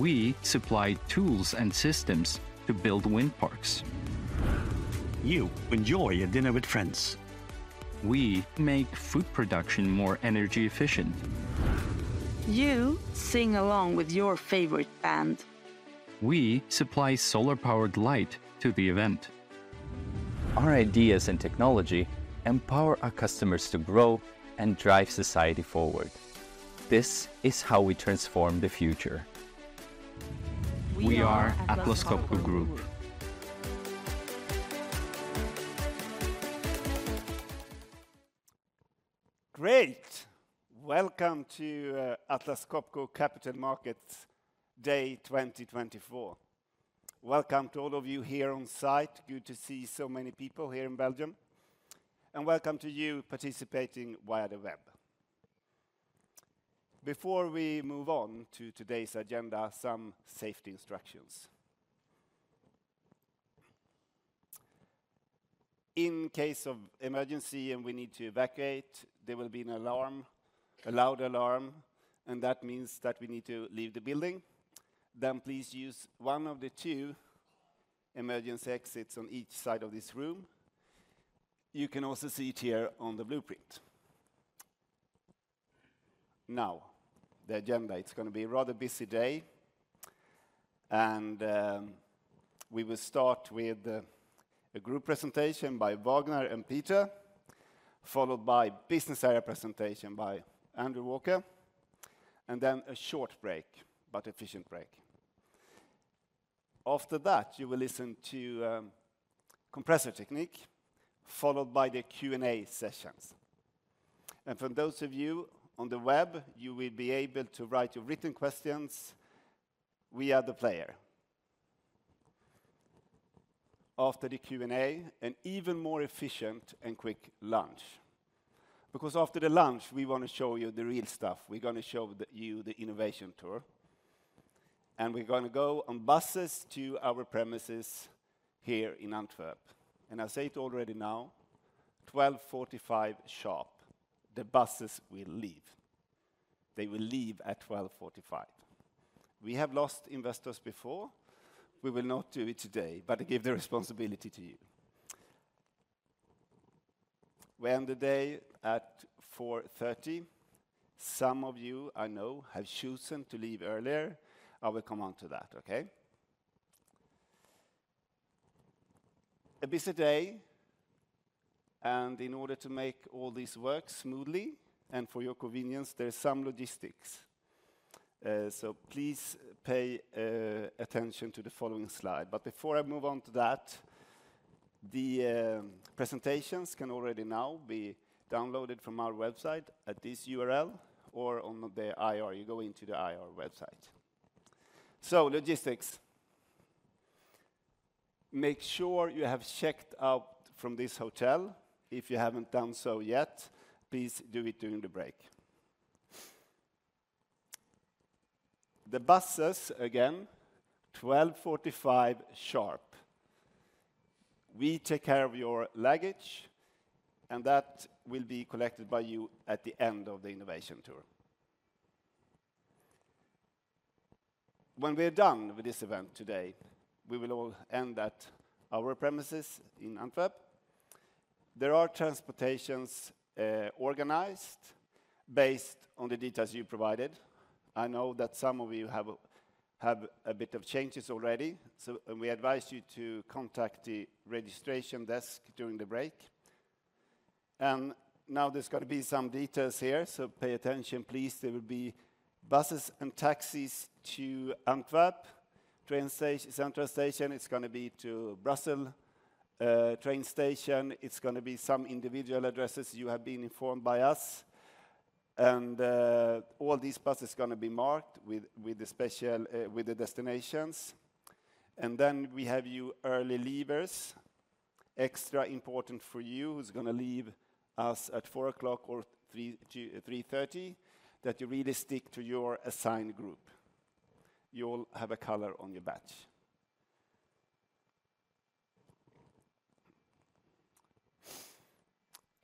We supply tools and systems to build wind parks. You enjoy a dinner with friends. We make food production more energy efficient. You sing along with your favorite band. We supply solar-powered light to the event. Our ideas and technology empower our customers to grow and drive society forward. This is how we transform the future. We are Atlas Copco Group. Great! Welcome to Atlas Copco Capital Markets Day 2024. Welcome to all of you here on site. Good to see so many people here in Belgium, and welcome to you participating via the web. Before we move on to today's agenda, some safety instructions. In case of emergency, and we need to evacuate, there will be an alarm, a loud alarm, and that means that we need to leave the building. Then please use one of the two emergency exits on each side of this room. You can also see it here on the blueprint. Now, the agenda. It's gonna be a rather busy day, and we will start with a group presentation by Vagner and Peter, followed by business area presentation by Andrew Walker, and then a short break, but efficient break. After that, you will listen to Compressor Technique, followed by the Q&A sessions. For those of you on the web, you will be able to write your written questions. We are the player. After the Q&A, an even more efficient and quick lunch. Because after the lunch, we want to show you the real stuff. We're gonna show you the Innovation Tour, and we're gonna go on buses to our premises here in Antwerp. And I say it already now, 12:45 P.M. sharp, the buses will leave. They will leave at 12:45 P.M. We have lost investors before. We will not do it today, but I give the responsibility to you. We end the day at 4:30 P.M. Some of you, I know, have chosen to leave earlier. I will come on to that, okay? A busy day, and in order to make all this work smoothly and for your convenience, there are some logistics, so please pay attention to the following slide. But before I move on to that, the presentations can already now be downloaded from our website at this URL or on the IR. You go into the IR website. So logistics. Make sure you have checked out from this hotel. If you haven't done so yet, please do it during the break. The buses, again, 12:45 sharp. We take care of your luggage, and that will be collected by you at the end of the Innovation Tour. When we're done with this event today, we will all end at our premises in Antwerp. There are transportations organized based on the details you provided. I know that some of you have a bit of changes already, so, and we advise you to contact the registration desk during the break. Now there's got to be some details here, so pay attention, please. There will be buses and taxis to Antwerp Central train station. It's gonna be to Brussels train station. It's gonna be some individual addresses. You have been informed by us. All these buses gonna be marked with the special destinations. Then we have you early leavers. Extra important for you, who's gonna leave us at 4:00 P.M. or 3:00 P.M. to 3:30 P.M., that you really stick to your assigned group. You all have a color on your badge.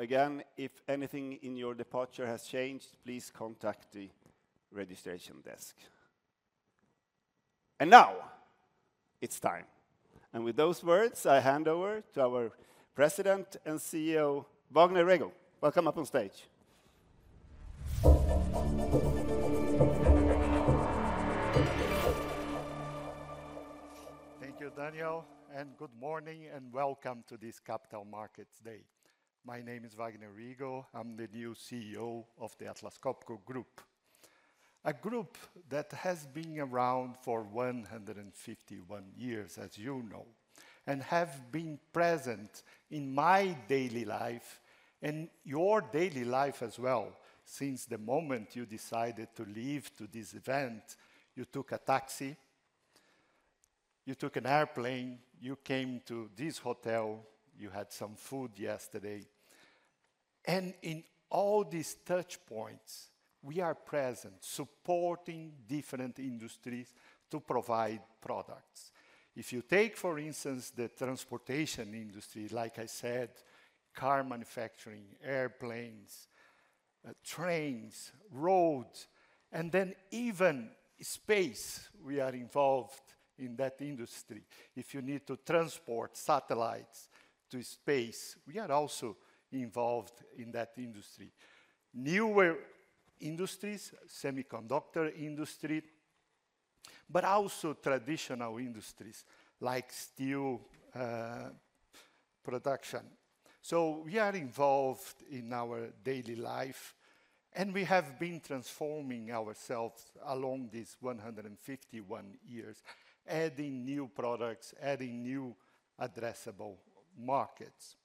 Again, if anything in your departure has changed, please contact the registration desk. Now, it's time. With those words, I hand over to our President and CEO, Vagner Rego. Welcome up on stage. Thank you, Daniel, and good morning and welcome to this Capital Markets Day. My name is Vagner Rego. I'm the new CEO of the Atlas Copco Group, a group that has been around for 151 years, as you know, and have been present in my daily life and your daily life as well, since the moment you decided to leave to this event. You took a taxi, you took an airplane, you came to this hotel, you had some food yesterday. In all these touch points, we are present, supporting different industries to provide products. If you take, for instance, the transportation industry, like I said, car manufacturing, airplanes, trains, roads, and then even space, we are involved in that industry. If you need to transport satellites to space, we are also involved in that industry. Newer industries, semiconductor industry, but also traditional industries, like steel, production. So we are involved in our daily life, and we have been transforming ourselves along these 151 years, adding new products, adding new addressable markets.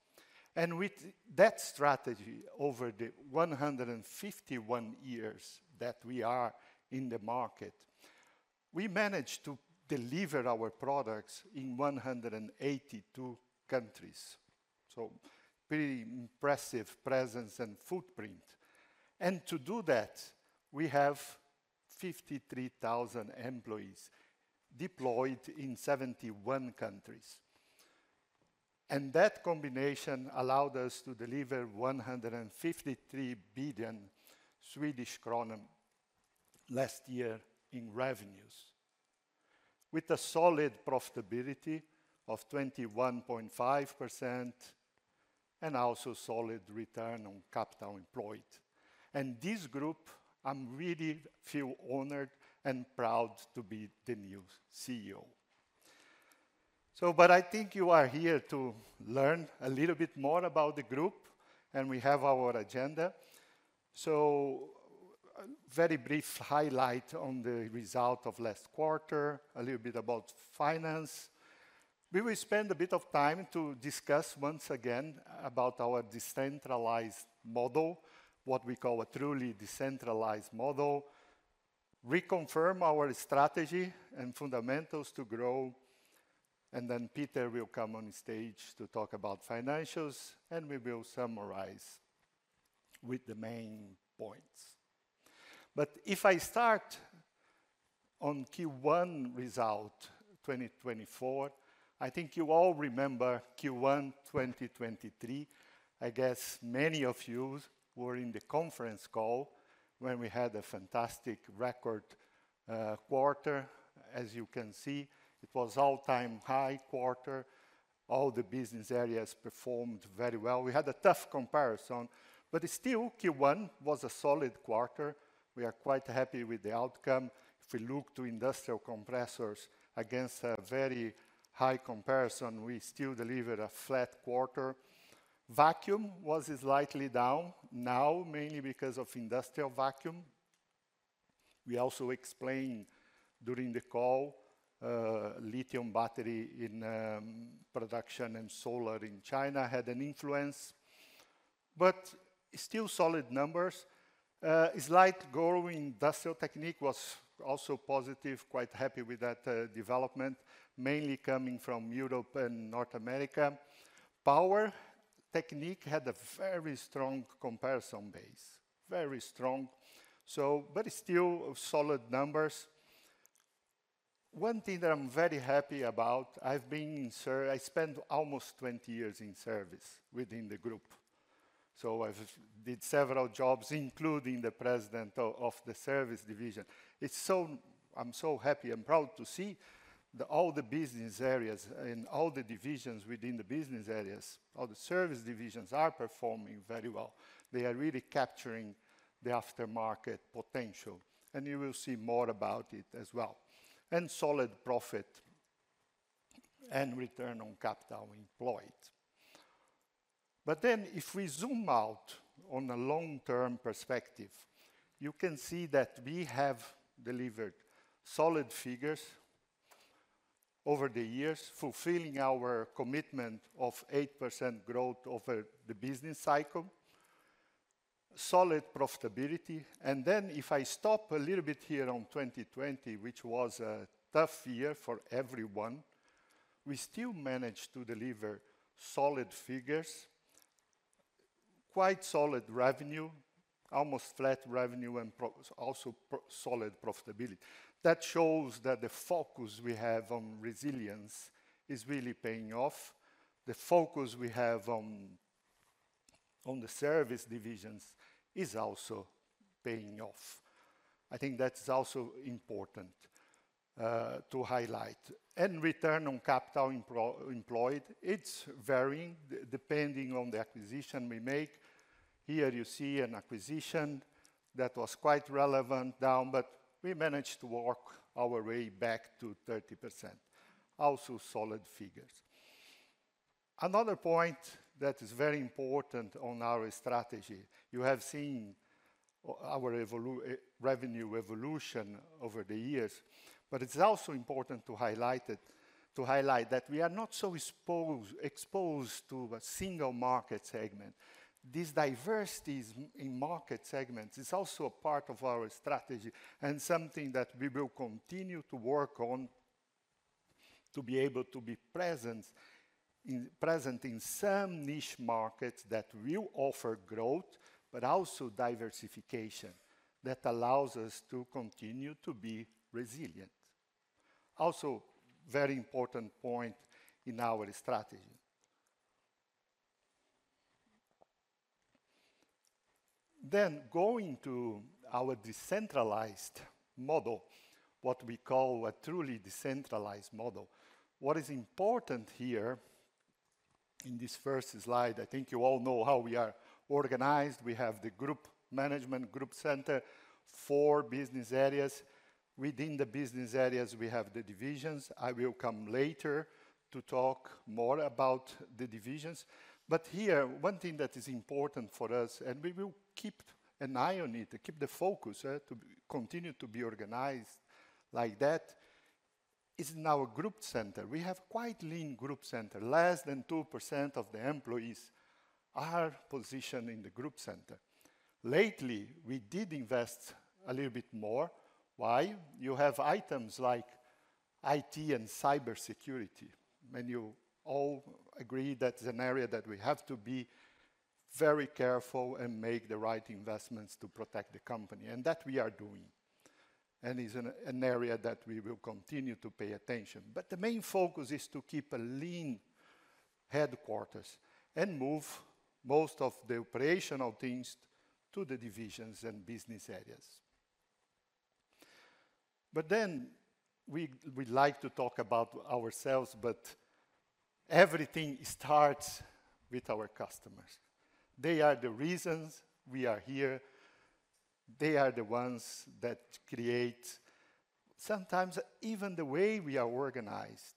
And with that strategy, over the 151 years that we are in the market, we managed to deliver our products in 182 countries, so pretty impressive presence and footprint. And to do that, we have 53,000 employees deployed in 71 countries. And that combination allowed us to deliver 153 billion Swedish crown last year in revenues, with a solid profitability of 21.5%, and also solid return on capital employed. And this group, I'm really feel honored and proud to be the new CEO. But I think you are here to learn a little bit more about the group, and we have our agenda. A very brief highlight on the result of last quarter, a little bit about finance. We will spend a bit of time to discuss once again about our decentralized model, what we call a truly decentralized model, reconfirm our strategy and fundamentals to grow, and then Peter will come on stage to talk about financials, and we will summarize with the main points. But if I start on Q1 result 2024, I think you all remember Q1 2023. I guess many of you were in the conference call when we had a fantastic record quarter. As you can see, it was all-time high quarter. All the business areas performed very well. We had a tough comparison, but still, Q1 was a solid quarter. We are quite happy with the outcome. If we look to industrial compressors against a very high comparison, we still delivered a flat quarter. Vacuum was slightly down, now mainly because of Industrial Vacuum. We also explained during the call, lithium battery in production and solar in China had an influence, but still solid numbers. Slight growth in Industrial Technique was also positive, quite happy with that development, mainly coming from Europe and North America. Power Technique had a very strong comparison base, very strong. So, but still solid numbers. One thing that I'm very happy about. I spent almost 20 years in service within the group, so I've did several jobs, including the president of the service division. I'm so happy and proud to see all the business areas and all the divisions within the business areas. All the service divisions are performing very well. They are really capturing the aftermarket potential, and you will see more about it as well, and solid profit and return on capital employed. But then, if we zoom out on a long-term perspective, you can see that we have delivered solid figures over the years, fulfilling our commitment of 8% growth over the business cycle, solid profitability. And then, if I stop a little bit here on 2020, which was a tough year for everyone, we still managed to deliver solid figures, quite solid revenue, almost flat revenue, and solid profitability. That shows that the focus we have on resilience is really paying off. The focus we have on the service divisions is also paying off. I think that's also important to highlight. Return on capital employed, it's varying depending on the acquisition we make. Here you see an acquisition that was quite relevant, down, but we managed to work our way back to 30%. Also solid figures. Another point that is very important on our strategy, you have seen our revenue evolution over the years, but it's also important to highlight it, to highlight that we are not so exposed to a single market segment. This diversity in market segments is also a part of our strategy, and something that we will continue to work on to be able to be present in some niche markets that will offer growth, but also diversification, that allows us to continue to be resilient. also very important point in our strategy. Then going to our decentralized model, what we call a truly decentralized model, what is important here in this first slide, I think you all know how we are organized. We have the group management, group center, four business areas. Within the business areas, we have the divisions. I will come later to talk more about the divisions. But here, one thing that is important for us, and we will keep an eye on it, to keep the focus, to continue to be organized like that, is in our group center. We have quite lean group center. Less than 2% of the employees are positioned in the group center. Lately, we did invest a little bit more. Why? You have items like IT and cybersecurity, and you all agree that is an area that we have to be very careful and make the right investments to protect the company, and that we are doing, and is an area that we will continue to pay attention. But the main focus is to keep a lean headquarters and move most of the operational things to the divisions and business areas. But then we like to talk about ourselves, but everything starts with our customers. They are the reasons we are here. They are the ones that create sometimes even the way we are organized,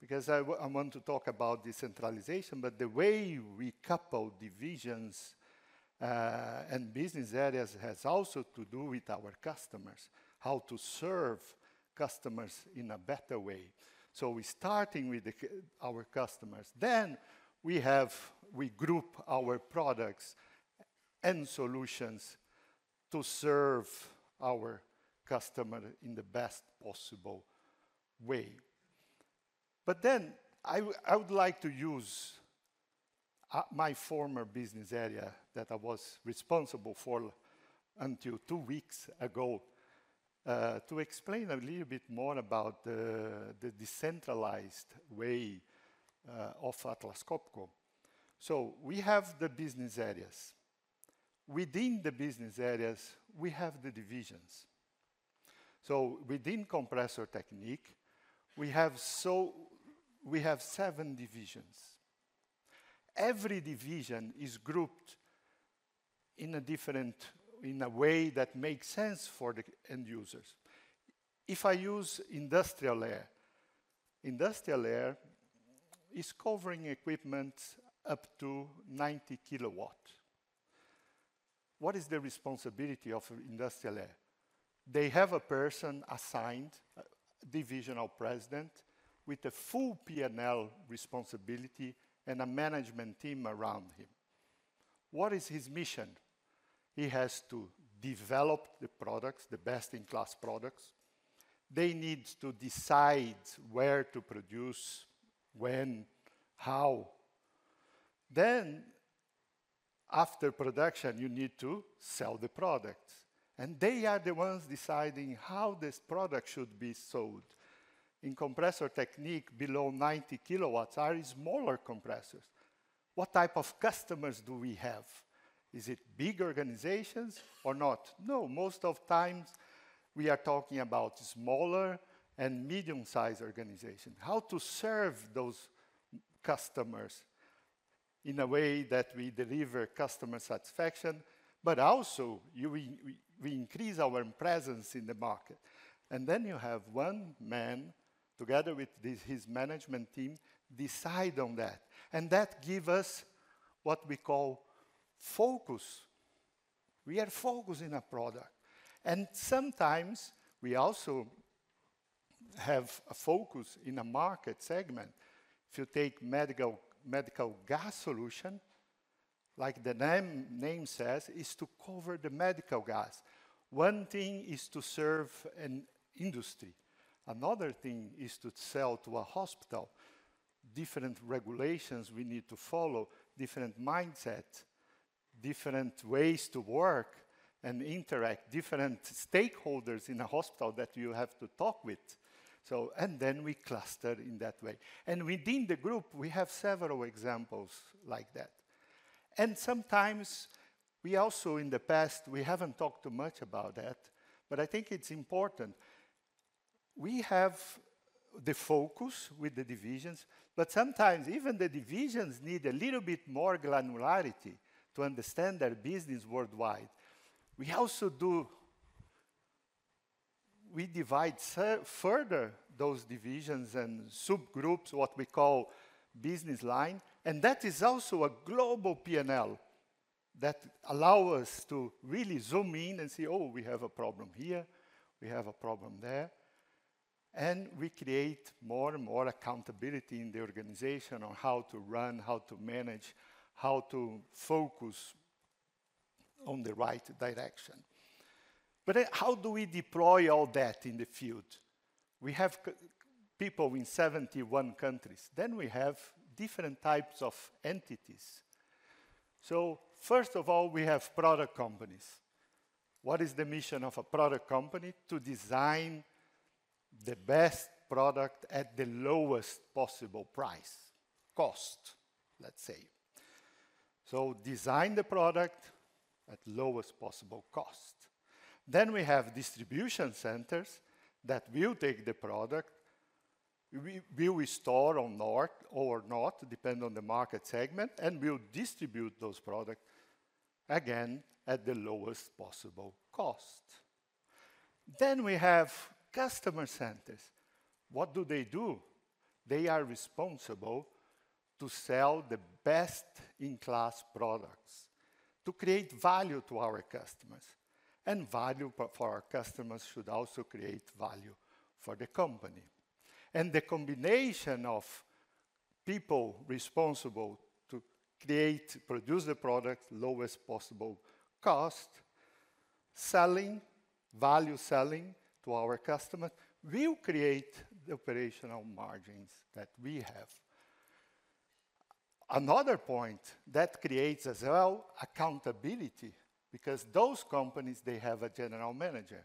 because I want to talk about decentralization, but the way we couple divisions and business areas has also to do with our customers, how to serve customers in a better way. So we are starting with our customers, then we have we group our products and solutions to serve our customer in the best possible way. But then I would like to use my former business area that I was responsible for until two weeks ago to explain a little bit more about the decentralized way of Atlas Copco. So we have the business areas. Within the business areas, we have the divisions. So within Compressor Technique, we have we have seven divisions. Every division is grouped in a different in a way that makes sense for the end users. If I use Industrial Air, Industrial Air is covering equipment up to 90 kW. What is the responsibility of Industrial Air? They have a person assigned, a divisional president, with a full P&L responsibility and a management team around him. What is his mission? He has to develop the products, the best-in-class products. They need to decide where to produce, when, how. Then, after production, you need to sell the products, and they are the ones deciding how this product should be sold. In Compressor Technique, below 90 kW are smaller compressors. What type of customers do we have? Is it big organizations or not? No, most of times, we are talking about smaller and medium-sized organization. How to serve those customers in a way that we deliver customer satisfaction, but also, we increase our presence in the market. And then you have one man, together with his management team, decide on that, and that give us what we call focus. We are focused in a product, and sometimes we also have a focus in a market segment. If you take Medical Gas Solutions, like the name says, is to cover the medical gas. One thing is to serve an industry, another thing is to sell to a hospital. Different regulations we need to follow, different mindsets, different ways to work and interact, different stakeholders in a hospital that you have to talk with. So, and then we cluster in that way. And within the group, we have several examples like that. And sometimes, we also, in the past, we haven't talked too much about that, but I think it's important. We have the focus with the divisions, but sometimes even the divisions need a little bit more granularity to understand their business worldwide. We also do... We divide further those divisions and subgroups, what we call business line, and that is also a global P&L that allow us to really zoom in and say, "Oh, we have a problem here, we have a problem there." And we create more and more accountability in the organization on how to run, how to manage, how to focus on the right direction. But how do we deploy all that in the field? We have people in 71 countries, then we have different types of entities. So first of all, we have product companies. What is the mission of a product company? To design the best product at the lowest possible price, cost, let's say. So design the product at lowest possible cost. Then we have distribution centers that will take the product. We will store or not, depending on the market segment, and will distribute those products, again, at the lowest possible cost. Then we have customer centers. What do they do? They are responsible to sell the best-in-class products, to create value to our customers, and value for our customers should also create value for the company. And the combination of people responsible to create, produce the product, lowest possible cost, selling, value selling to our customer, will create the operational margins that we have. Another point, that creates as well accountability, because those companies, they have a general manager.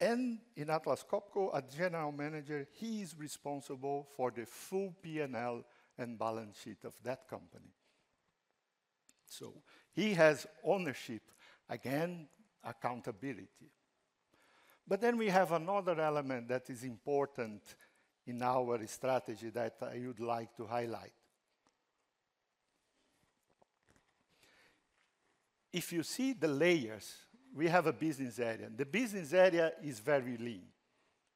And in Atlas Copco, a General Manager, he is responsible for the full P&L and balance sheet of that company. So he has ownership, again, accountability. But then we have another element that is important in our strategy that I would like to highlight. If you see the layers, we have a business area. The business area is very lean.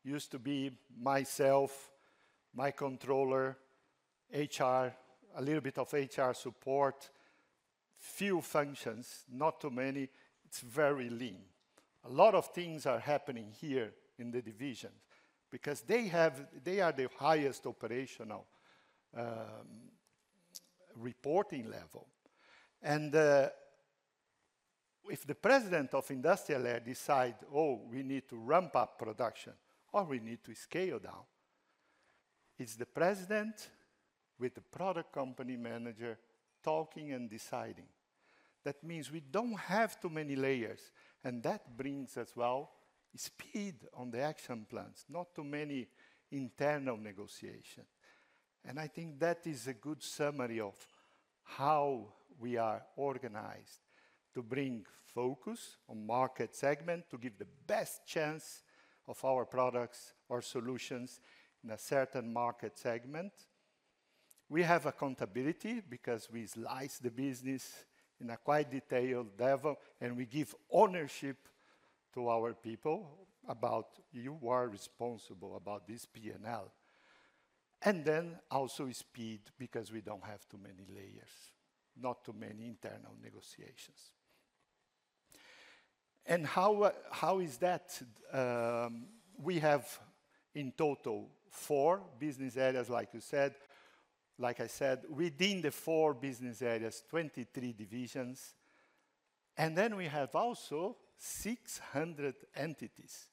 Used to be myself, my controller, HR, a little bit of HR support, few functions, not too many. It's very lean. A lot of things are happening here in the division because they are the highest operational reporting level. And if the president of Industrial Air decide, "Oh, we need to ramp up production, or we need to scale down," it's the president with the product company manager talking and deciding. That means we don't have too many layers, and that brings as well speed on the action plans, not too many internal negotiation. I think that is a good summary of how we are organized to bring focus on market segment, to give the best chance of our products or solutions in a certain market segment. We have accountability because we slice the business in a quite detailed level, and we give ownership to our people about, you are responsible about this P&L. And then also speed, because we don't have too many layers, not too many internal negotiations. And how is that? We have, in total, four business areas, like you said. Like I said, within the four business areas, 23 divisions, and then we have also 600 entities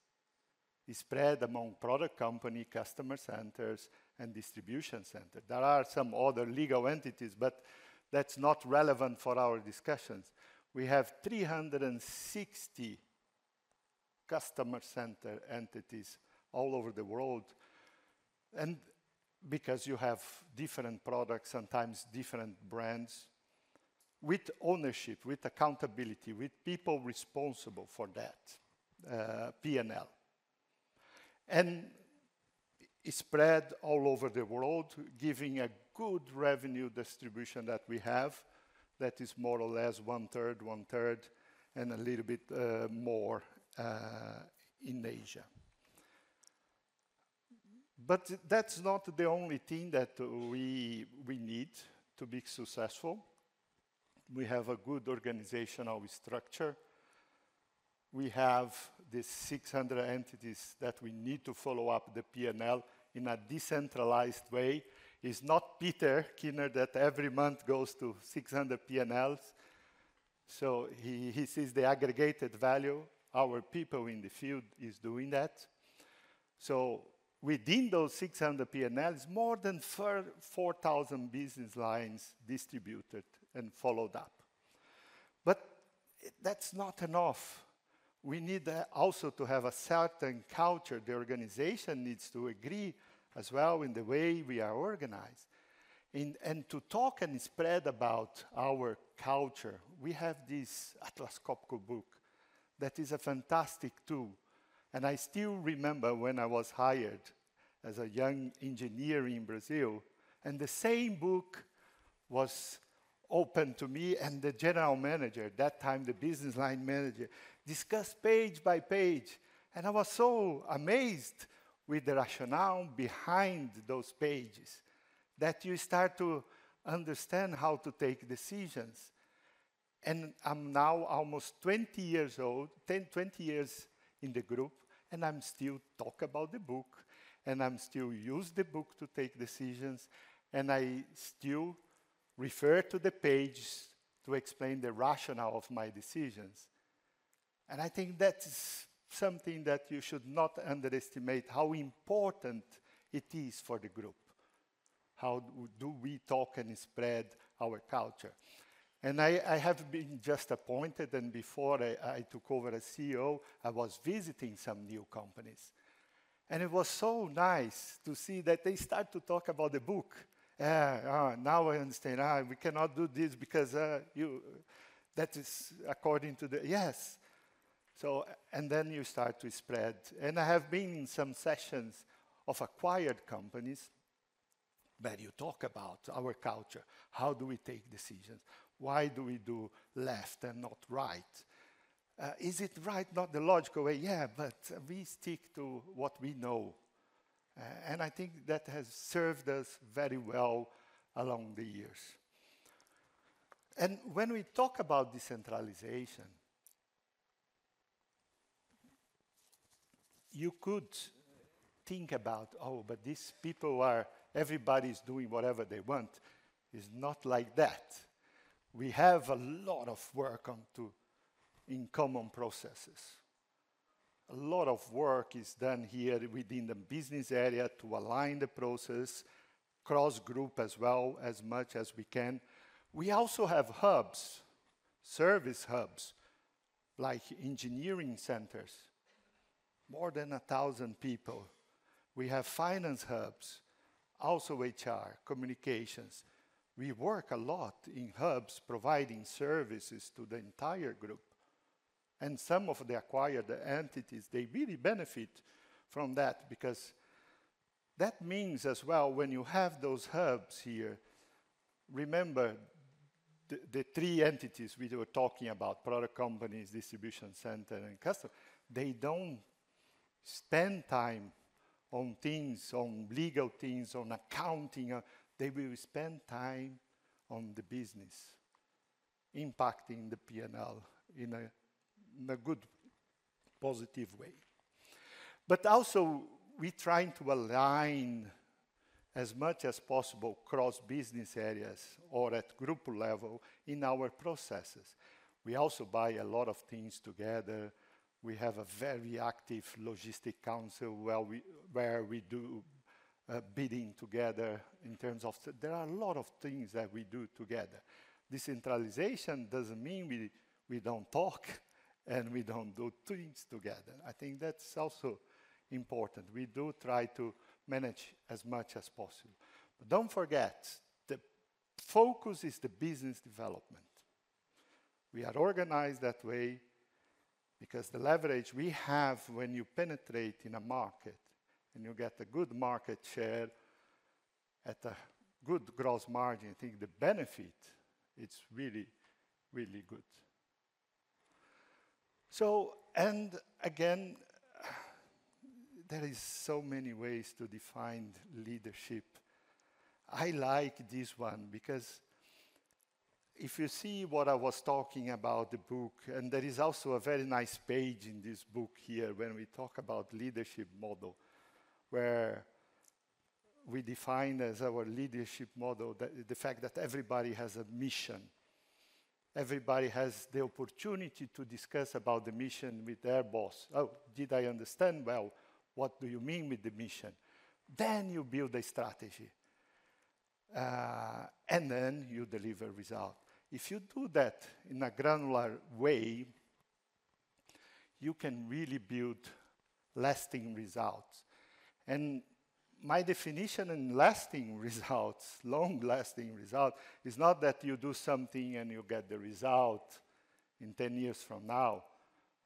spread among product company, customer centers, and distribution center. There are some other legal entities, but that's not relevant for our discussions. We have 360 customer center entities all over the world, and because you have different products, sometimes different brands, with ownership, with accountability, with people responsible for that, P&L. It spread all over the world, giving a good revenue distribution that we have, that is more or less one third, one third, and a little bit more in Asia. But that's not the only thing that we need to be successful. We have a good organizational structure. We have the 600 entities that we need to follow up the P&L in a decentralized way. It's not Peter Kinnart that every month goes to 600 P&Ls, so he sees the aggregated value. Our people in the field is doing that. So within those 600 P&Ls, more than thirty-four thousand business lines distributed and followed up. But that's not enough. We need also to have a certain culture. The organization needs to agree as well in the way we are organized. And, and to talk and spread about our culture, we have this Atlas Copco book that is a fantastic tool, and I still remember when I was hired as a young engineer in Brazil, and the same book was opened to me, and the general manager, at that time, the business line manager, discussed page by page. And I was so amazed with the rationale behind those pages, that you start to understand how to take decisions. And I'm now almost 20 years old, 10, 20 years in the group, and I'm still talk about the book, and I'm still use the book to take decisions, and I still refer to the pages to explain the rationale of my decisions. I think that is something that you should not underestimate, how important it is for the group, how do we talk and spread our culture? I have been just appointed, and before I took over as CEO, I was visiting some new companies, and it was so nice to see that they start to talk about the book. Now I understand. We cannot do this because that is according to the—Yes! So, and then you start to spread. I have been in some sessions of acquired companies, where you talk about our culture, how do we take decisions? Why do we do less and not right? Is it right, not the logical way? Yeah, but we stick to what we know, and I think that has served us very well along the years. When we talk about decentralization, you could think about, "Oh, but these people are, everybody's doing whatever they want." It's not like that. We have a lot of work on to in common processes. A lot of work is done here within the business area to align the process, cross-group as well, as much as we can. We also have hubs, service hubs, like engineering centers, more than 1,000 people. We have finance hubs, also HR, communications. We work a lot in hubs, providing services to the entire group, and some of the acquired entities, they really benefit from that, because that means as well, when you have those hubs here... Remember, the three entities we were talking about, product companies, distribution center, and customer, they don't spend time on things, on legal things, on accounting, they will spend time on the business, impacting the P&L in a good, positive way. But also, we're trying to align as much as possible cross-business areas or at group level in our processes. We also buy a lot of things together. We have a very active logistic council, where we do bidding together in terms of... There are a lot of things that we do together. Decentralization doesn't mean we don't talk, and we don't do things together. I think that's also important. We do try to manage as much as possible. But don't forget, the focus is the business development. We are organized that way because the leverage we have when you penetrate in a market, and you get a good market share at a good gross margin, I think the benefit, it's really, really good. So, and again, there is so many ways to define leadership. I like this one because if you see what I was talking about, the book, and there is also a very nice page in this book here, where we talk about leadership model, where we define as our leadership model, the, the fact that everybody has a mission. Everybody has the opportunity to discuss about the mission with their boss. "Oh, did I understand well? What do you mean with the mission?" Then you build a strategy, and then you deliver result. If you do that in a granular way, you can really build lasting results. My definition of lasting results, long-lasting result, is not that you do something and you get the result in 10 years from now.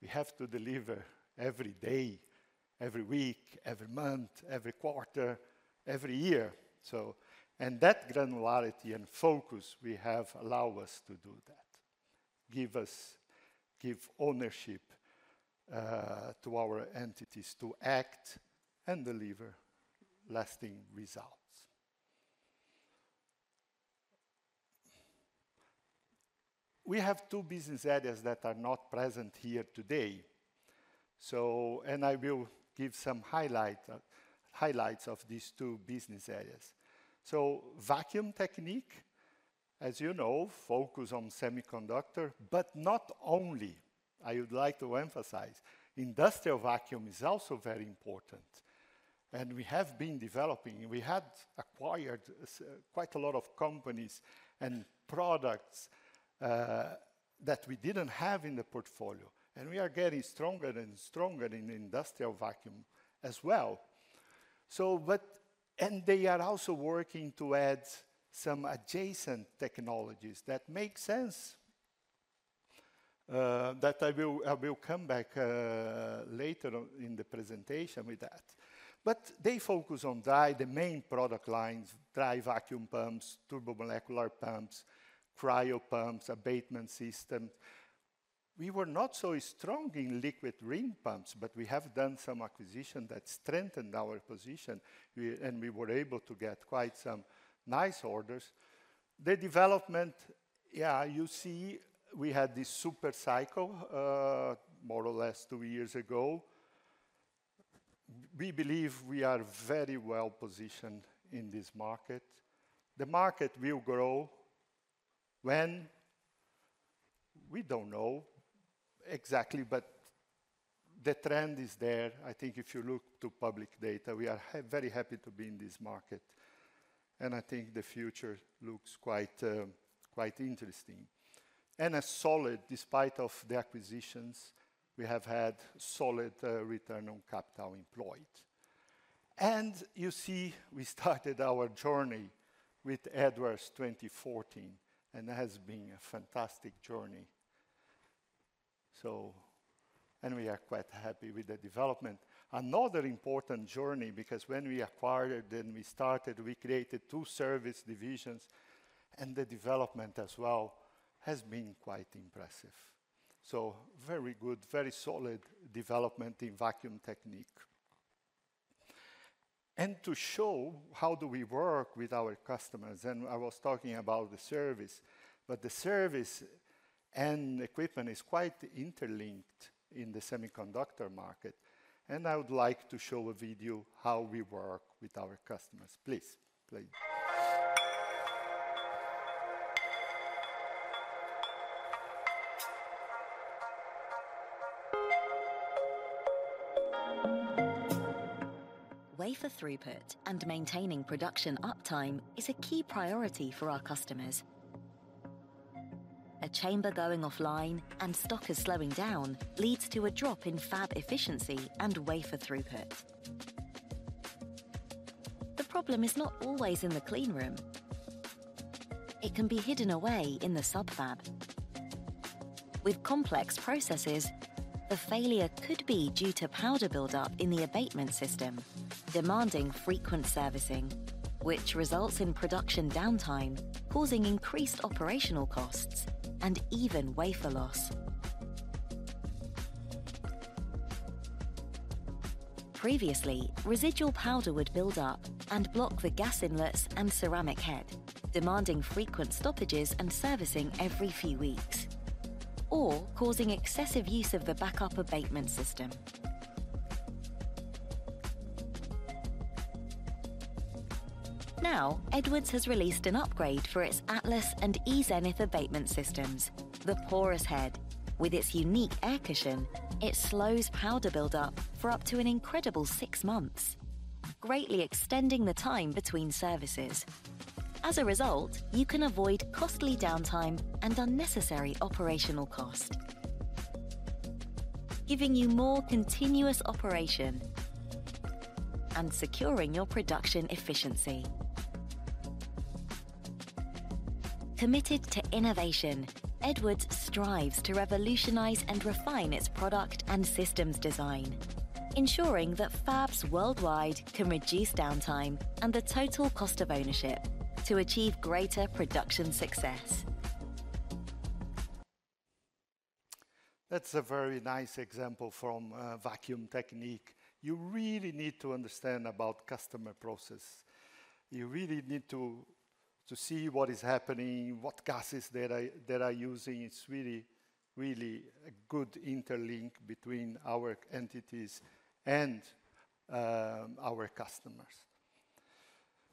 We have to deliver every day, every week, every month, every quarter, every year, so. That granularity and focus we have allow us to do that, give us- give ownership to our entities to act and deliver lasting results. We have two business areas that are not present here today, so. I will give some highlight, highlights of these two business areas. Vacuum Technique, as you know, focuses on semiconductor, but not only, I would like to emphasize. Industrial vacuum is also very important, and we have been developing, and we had acquired quite a lot of companies and products that we didn't have in the portfolio, and we are getting stronger and stronger in Industrial Vacuum as well. But they are also working to add some adjacent technologies that make sense that I will come back later on in the presentation with that. But they focus on the main product lines, dry vacuum pumps, turbomolecular pumps, cryopumps, abatement system. We were not so strong in liquid ring pumps, but we have done some acquisition that strengthened our position. And we were able to get quite some nice orders. The development, you see, we had this super cycle more or less two years ago. We believe we are very well positioned in this market. The market will grow. When? We don't know exactly, but the trend is there. I think if you look to public data, we are very happy to be in this market, and I think the future looks quite, quite interesting. And a solid, despite of the acquisitions, we have had solid return on capital employed. And you see, we started our journey with Edwards 2014, and it has been a fantastic journey. So... And we are quite happy with the development. Another important journey, because when we acquired, then we started, we created two service divisions, and the development as well has been quite impressive. So very good, very solid development in Vacuum Technique. To show how do we work with our customers, and I was talking about the service, but the service and equipment is quite interlinked in the semiconductor market, and I would like to show a video how we work with our customers. Please, play. Wafer throughput and maintaining production uptime is a key priority for our customers. A chamber going offline and stock is slowing down, leads to a drop in fab efficiency and wafer throughput. The problem is not always in the clean room. It can be hidden away in the sub-fab. With complex processes, the failure could be due to powder buildup in the abatement system, demanding frequent servicing, which results in production downtime, causing increased operational costs and even wafer loss. Previously, residual powder would build up and block the gas inlets and ceramic head, demanding frequent stoppages and servicing every few weeks, or causing excessive use of the backup abatement system. Now, Edwards has released an upgrade for its Atlas and Zenith abatement systems, the porous head. With its unique air cushion, it slows powder buildup for up to an incredible six months, greatly extending the time between services. As a result, you can avoid costly downtime and unnecessary operational cost, giving you more continuous operation and securing your production efficiency. Committed to innovation, Edwards strives to revolutionize and refine its product and systems design, ensuring that fabs worldwide can reduce downtime and the total cost of ownership to achieve greater production success. That's a very nice example from Vacuum Technique. You really need to understand about customer process. You really need to see what is happening, what gases they are using. It's really a good interlink between our entities and our customers.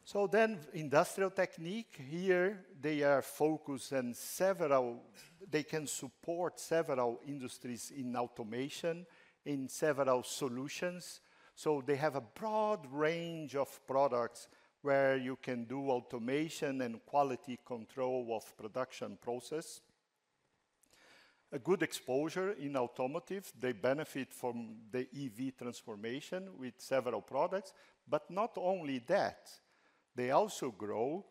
So then Industrial Technique. Here, they are focused on several. They can support several industries in automation, in several solutions. So they have a broad range of products where you can do automation and quality control of production process. A good exposure in automotive. They benefit from the EV transformation with several products. But not only that, they also grow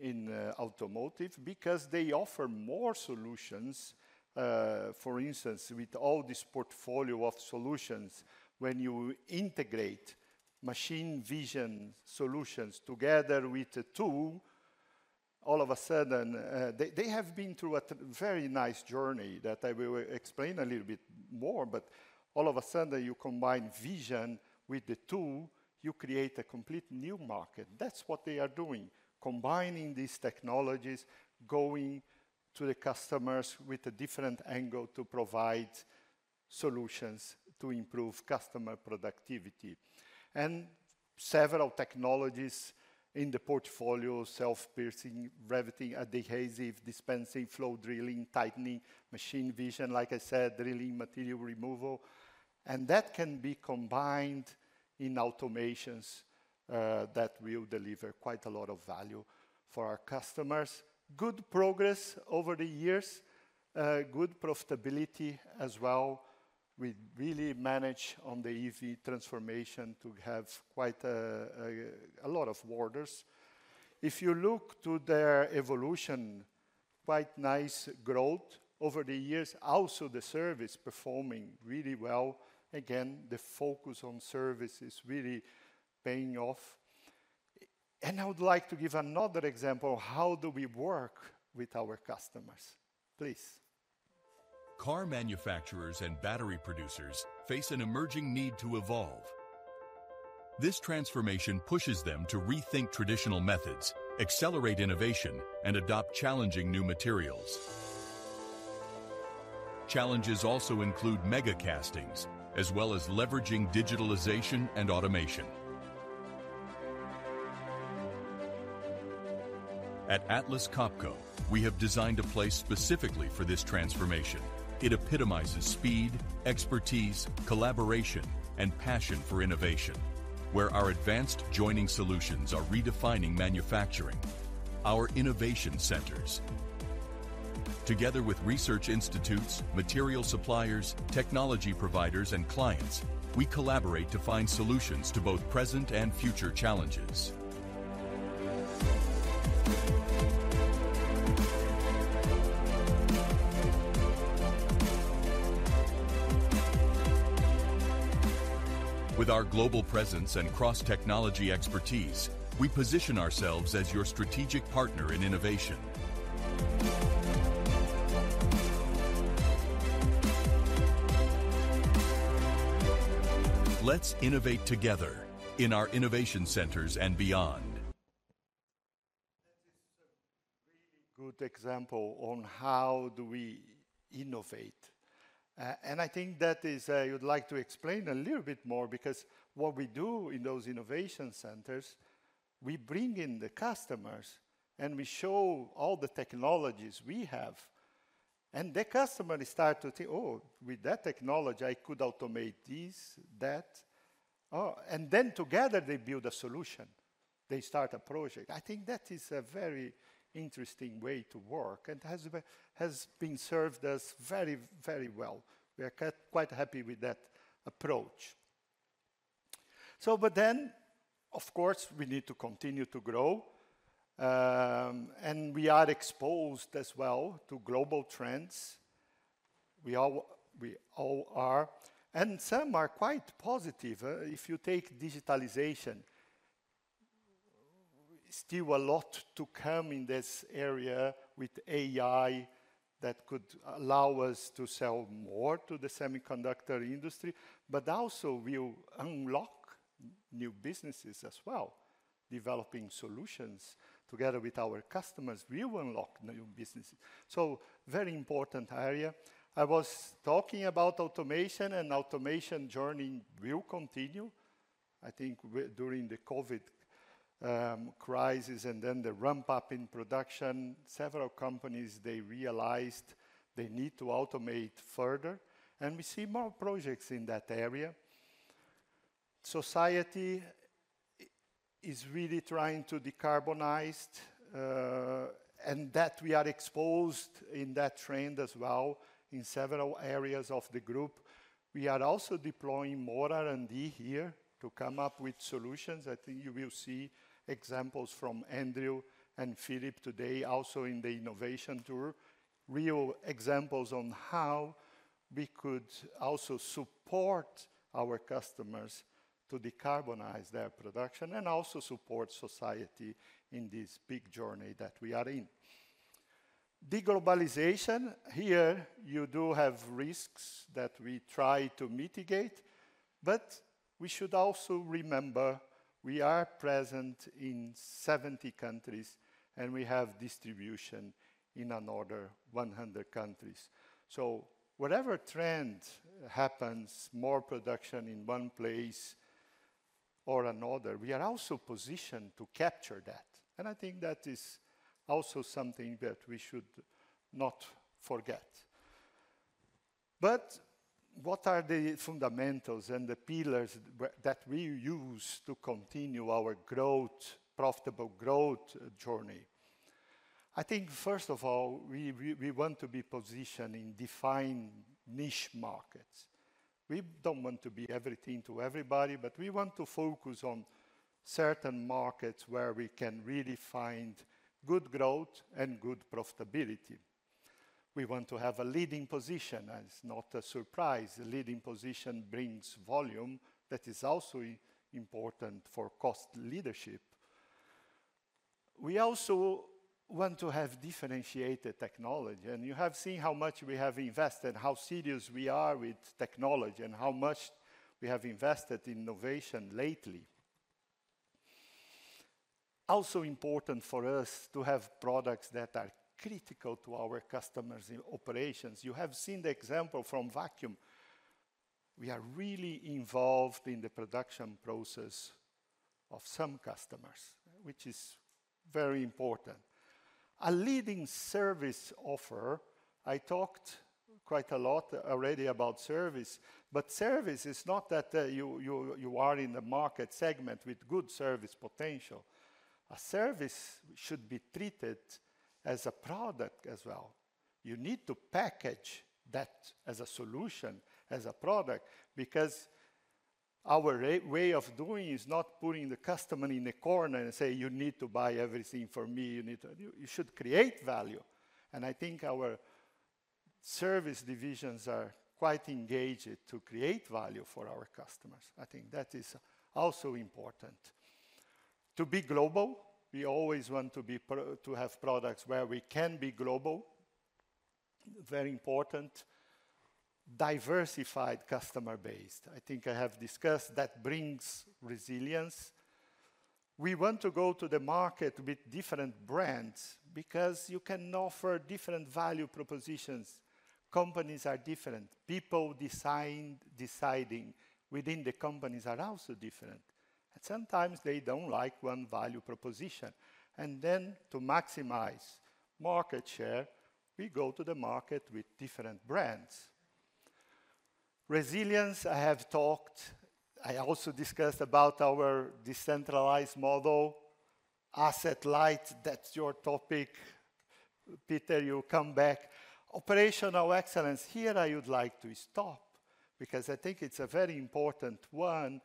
in automotive because they offer more solutions, for instance, with all this portfolio of solutions, when you integrate machine vision solutions together with the tool, all of a sudden. They have been through a very nice journey that I will explain a little bit more, but all of a sudden, you combine vision with the tool, you create a complete new market. That's what they are doing, combining these technologies, going to the customers with a different angle to provide solutions to improve customer productivity. And several technologies in the portfolio: self-piercing riveting, adhesive dispensing, flow drilling, tightening, machine vision, like I said, drilling, material removal. And that can be combined in automations that will deliver quite a lot of value for our customers. Good progress over the years. Good profitability as well. We really manage on the EV transformation to have quite a lot of orders. If you look to their evolution, quite nice growth over the years. Also, the service performing really well. Again, the focus on service is really paying off. I would like to give another example, how do we work with our customers? Please. Car manufacturers and battery producers face an emerging need to evolve. This transformation pushes them to rethink traditional methods, accelerate innovation, and adopt challenging new materials.... Challenges also include megacastings, as well as leveraging digitalization and automation. At Atlas Copco, we have designed a place specifically for this transformation. It epitomizes speed, expertise, collaboration, and passion for innovation, where our advanced joining solutions are redefining manufacturing, our innovation centers. Together with research institutes, material suppliers, technology providers, and clients, we collaborate to find solutions to both present and future challenges. With our global presence and cross-technology expertise, we position ourselves as your strategic partner in innovation. Let's innovate together in our innovation centers and beyond. That is a really good example on how do we innovate. And I think that is, I would like to explain a little bit more, because what we do in those innovation centers, we bring in the customers, and we show all the technologies we have. And the customer start to think, "Oh, with that technology, I could automate this, that. Oh," and then together, they build a solution. They start a project. I think that is a very interesting way to work, and has been served us very, very well. We are quite happy with that approach. So but then, of course, we need to continue to grow, and we are exposed as well to global trends. We all are, and some are quite positive, if you take digitalization. Still a lot to come in this area with AI that could allow us to sell more to the semiconductor industry, but also will unlock new businesses as well. Developing solutions together with our customers, we will unlock new businesses. So very important area. I was talking about automation, and automation journey will continue. I think we... during the COVID crisis, and then the ramp up in production, several companies, they realized they need to automate further, and we see more projects in that area. Society is really trying to decarbonize, and that we are exposed in that trend as well in several areas of the group. We are also deploying more R&D here to come up with solutions. I think you will see examples from Andrew and Philippe today, also in the Innovation Tour, real examples on how we could also support our customers to decarbonize their production, and also support society in this big journey that we are in. Deglobalization, here, you do have risks that we try to mitigate, but we should also remember, we are present in 70 countries, and we have distribution in another 100 countries. So whatever trend happens, more production in one place or another, we are also positioned to capture that, and I think that is also something that we should not forget. But what are the fundamentals and the pillars that we use to continue our growth, profitable growth journey? I think, first of all, we want to be positioned in defined niche markets. We don't want to be everything to everybody, but we want to focus on certain markets where we can really find good growth and good profitability. We want to have a leading position, and it's not a surprise. A leading position brings volume that is also important for cost leadership. We also want to have differentiated technology, and you have seen how much we have invested, how serious we are with technology, and how much we have invested in innovation lately. Also important for us to have products that are critical to our customers in operations. You have seen the example from vacuum. We are really involved in the production process of some customers, which is very important. A leading service offer, I talked quite a lot already about service, but service is not that, you are in the market segment with good service potential. A service should be treated as a product as well. You need to package that as a solution, as a product, because our way of doing is not putting the customer in a corner and say: You need to buy everything from me. You need to... You should create value. And I think our service divisions are quite engaged to create value for our customers. I think that is also important. To be global, we always want to be to have products where we can be global. Very important. Diversified customer base, I think I have discussed, that brings resilience. We want to go to the market with different brands, because you can offer different value propositions. Companies are different. People design, deciding within the companies are also different, and sometimes they don't like one value proposition. To maximize market share, we go to the market with different brands. Resilience, I have talked. I also discussed about our decentralized model. Asset light, that's your topic. Peter, you come back. Operational excellence, here I would like to stop, because I think it's a very important one,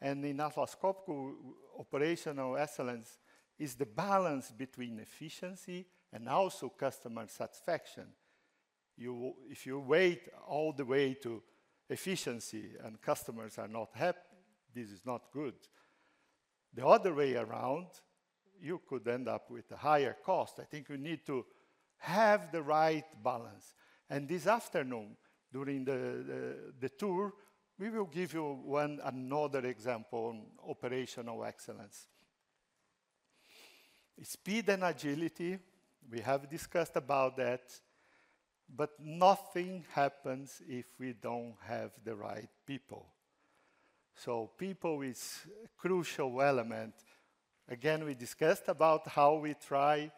and in Atlas Copco, operational excellence is the balance between efficiency and also customer satisfaction. You—if you wait all the way to efficiency and customers are not happy, this is not good. The other way around, you could end up with a higher cost. I think you need to have the right balance. And this afternoon, during the tour, we will give you one another example on operational excellence. Speed and agility, we have discussed about that, but nothing happens if we don't have the right people. So people is a crucial element. Again, we discussed about how we try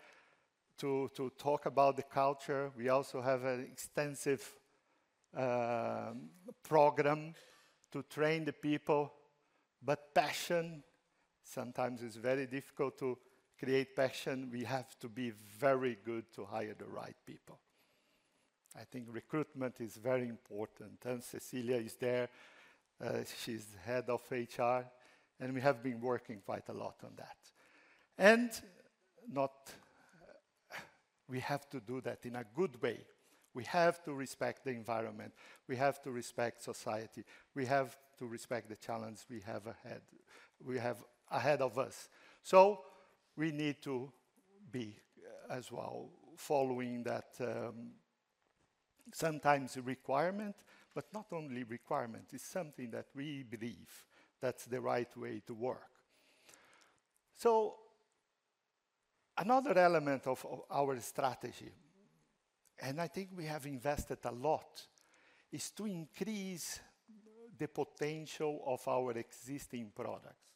to talk about the culture. We also have an extensive program to train the people. But passion, sometimes it's very difficult to create passion. We have to be very good to hire the right people. I think recruitment is very important, and Cecilia is there. She's the Head of HR, and we have been working quite a lot on that. And we have to do that in a good way. We have to respect the environment, we have to respect society, we have to respect the challenge we have ahead, we have ahead of us. So we need to be, as well, following that, sometimes a requirement, but not only requirement, it's something that we believe that's the right way to work. So another element of our strategy, and I think we have invested a lot, is to increase the potential of our existing products.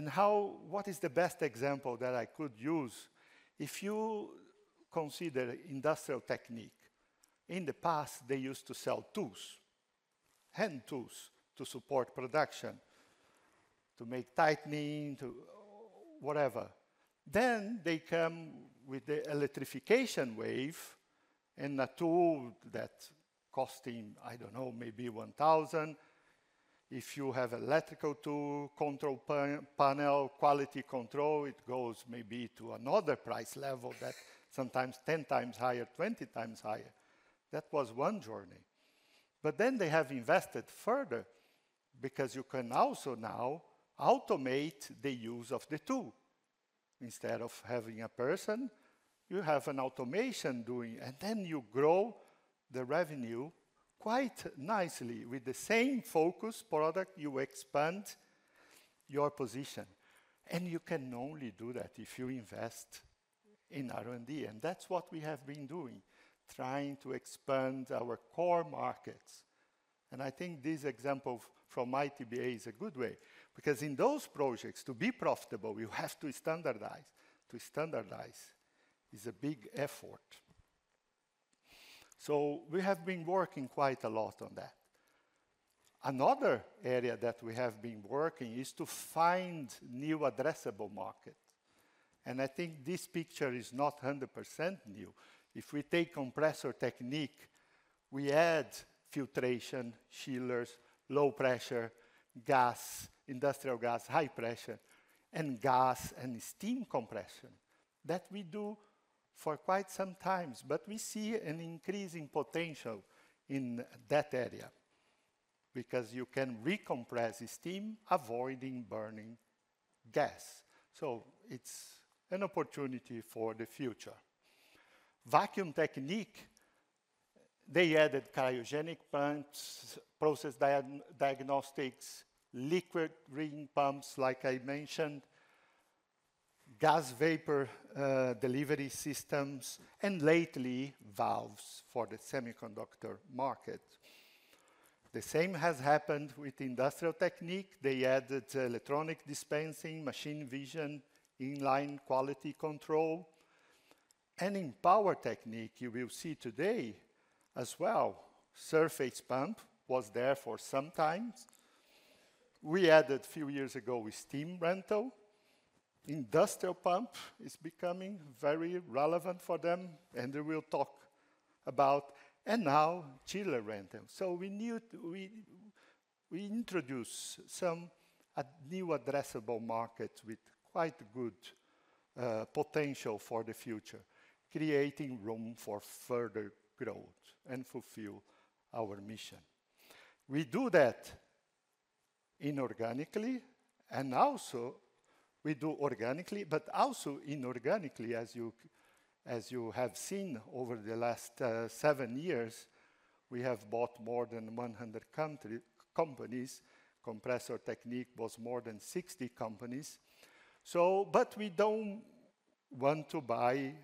What is the best example that I could use? If you consider Industrial Technique, in the past, they used to sell tools, hand tools to support production, to make tightening, to whatever. Then they come with the electrification wave, and a tool that costing, I don't know, maybe 1000. If you have electrical tool, control panel, quality control, it goes maybe to another price level that sometimes 10x higher, 20x higher. That was one journey. But then they have invested further, because you can also now automate the use of the tool. Instead of having a person, you have an automation doing, and then you grow the revenue quite nicely. With the same focus product, you expand your position, and you can only do that if you invest in R&D, and that's what we have been doing, trying to expand our core markets. I think this example from ITB-AA is a good way, because in those projects, to be profitable, you have to standardize. To standardize is a big effort. We have been working quite a lot on that. Another area that we have been working is to find new addressable market, and I think this picture is not 100% new. If we take Compressor Technique, we add filtration, chillers, low pressure, gas, industrial gas, high pressure, and gas and steam compression. That we do for quite some times, but we see an increasing potential in that area, because you can recompress the steam, avoiding burning gas. It's an opportunity for the future. Vacuum Technique, they added cryogenic pumps, process diagnostics, liquid ring pumps, like I mentioned, gas vapor delivery systems, and lately, valves for the semiconductor market. The same has happened with Industrial Technique. They added electronic dispensing, machine vision, in-line quality control. In Power Technique, you will see today as well, surface pump was there for some times. We added a few years ago with steam rental. Industrial pump is becoming very relevant for them, and we'll talk about. And now, chiller rental. So we introduce a new addressable market with quite good potential for the future, creating room for further growth and fulfill our mission. We do that inorganically, and also we do organically, but also inorganically, as you, as you have seen over the last seven years... we have bought more than 100 companies. Compressor Technique was more than 60 companies. But we don't want to buy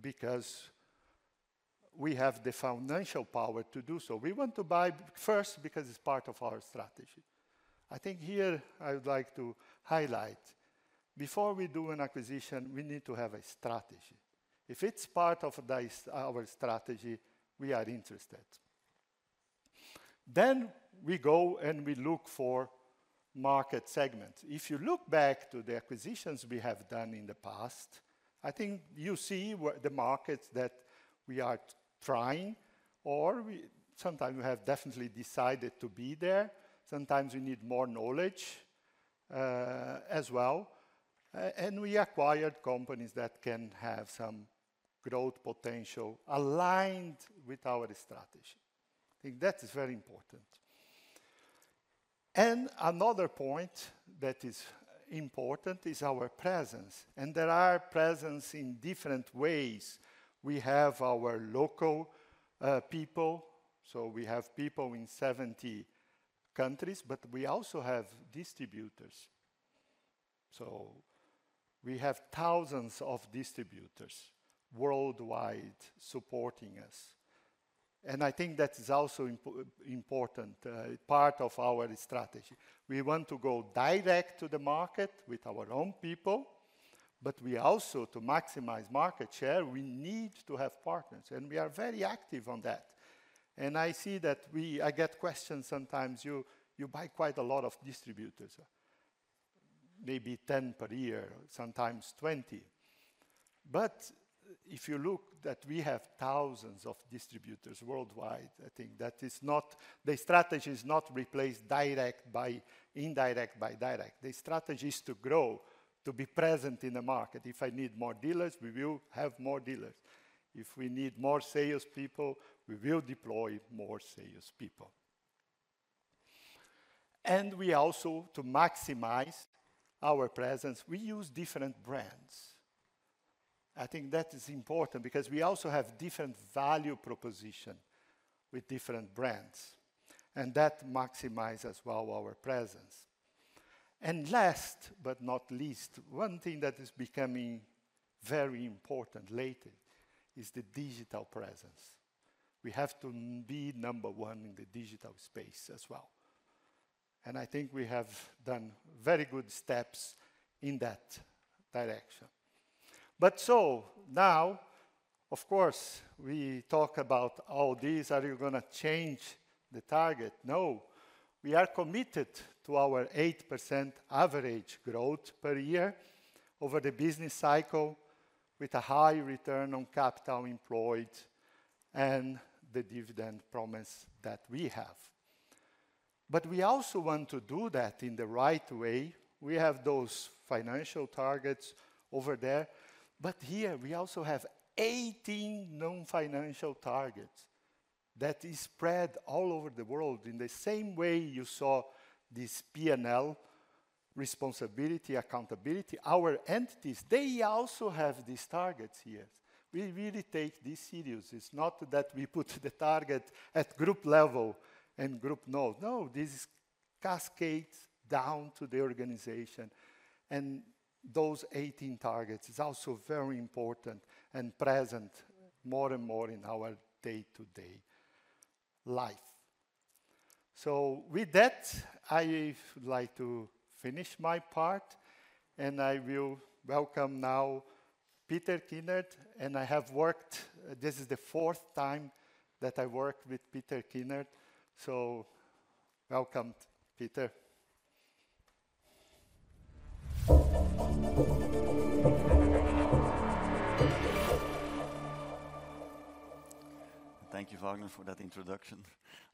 because we have the financial power to do so. We want to buy first because it's part of our strategy. I think here, I would like to highlight, before we do an acquisition, we need to have a strategy. If it's part of our strategy, we are interested. Then we go, and we look for market segments. If you look back to the acquisitions we have done in the past, I think you see where the markets that we are trying or sometimes we have definitely decided to be there. Sometimes we need more knowledge, as well, and we acquired companies that can have some growth potential aligned with our strategy. I think that is very important. Another point that is important is our presence, and there are presence in different ways. We have our local people, so we have people in 70 countries, but we also have distributors. So we have thousands of distributors worldwide supporting us, and I think that is also important part of our strategy. We want to go direct to the market with our own people, but we also, to maximize market share, we need to have partners, and we are very active on that. And I see that we... I get questions sometimes, "You buy quite a lot of distributors," maybe 10 per year, sometimes 20. But if you look that we have thousands of distributors worldwide, I think that is not—the strategy is not replaced direct by indirect by direct. The strategy is to grow, to be present in the market. If I need more dealers, we will have more dealers. If we need more sales people, we will deploy more sales people. And we also, to maximize our presence, we use different brands. I think that is important because we also have different value proposition with different brands, and that maximize as well our presence. And last but not least, one thing that is becoming very important lately is the digital presence. We have to be number one in the digital space as well, and I think we have done very good steps in that direction. But so now, of course, we talk about all these, are you gonna change the target? No, we are committed to our 8% average growth per year over the business cycle, with a high Return on capital employed and the dividend promise that we have. But we also want to do that in the right way. We have those financial targets over there, but here we also have 18 non-financial targets that is spread all over the world. In the same way you saw this P&L, responsibility, accountability, our entities, they also have these targets here. We really take this serious. It's not that we put the target at group level and group no. No, this is cascades down to the organization, and those 18 targets is also very important and present more and more in our day-to-day life. So with that, I would like to finish my part, and I will welcome now Peter Kinnart, and I have worked, this is the fourth time that I worked with Peter Kinnart. So welcome, Peter. Thank you, Vagner, for that introduction.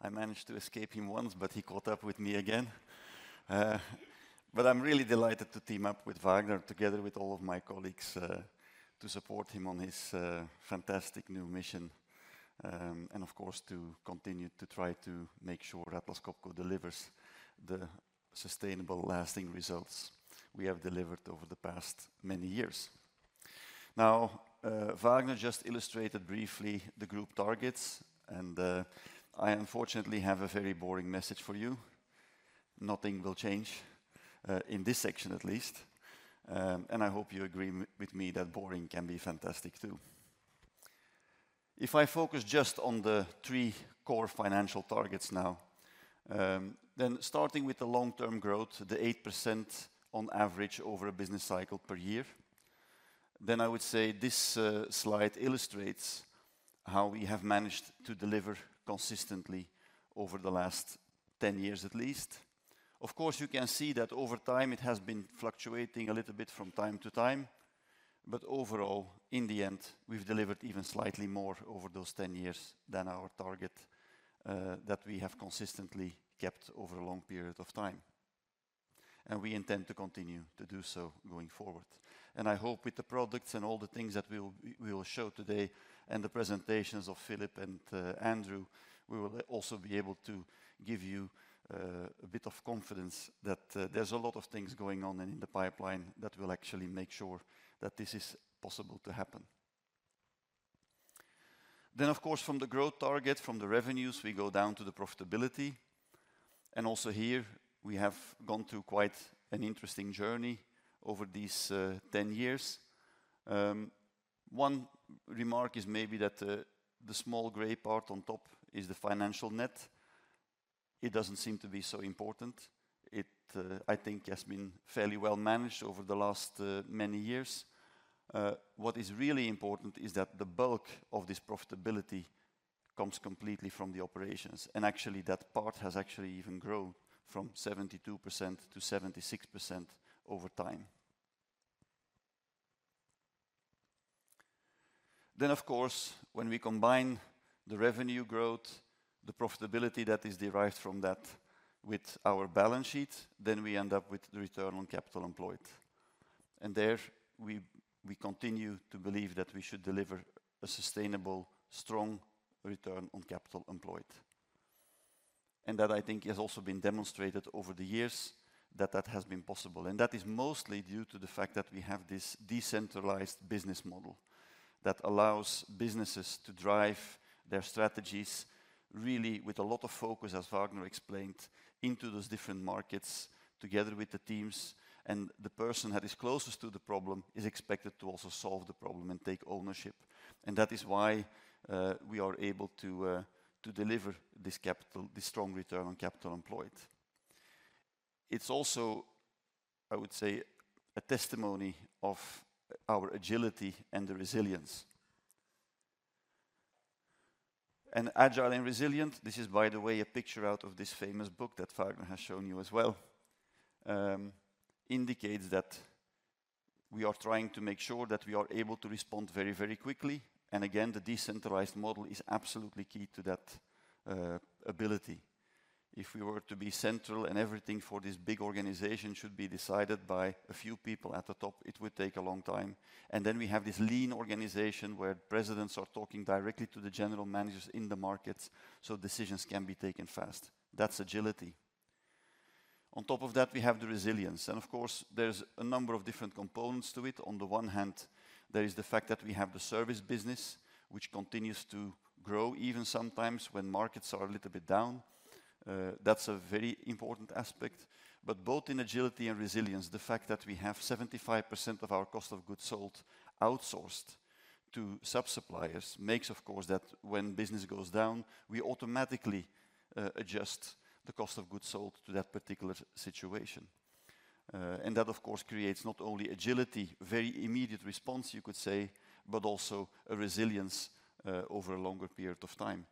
I managed to escape him once, but he caught up with me again. But I'm really delighted to team up with Vagner, together with all of my colleagues, to support him on his fantastic new mission, and of course, to continue to try to make sure Atlas Copco delivers the sustainable, lasting results we have delivered over the past many years. Now, Vagner just illustrated briefly the group targets, and I unfortunately have a very boring message for you: nothing will change, in this section at least. And I hope you agree with me that boring can be fantastic, too. If I focus just on the three core financial targets now, then starting with the long-term growth, the 8% on average over a business cycle per year, then I would say this slide illustrates how we have managed to deliver consistently over the last 10 years at least. Of course, you can see that over time it has been fluctuating a little bit from time to time, but overall, in the end, we've delivered even slightly more over those 10 years than our target that we have consistently kept over a long period of time. And we intend to continue to do so going forward. And I hope with the products and all the things that we will show today, and the presentations of Philippe and Andrew-... We will also be able to give you a bit of confidence that there's a lot of things going on in the pipeline that will actually make sure that this is possible to happen. Then, of course, from the growth target, from the revenues, we go down to the profitability. And also here, we have gone through quite an interesting journey over these 10 years. One remark is maybe that the small gray part on top is the financial net. It doesn't seem to be so important. It, I think, has been fairly well managed over the last many years. What is really important is that the bulk of this profitability comes completely from the operations, and actually, that part has actually even grown from 72% to 76% over time. Then, of course, when we combine the revenue growth, the profitability that is derived from that with our balance sheet, then we end up with the return on capital employed. There we continue to believe that we should deliver a sustainable, strong return on capital employed. That, I think, has also been demonstrated over the years that that has been possible, and that is mostly due to the fact that we have this decentralized business model that allows businesses to drive their strategies really with a lot of focus, as Vagner explained, into those different markets, together with the teams. The person that is closest to the problem is expected to also solve the problem and take ownership. That is why we are able to to deliver this capital, this strong return on capital employed. It's also, I would say, a testimony of our agility and the resilience. And agile and resilient, this is, by the way, a picture out of this famous book that Vagner has shown you as well, indicates that we are trying to make sure that we are able to respond very, very quickly. And again, the decentralized model is absolutely key to that ability. If we were to be central and everything for this big organization should be decided by a few people at the top, it would take a long time. And then we have this lean organization, where presidents are talking directly to the general managers in the markets, so decisions can be taken fast. That's agility. On top of that, we have the resilience, and of course, there's a number of different components to it. On the one hand, there is the fact that we have the service business, which continues to grow even sometimes when markets are a little bit down. That's a very important aspect. But both in agility and resilience, the fact that we have 75% of our cost of goods sold outsourced to sub-suppliers makes, of course, that when business goes down, we automatically adjust the cost of goods sold to that particular situation. And that, of course, creates not only agility, very immediate response you could say, but also a resilience over a longer period of time.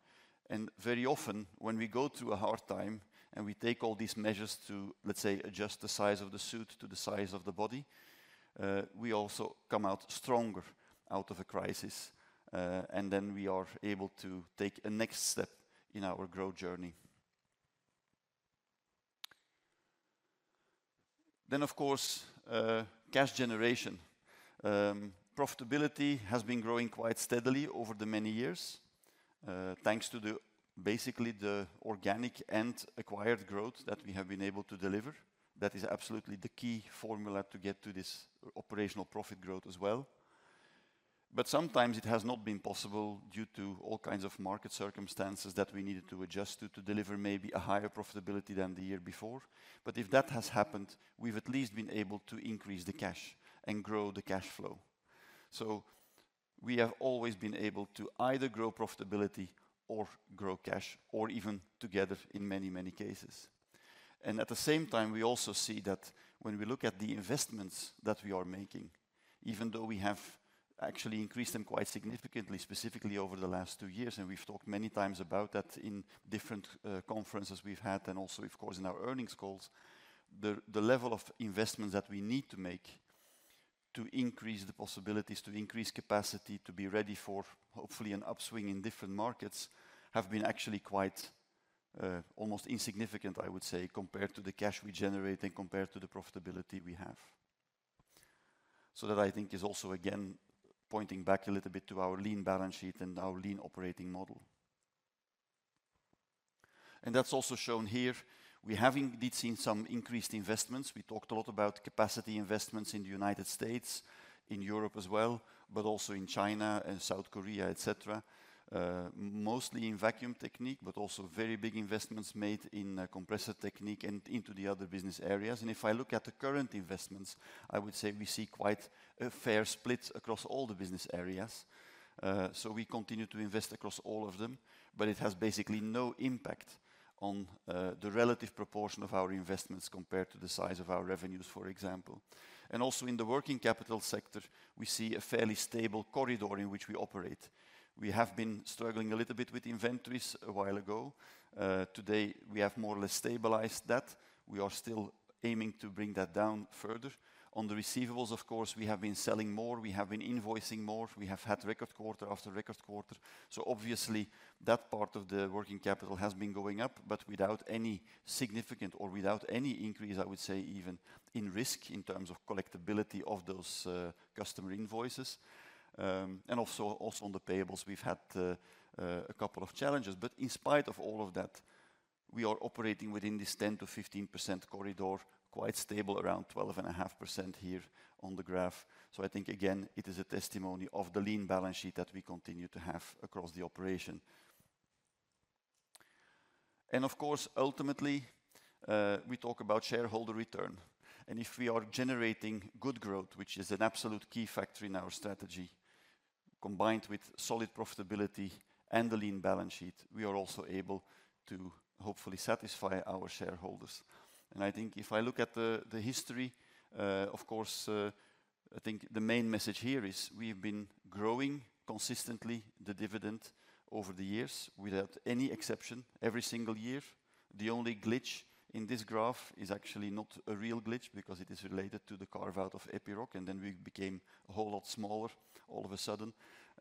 And very often, when we go through a hard time, and we take all these measures to, let's say, adjust the size of the suit to the size of the body, we also come out stronger out of a crisis. Then we are able to take a next step in our growth journey. Then, of course, cash generation. Profitability has been growing quite steadily over the many years, thanks to basically the organic and acquired growth that we have been able to deliver. That is absolutely the key formula to get to this operational profit growth as well. But sometimes it has not been possible due to all kinds of market circumstances that we needed to adjust to, to deliver maybe a higher profitability than the year before. But if that has happened, we've at least been able to increase the cash and grow the cash flow. So we have always been able to either grow profitability or grow cash, or even together in many, many cases. And at the same time, we also see that when we look at the investments that we are making, even though we have actually increased them quite significantly, specifically over the last two years, and we've talked many times about that in different conferences we've had, and also, of course, in our earnings calls. The level of investments that we need to make to increase the possibilities, to increase capacity, to be ready for, hopefully, an upswing in different markets, have been actually quite almost insignificant, I would say, compared to the cash we generate and compared to the profitability we have. So that, I think, is also, again, pointing back a little bit to our lean balance sheet and our lean operating model. And that's also shown here. We have indeed seen some increased investments. We talked a lot about capacity investments in the United States, in Europe as well, but also in China and South Korea, et cetera. Mostly in Vacuum Technique, but also very big investments made in, Compressor Technique and into the other business areas. And if I look at the current investments, I would say we see quite a fair split across all the business areas. So we continue to invest across all of them, but it has basically no impact on, the relative proportion of our investments compared to the size of our revenues, for example. And also, in the working capital sector, we see a fairly stable corridor in which we operate. We have been struggling a little bit with inventories a while ago. Today, we have more or less stabilized that. We are still aiming to bring that down further. On the receivables, of course, we have been selling more, we have been invoicing more, we have had record quarter after record quarter. So obviously that part of the working capital has been going up, but without any significant or without any increase, I would say, even in risk in terms of collectibility of those, customer invoices. And also, also on the payables, we've had, a couple of challenges, but in spite of all of that we are operating within this 10%-15% corridor, quite stable around 12.5% here on the graph. So I think, again, it is a testimony of the lean balance sheet that we continue to have across the operation. And of course, ultimately, we talk about shareholder return, and if we are generating good growth, which is an absolute key factor in our strategy, combined with solid profitability and a lean balance sheet, we are also able to hopefully satisfy our shareholders. And I think if I look at the history, of course, I think the main message here is we've been growing consistently the dividend over the years without any exception, every single year. The only glitch in this graph is actually not a real glitch because it is related to the carve-out of Epiroc, and then we became a whole lot smaller all of a sudden,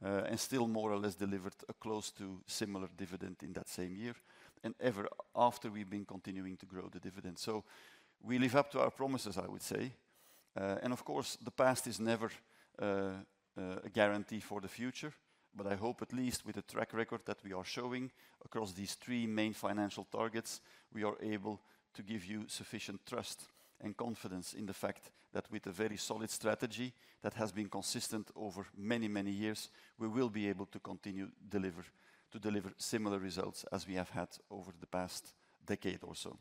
and still more or less delivered a close to similar dividend in that same year. And ever after, we've been continuing to grow the dividend. So we live up to our promises, I would say. And of course, the past is never a guarantee for the future, but I hope at least with the track record that we are showing across these three main financial targets, we are able to give you sufficient trust and confidence in the fact that with a very solid strategy that has been consistent over many, many years, we will be able to continue to deliver similar results as we have had over the past decade or so.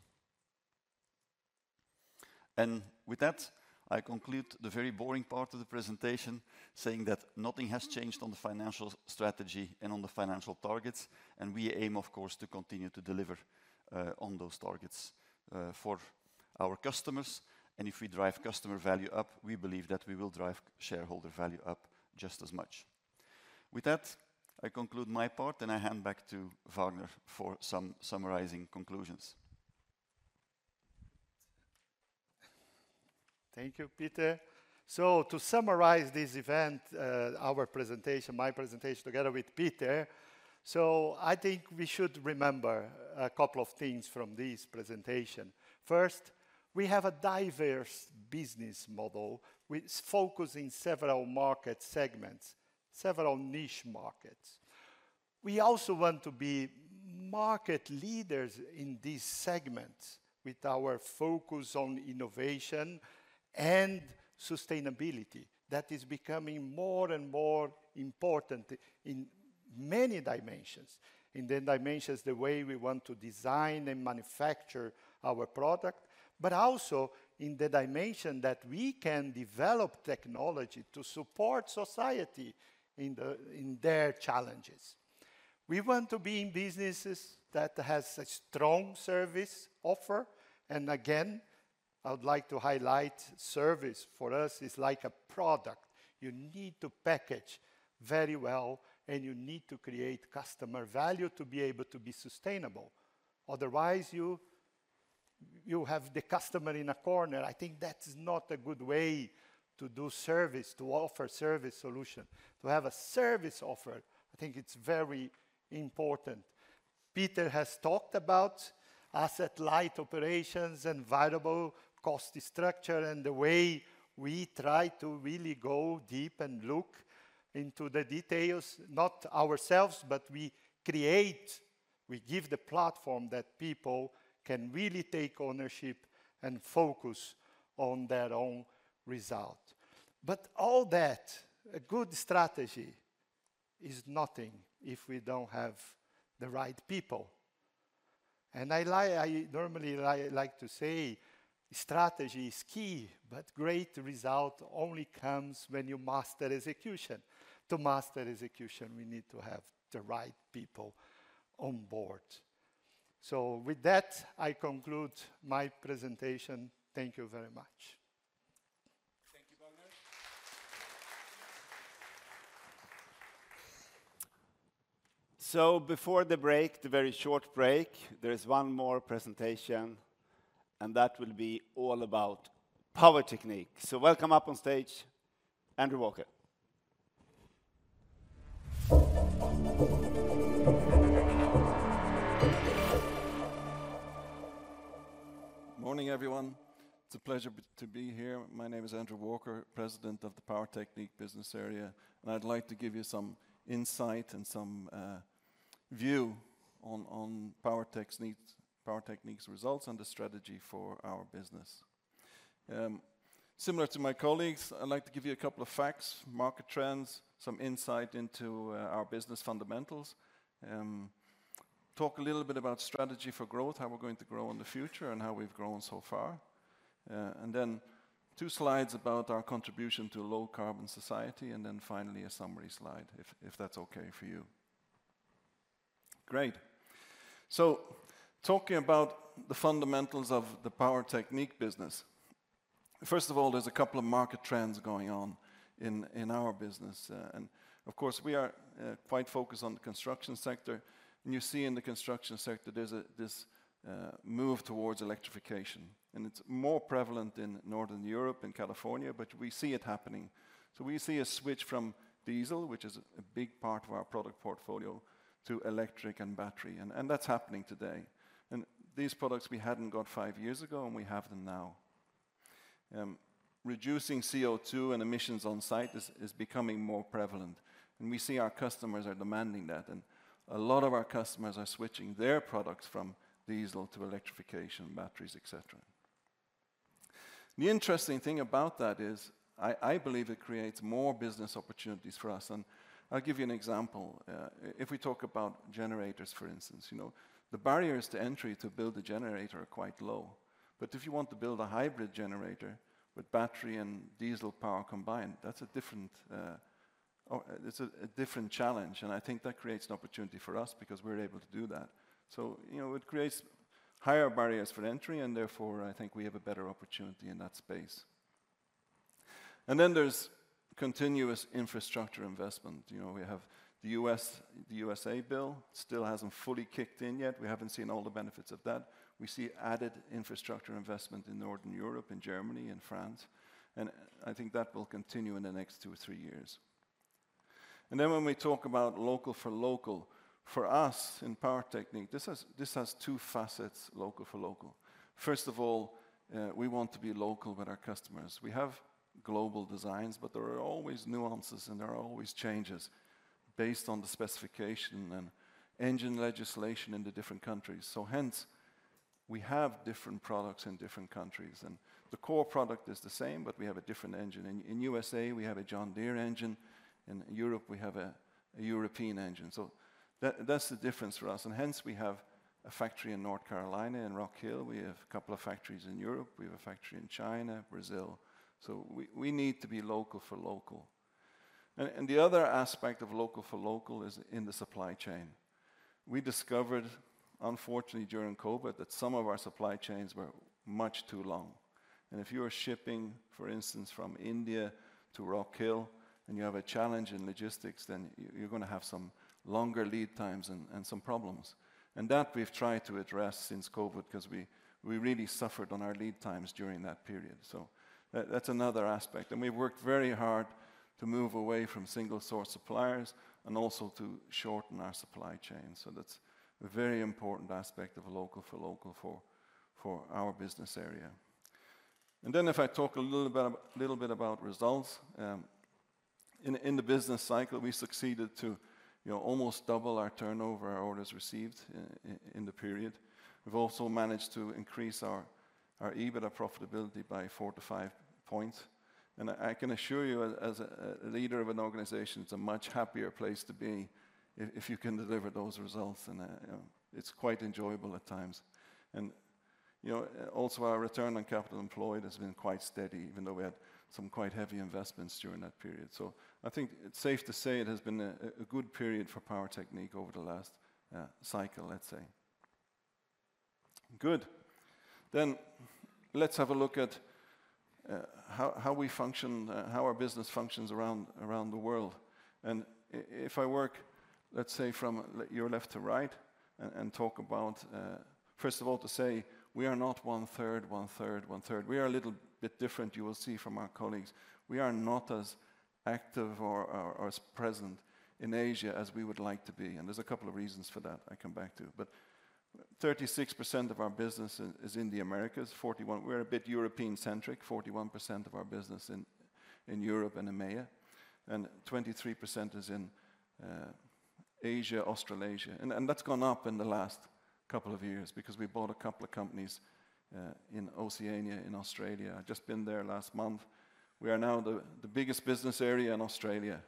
And with that, I conclude the very boring part of the presentation, saying that nothing has changed on the financial strategy and on the financial targets, and we aim, of course, to continue to deliver on those targets for our customers. And if we drive customer value up, we believe that we will drive shareholder value up just as much. With that, I conclude my part, and I hand back to Vagner for some summarizing conclusions. Thank you, Peter. So to summarize this event, our presentation, my presentation together with Peter, so I think we should remember a couple of things from this presentation. First, we have a diverse business model, which focus in several market segments, several niche markets. We also want to be market leaders in these segments with our focus on innovation and sustainability. That is becoming more and more important in many dimensions. In the dimensions, the way we want to design and manufacture our product, but also in the dimension that we can develop technology to support society in the, in their challenges. We want to be in businesses that has a strong service offer, and again, I would like to highlight, service for us is like a product. You need to package very well, and you need to create customer value to be able to be sustainable. Otherwise, you have the customer in a corner. I think that's not a good way to do service, to offer service solution. To have a service offer, I think it's very important. Peter has talked about asset-light operations and variable cost structure, and the way we try to really go deep and look into the details, not ourselves, but we create, we give the platform that people can really take ownership and focus on their own result. But all that, a good strategy, is nothing if we don't have the right people. And I normally like to say: strategy is key, but great result only comes when you master execution. To master execution, we need to have the right people on board. So with that, I conclude my presentation. Thank you very much. Thank you, Vagner. Before the break, the very short break, there is one more presentation, and that will be all about Power Technique. Welcome up on stage, Andrew Walker. Morning, everyone. It's a pleasure to be here. My name is Andrew Walker, President of the Power Technique business area, and I'd like to give you some insight and some view on, on Power Tech's needs, Power Technique's results and the strategy for our business. Similar to my colleagues, I'd like to give you a couple of facts, market trends, some insight into our business fundamentals, talk a little bit about strategy for growth, how we're going to grow in the future, and how we've grown so far. And then two slides about our contribution to low-carbon society, and then finally, a summary slide, if that's okay for you. Great. So talking about the fundamentals of the Power Technique business, first of all, there's a couple of market trends going on in our business. And of course, we are quite focused on the construction sector, and you see in the construction sector there's this move towards electrification, and it's more prevalent in Northern Europe and California, but we see it happening. So we see a switch from diesel, which is a big part of our product portfolio, to electric and battery, and that's happening today. And these products we hadn't got five years ago, and we have them now. Reducing CO2 and emissions on site is becoming more prevalent, and we see our customers are demanding that. And a lot of our customers are switching their products from diesel to electrification, batteries, et cetera. The interesting thing about that is, I believe it creates more business opportunities for us, and I'll give you an example. If we talk about generators, for instance, you know, the barriers to entry to build a generator are quite low. But if you want to build a hybrid generator with battery and diesel power combined, that's a different or it's a different challenge, and I think that creates an opportunity for us because we're able to do that. So, you know, it creates higher barriers for entry, and therefore, I think we have a better opportunity in that space. And then there's continuous infrastructure investment. You know, we have the U.S., the USA bill, still hasn't fully kicked in yet. We haven't seen all the benefits of that. We see added infrastructure investment in Northern Europe, in Germany, in France, and I think that will continue in the next two or three years. And then when we talk about local for local, for us in Power Technique, this has two facets, local for local. First of all, we want to be local with our customers. We have global designs, but there are always nuances, and there are always changes based on the specification and engine legislation in the different countries. So hence, we have different products in different countries, and the core product is the same, but we have a different engine. In USA, we have a John Deere engine, in Europe, we have a European engine. So that, that's the difference for us, and hence we have a factory in North Carolina, in Rock Hill. We have a couple of factories in Europe. We have a factory in China, Brazil, so we need to be local for local. The other aspect of local for local is in the supply chain. We discovered, unfortunately, during COVID, that some of our supply chains were much too long, and if you are shipping, for instance, from India to Rock Hill, and you have a challenge in logistics, then you're gonna have some longer lead times and some problems. And that we've tried to address since COVID, 'cause we really suffered on our lead times during that period. So that's another aspect, and we've worked very hard to move away from single-source suppliers and also to shorten our supply chain. So that's a very important aspect of local for local for our business area. And then if I talk a little about a little bit about results in the business cycle, we succeeded to, you know, almost double our turnover, our orders received in the period. We've also managed to increase our EBITDA profitability by four-five points. And I can assure you, as a leader of an organization, it's a much happier place to be if you can deliver those results, and, you know, it's quite enjoyable at times. And, you know, also, our return on capital employed has been quite steady, even though we had some quite heavy investments during that period. So I think it's safe to say it has been a good period for Power Technique over the last cycle, let's say. Good. Then, let's have a look at how we function, how our business functions around the world. And if I work, let's say, from your left to right and talk about... First of all, to say we are not one third, one third, one third. We are a little bit different, you will see, from our colleagues. We are not as active or as present in Asia as we would like to be, and there's a couple of reasons for that I come back to. But 36% of our business is in the Americas, 41%, we're a bit European-centric, 41% of our business in Europe and EMEA, and 23% is in Asia, Australasia. And that's gone up in the last couple of years because we bought a couple of companies in Oceania, in Australia. I've just been there last month. We are now the biggest business area in Australia.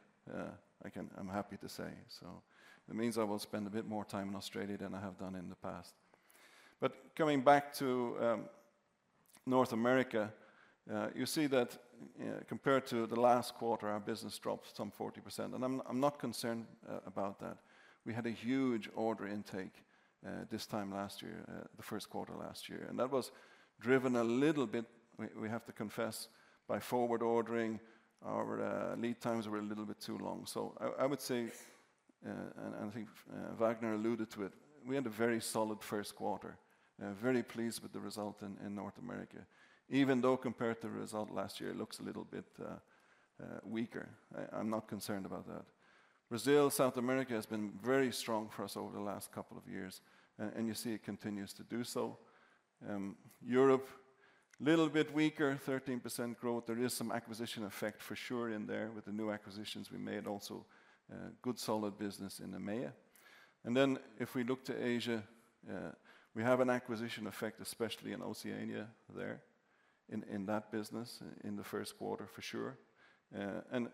I'm happy to say, so it means I will spend a bit more time in Australia than I have done in the past. But coming back to North America, you see that, compared to the last quarter, our business dropped some 40%, and I'm not concerned about that. We had a huge order intake this time last year, the first quarter last year, and that was driven a little bit, we have to confess, by forward ordering. Our lead times were a little bit too long. So I would say, and I think Vagner alluded to it, we had a very solid first quarter. Very pleased with the result in North America. Even though compared to the result last year, it looks a little bit weaker, I'm not concerned about that. Brazil, South America, has been very strong for us over the last couple of years, and you see it continues to do so. Europe, little bit weaker, 13% growth. There is some acquisition effect for sure in there with the new acquisitions we made. Also, good solid business in EMEA. And then, if we look to Asia, we have an acquisition effect, especially in Oceania there, in that business, in the first quarter, for sure. And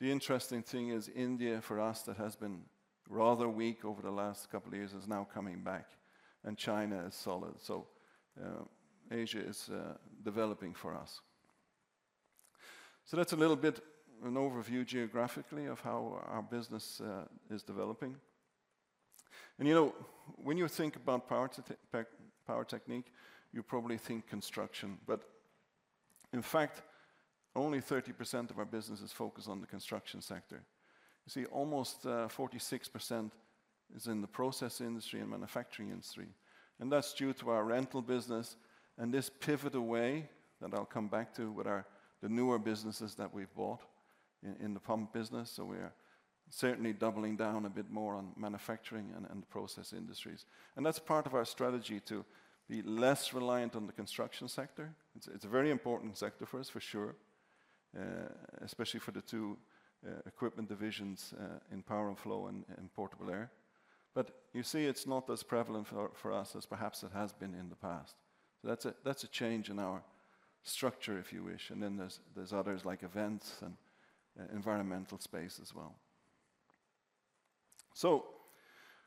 the interesting thing is India, for us, that has been rather weak over the last couple of years, is now coming back, and China is solid. So, Asia is developing for us. So that's a little bit an overview geographically of how our business is developing. And you know, when you think about Power Technique, you probably think construction, but in fact, only 30% of our business is focused on the construction sector. You see, almost 46% is in the process industry and manufacturing industry, and that's due to our rental business and this pivot away, that I'll come back to, with our the newer businesses that we've bought in the pump business, so we are certainly doubling down a bit more on manufacturing and process industries. And that's part of our strategy to be less reliant on the construction sector. It's a very important sector for us, for sure, especially for the two equipment divisions in Power and Flow and in Portable Air. But you see, it's not as prevalent for us as perhaps it has been in the past. So that's a change in our structure, if you wish, and then there's others, like events and environmental space as well. So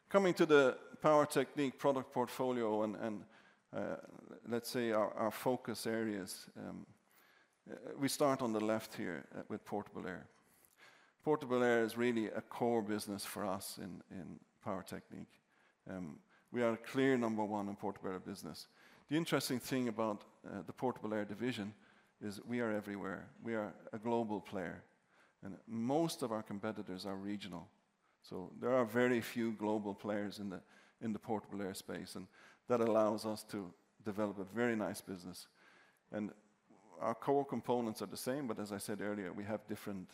coming to the Power Technique product portfolio and let's say our focus areas, we start on the left here with Portable Air. Portable air is really a core business for us in Power Technique. We are clear number one in Portable Air business. The interesting thing about the Portable Air division is we are everywhere. We are a global player, and most of our competitors are regional. So there are very few global players in the Portable Air space, and that allows us to develop a very nice business. And our core components are the same, but as I said earlier, we have different,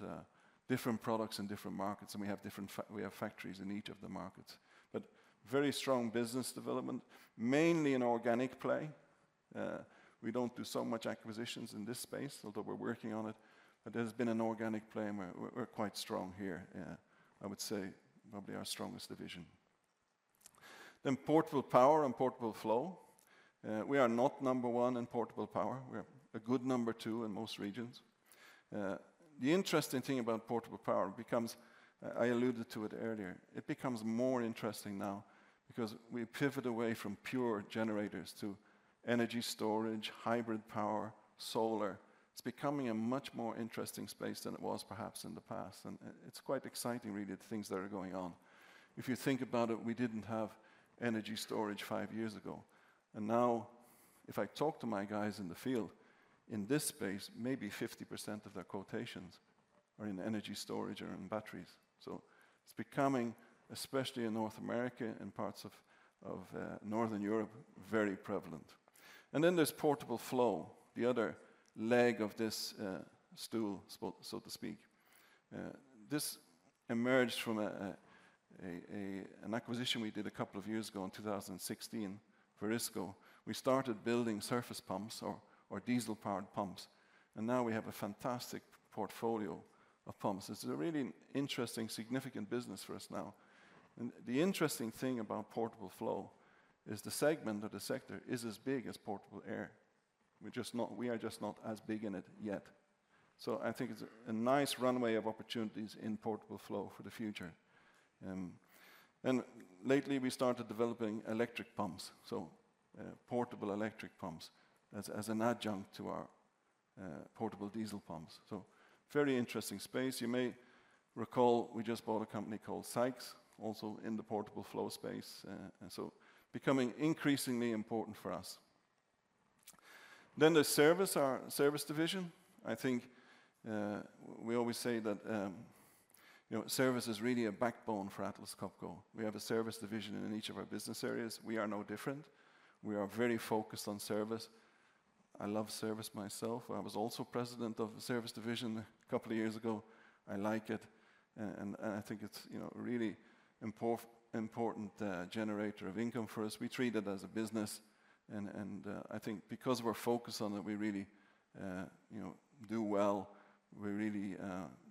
different products in different markets, and we have different factories in each of the markets. But very strong business development, mainly an organic play. We don't do so much acquisitions in this space, although we're working on it, but there's been an organic play, and we're quite strong here. Yeah, I would say probably our strongest division. Then portable power and portable flow. We are not number one in portable power. We're a good number two in most regions. The interesting thing about portable power becomes, I alluded to it earlier, it becomes more interesting now because we pivot away from pure generators to energy storage, hybrid power, solar. It's becoming a much more interesting space than it was perhaps in the past, and it's quite exciting, really, the things that are going on. If you think about it, we didn't have energy storage five years ago, and now if I talk to my guys in the field, in this space, maybe 50% of their quotations are in energy storage or in batteries. So it's becoming, especially in North America and parts of Northern Europe, very prevalent. And then there's portable flow, the other leg of this stool, so to speak. This emerged from an acquisition we did a couple of years ago in 2016, Varisco. We started building surface pumps or diesel-powered pumps, and now we have a fantastic portfolio of pumps. It's a really interesting, significant business for us now. And the interesting thing about portable flow is the segment or the sector is as big as Portable Air. We're just not, we are just not as big in it yet. So I think it's a nice runway of opportunities in portable flow for the future. And lately, we started developing electric pumps, so portable electric pumps as an adjunct to our portable diesel pumps. So very interesting space. You may recall, we just bought a company called Sykes, also in the portable flow space, and so becoming increasingly important for us. Then the service, our service division, I think, we always say that, you know, service is really a backbone for Atlas Copco. We have a service division in each of our business areas. We are no different. We are very focused on service. I love service myself. I was also president of the service division a couple of years ago. I like it, and I think it's, you know, a really important generator of income for us. We treat it as a business, and I think because we're focused on it, we really, you know, do well. We really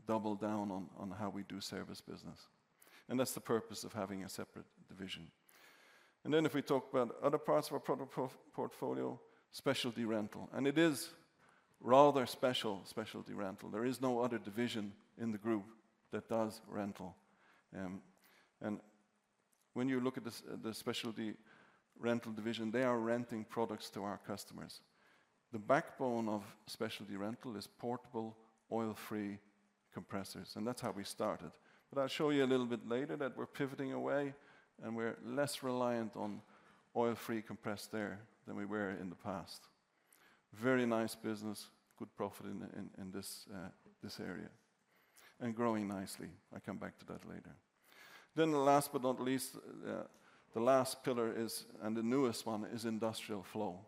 double down on how we do service business, and that's the purpose of having a separate division. Then if we talk about other parts of our product portfolio, Specialty Rental, and it is rather special, Specialty Rental. There is no other division in the group that does rental. And when you look at the Specialty Rental division, they are renting products to our customers. The backbone of Specialty Rental is portable, oil-free compressors, and that's how we started. But I'll show you a little bit later that we're pivoting away, and we're less reliant on oil-free compressed air than we were in the past. Very nice business, good profit in this area, and growing nicely. I come back to that later. Then last but not least, the last pillar is, and the newest one, is Industrial Flow.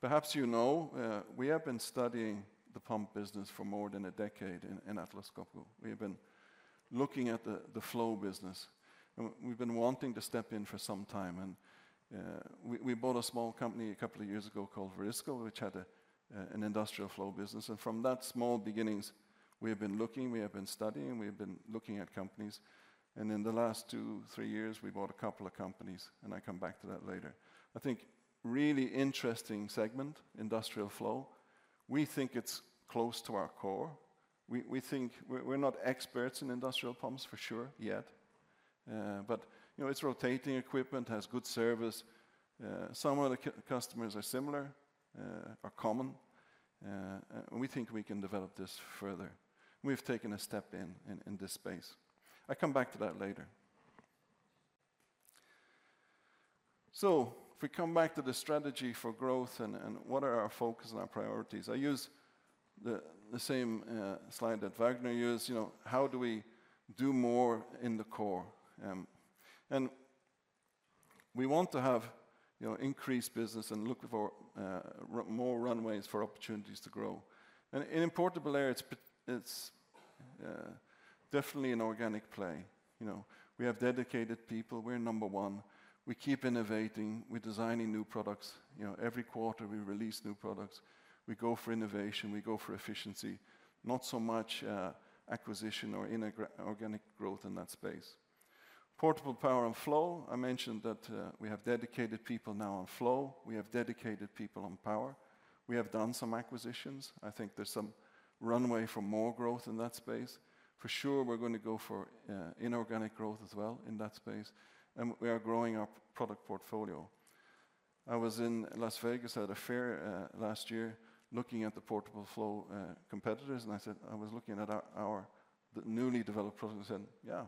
Perhaps you know, we have been studying the pump business for more than a decade in Atlas Copco. We have been looking at the flow business, and we've been wanting to step in for some time, and we bought a small company a couple of years ago called Varisco, which had an Industrial Flow business. From that small beginnings, we have been looking, we have been studying, we have been looking at companies, and in the last 2-3 years, we bought a couple of companies, and I come back to that later. I think really interesting segment, Industrial Flow. We think it's close to our core. We think... We're not experts in industrial pumps, for sure, yet. But, you know, it's rotating equipment, has good service. Some of the customers are similar or common, and we think we can develop this further. We've taken a step in this space. I come back to that later. So if we come back to the strategy for growth and what are our focus and our priorities, I use the same slide that Vagner used. You know, how do we do more in the core? We want to have, you know, increased business and look for more runways for opportunities to grow. And in Portable Air, it's definitely an organic play, you know. We have dedicated people. We're number one. We keep innovating. We're designing new products. You know, every quarter, we release new products. We go for innovation, we go for efficiency, not so much acquisition or organic growth in that space. Portable Power and Flow, I mentioned that, we have dedicated people now on Flow. We have dedicated people on Power. We have done some acquisitions. I think there's some runway for more growth in that space. For sure, we're gonna go for inorganic growth as well in that space, and we are growing our product portfolio. I was in Las Vegas at a fair last year, looking at the portable flow competitors, and I said, I was looking at our, our, the newly developed product and said, "Yeah,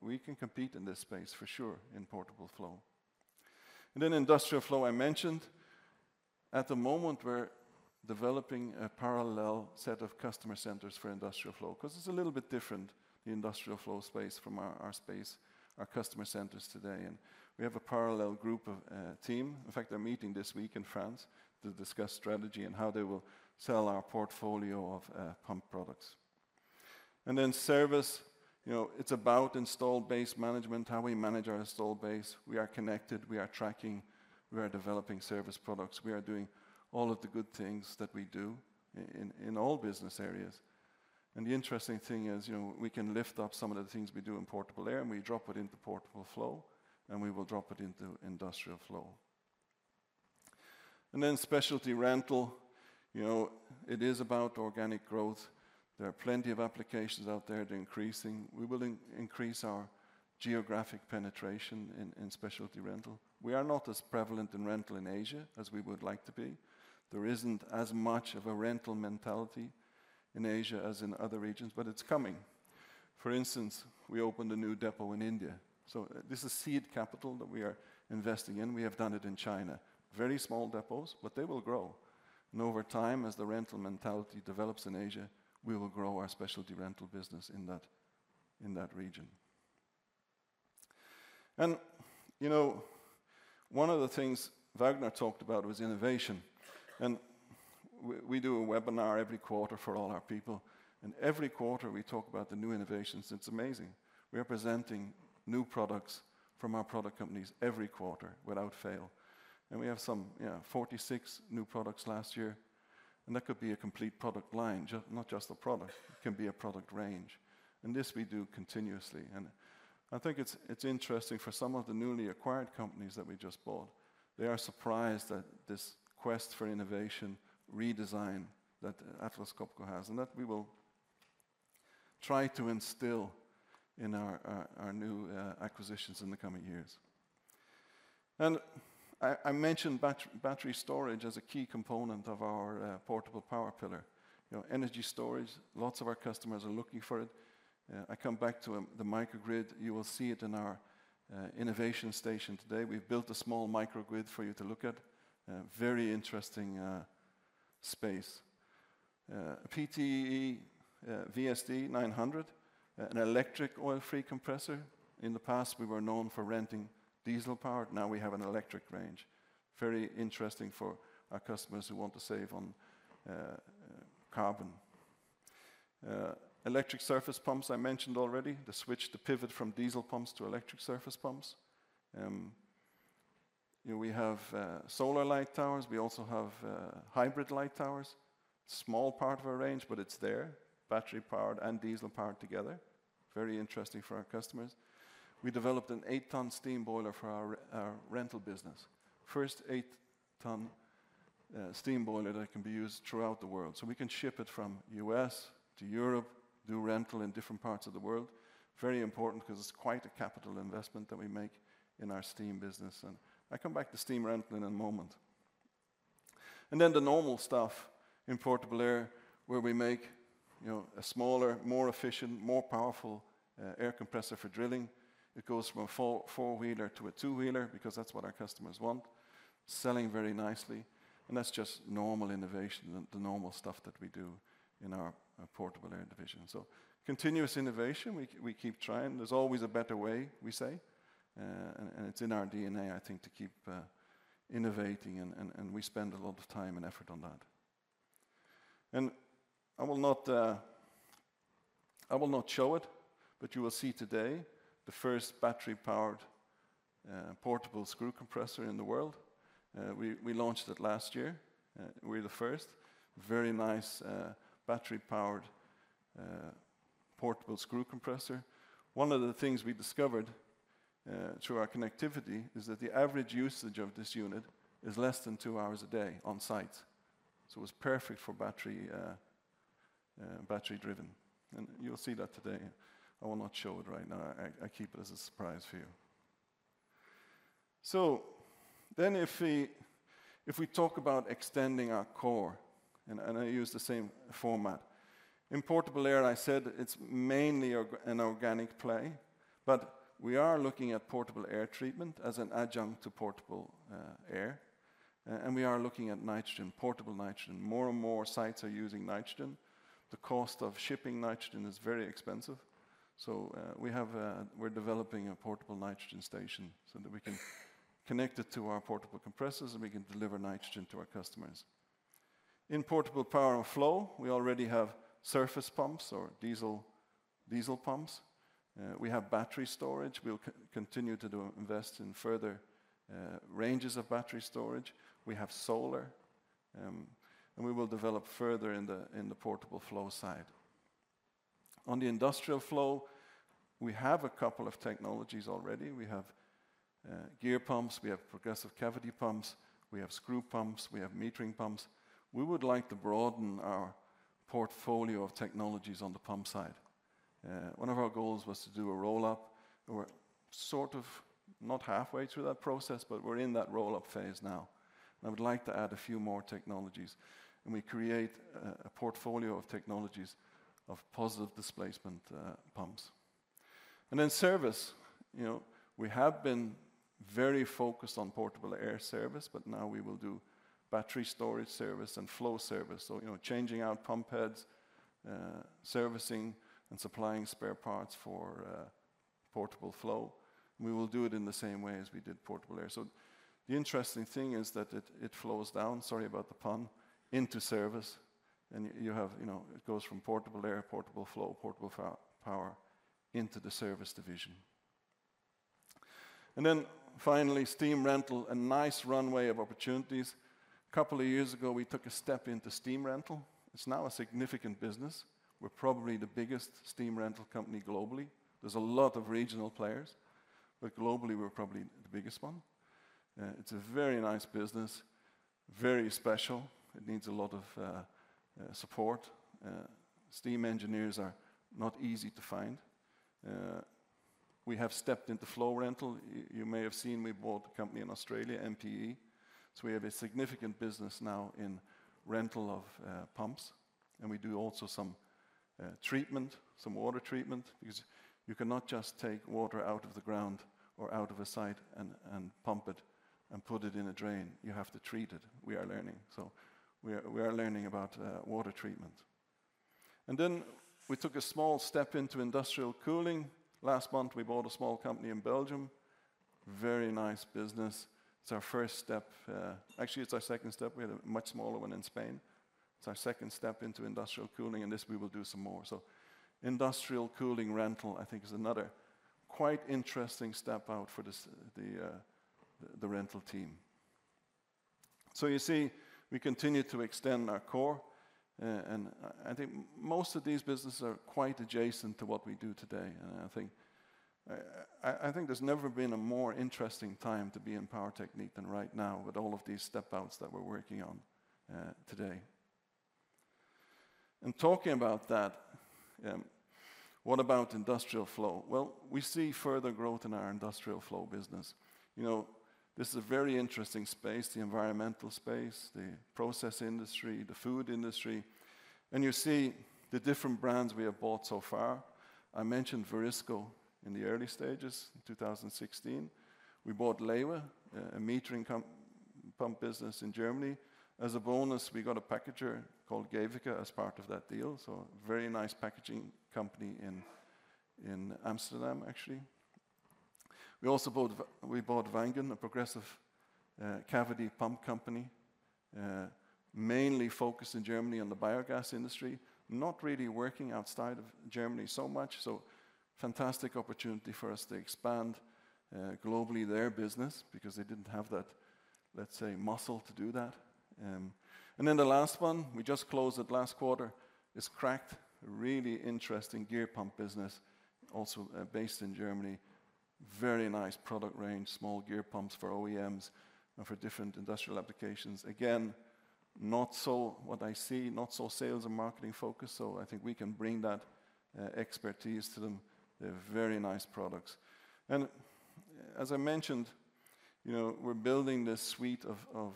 we can compete in this space for sure, in portable flow." And then Industrial Flow, I mentioned, at the moment, we're developing a parallel set of customer centers for Industrial Flow, 'cause it's a little bit different, the Industrial Flow space, from our, our space, our customer centers today, and we have a parallel group of team. In fact, they're meeting this week in France to discuss strategy and how they will sell our portfolio of pump products. And then Service, you know, it's about installed base management, how we manage our installed base. We are connected, we are tracking, we are developing service products. We are doing all of the good things that we do in all business areas. The interesting thing is, you know, we can lift up some of the things we do in Portable Air, and we drop it into Portable Flow, and we will drop it into Industrial Flow. Then Specialty Rental, you know, it is about organic growth. There are plenty of applications out there increasing. We will increase our geographic penetration in Specialty Rental. We are not as prevalent in rental in Asia as we would like to be. There isn't as much of a rental mentality in Asia as in other regions, but it's coming. For instance, we opened a new depot in India, so this is seed capital that we are investing in. We have done it in China. Very small depots, but they will grow, and over time, as the rental mentality develops in Asia, we will grow our Specialty Rental business in that, in that region. You know, one of the things Vagner talked about was innovation, and we do a webinar every quarter for all our people, and every quarter, we talk about the new innovations. It's amazing. We are presenting new products from our product companies every quarter, without fail. And we have some, you know, 46 new products last year, and that could be a complete product line, just, not just a product. It can be a product range, and this we do continuously. I think it's interesting for some of the newly acquired companies that we just bought, they are surprised at this quest for innovation, redesign that Atlas Copco has, and that we will try to instill in our new acquisitions in the coming years. I mentioned battery storage as a key component of our Portable Power pillar. You know, energy storage, lots of our customers are looking for it. I come back to the microgrid. You will see it in our innovation station today. We've built a small microgrid for you to look at, a very interesting space. PTE VSD 900, an electric oil-free compressor. In the past, we were known for renting diesel power. Now, we have an electric range. Very interesting for our customers who want to save on carbon. Electric surface pumps, I mentioned already, the switch to pivot from diesel pumps to electric surface pumps. You know, we have solar light towers. We also have hybrid light towers. Small part of our range, but it's there, battery-powered and diesel-powered together. Very interesting for our customers. We developed an eight-ton steam boiler for our rental business. First eight-ton steam boiler that can be used throughout the world, so we can ship it from U.S. to Europe, do rental in different parts of the world. Very important, 'cause it's quite a capital investment that we make in our steam business, and I come back to steam rental in a moment. Then the normal stuff in Portable Air, where we make, you know, a smaller, more efficient, more powerful air compressor for drilling. It goes from a four-wheeler to a two-wheeler because that's what our customers want. Selling very nicely, and that's just normal innovation and the normal stuff that we do in our Portable Air division. So continuous innovation, we keep trying. There's always a better way, we say, and it's in our DNA, I think, to keep innovating, and we spend a lot of time and effort on that. And I will not, I will not show it, but you will see today the first battery-powered portable screw compressor in the world. We launched it last year. We're the first. Very nice battery-powered portable screw compressor. One of the things we discovered through our connectivity is that the average usage of this unit is less than two hours a day on site, so it's perfect for battery-driven, and you'll see that today. I will not show it right now. I keep it as a surprise for you. So then, if we talk about extending our core, and I use the same format, in Portable Air, I said it's mainly an organic play, but we are looking at Portable Air treatment as an adjunct to Portable Air, and we are looking at nitrogen, portable nitrogen. More and more sites are using nitrogen. The cost of shipping nitrogen is very expensive.... We're developing a portable nitrogen station so that we can connect it to our portable compressors, and we can deliver nitrogen to our customers. In portable Power and Flow, we already have surface pumps or diesel pumps. We have battery storage. We'll continue to invest in further ranges of battery storage. We have solar, and we will develop further in the portable flow side. On the Industrial Flow, we have a couple of technologies already. We have gear pumps, we have progressive cavity pumps, we have screw pumps, we have metering pumps. We would like to broaden our portfolio of technologies on the pump side. One of our goals was to do a roll-up. We're sort of not halfway through that process, but we're in that roll-up phase now, and I would like to add a few more technologies. And we create a portfolio of technologies of positive displacement pumps. And then service, you know, we have been very focused on Portable Air service, but now we will do battery storage service and flow service, so, you know, changing out pump heads, servicing and supplying spare parts for portable flow. We will do it in the same way as we did Portable Air. So the interesting thing is that it flows down, sorry about the pun, into service, and you have, you know, it goes from Portable Air, portable flow, portable power into the service division. And then finally, steam rental, a nice runway of opportunities. Couple of years ago, we took a step into steam rental. It's now a significant business. We're probably the biggest steam rental company globally. There's a lot of regional players, but globally, we're probably the biggest one. It's a very nice business, very special. It needs a lot of support. Steam engineers are not easy to find. We have stepped into flow rental. You may have seen we bought a company in Australia, NPE, so we have a significant business now in rental of pumps, and we do also some treatment, some water treatment, because you cannot just take water out of the ground or out of a site and pump it and put it in a drain. You have to treat it. We are learning. So we are learning about water treatment. And then we took a small step into industrial cooling. Last month, we bought a small company in Belgium. Very nice business. It's our first step... Actually, it's our second step. We had a much smaller one in Spain. It's our second step into industrial cooling, and this, we will do some more. So industrial cooling rental, I think, is another quite interesting step out for this, the rental team. So you see, we continue to extend our core, and I, I think most of these businesses are quite adjacent to what we do today, and I think, I, I, I think there's never been a more interesting time to be in Power Technique than right now, with all of these step outs that we're working on, today. And talking about that, what about Industrial Flow? Well, we see further growth in our Industrial Flow business. You know, this is a very interesting space, the environmental space, the process industry, the food industry, and you see the different brands we have bought so far. I mentioned Varisco in the early stages, in 2016. We bought LEWA, a metering pump business in Germany. As a bonus, we got a packager called Geveke as part of that deal, so very nice packaging company in Amsterdam, actually. We also bought Wangen, a progressive cavity pump company, mainly focused in Germany on the biogas industry, not really working outside of Germany so much, so fantastic opportunity for us to expand globally their business, because they didn't have that, let's say, muscle to do that. And then the last one, we just closed it last quarter, is KRACHT, a really interesting gear pump business, also, based in Germany. Very nice product range, small gear pumps for OEMs and for different industrial applications. Again, not so what I see, not so sales and marketing focused, so I think we can bring that, expertise to them. They're very nice products. And as I mentioned, you know, we're building this suite of,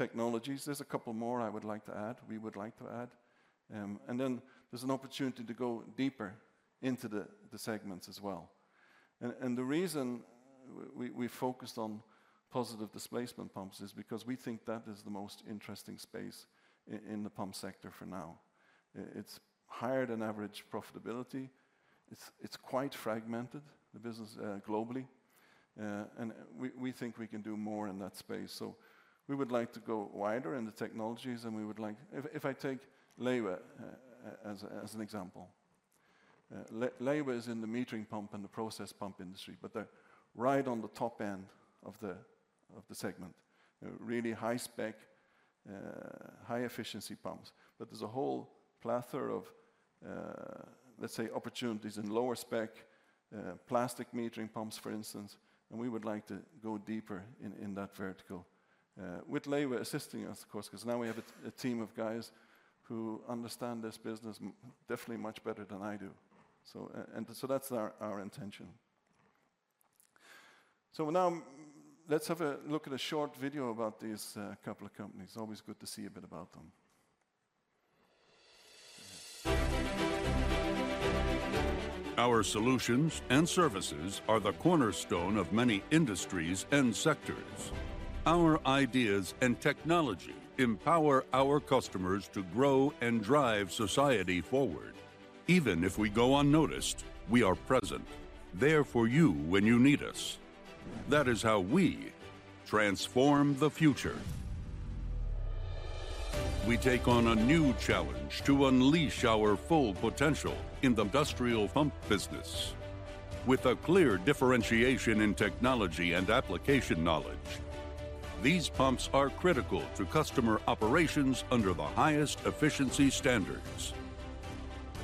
of, technologies. There's a couple more I would like to add, we would like to add. And then there's an opportunity to go deeper into the, the segments as well. And, and the reason we, we focused on positive displacement pumps is because we think that is the most interesting space in the pump sector for now. It's higher than average profitability. It's quite fragmented, the business, globally, and we think we can do more in that space. So we would like to go wider in the technologies, and we would like... If I take LEWA as an example, LEWA is in the metering pump and the process pump industry, but they're right on the top end of the segment, really high spec, high efficiency pumps. But there's a whole plethora of, let's say, opportunities in lower spec, plastic metering pumps, for instance, and we would like to go deeper in that vertical, with LEWA assisting us, of course, 'cause now we have a team of guys who understand this business definitely much better than I do. So, and so that's our intention. So now, let's have a look at a short video about these couple of companies. Always good to see a bit about them. Our solutions and services are the cornerstone of many industries and sectors.... Our ideas and technology empower our customers to grow and drive society forward. Even if we go unnoticed, we are present, there for you when you need us. That is how we transform the future. We take on a new challenge to unleash our full potential in the industrial pump business. With a clear differentiation in technology and application knowledge, these pumps are critical to customer operations under the highest efficiency standards.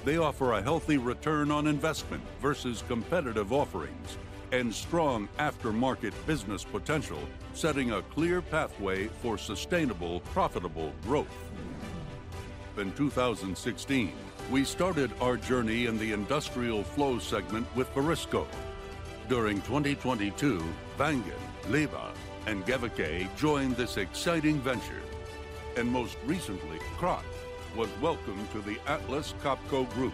They offer a healthy return on investment versus competitive offerings and strong aftermarket business potential, setting a clear pathway for sustainable, profitable growth. In 2016, we started our journey in the Industrial Flow segment with Varisco. During 2022, Wangen, LEWA, and Geveke joined this exciting venture, and most recently, KRACHT was welcomed to the Atlas Copco Group.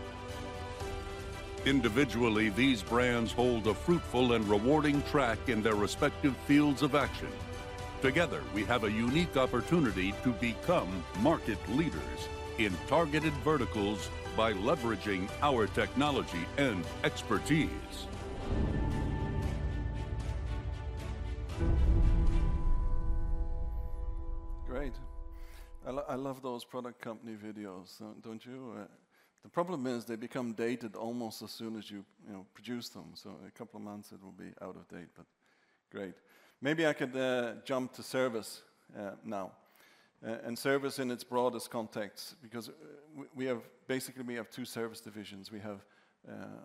Individually, these brands hold a fruitful and rewarding track in their respective fields of action. Together, we have a unique opportunity to become market leaders in targeted verticals by leveraging our technology and expertise. Great. I love those product company videos, don't you? The problem is they become dated almost as soon as you, you know, produce them, so in a couple of months, it will be out of date, but great. Maybe I could jump to service now, and service in its broadest context, because we have basically, we have two service divisions. We have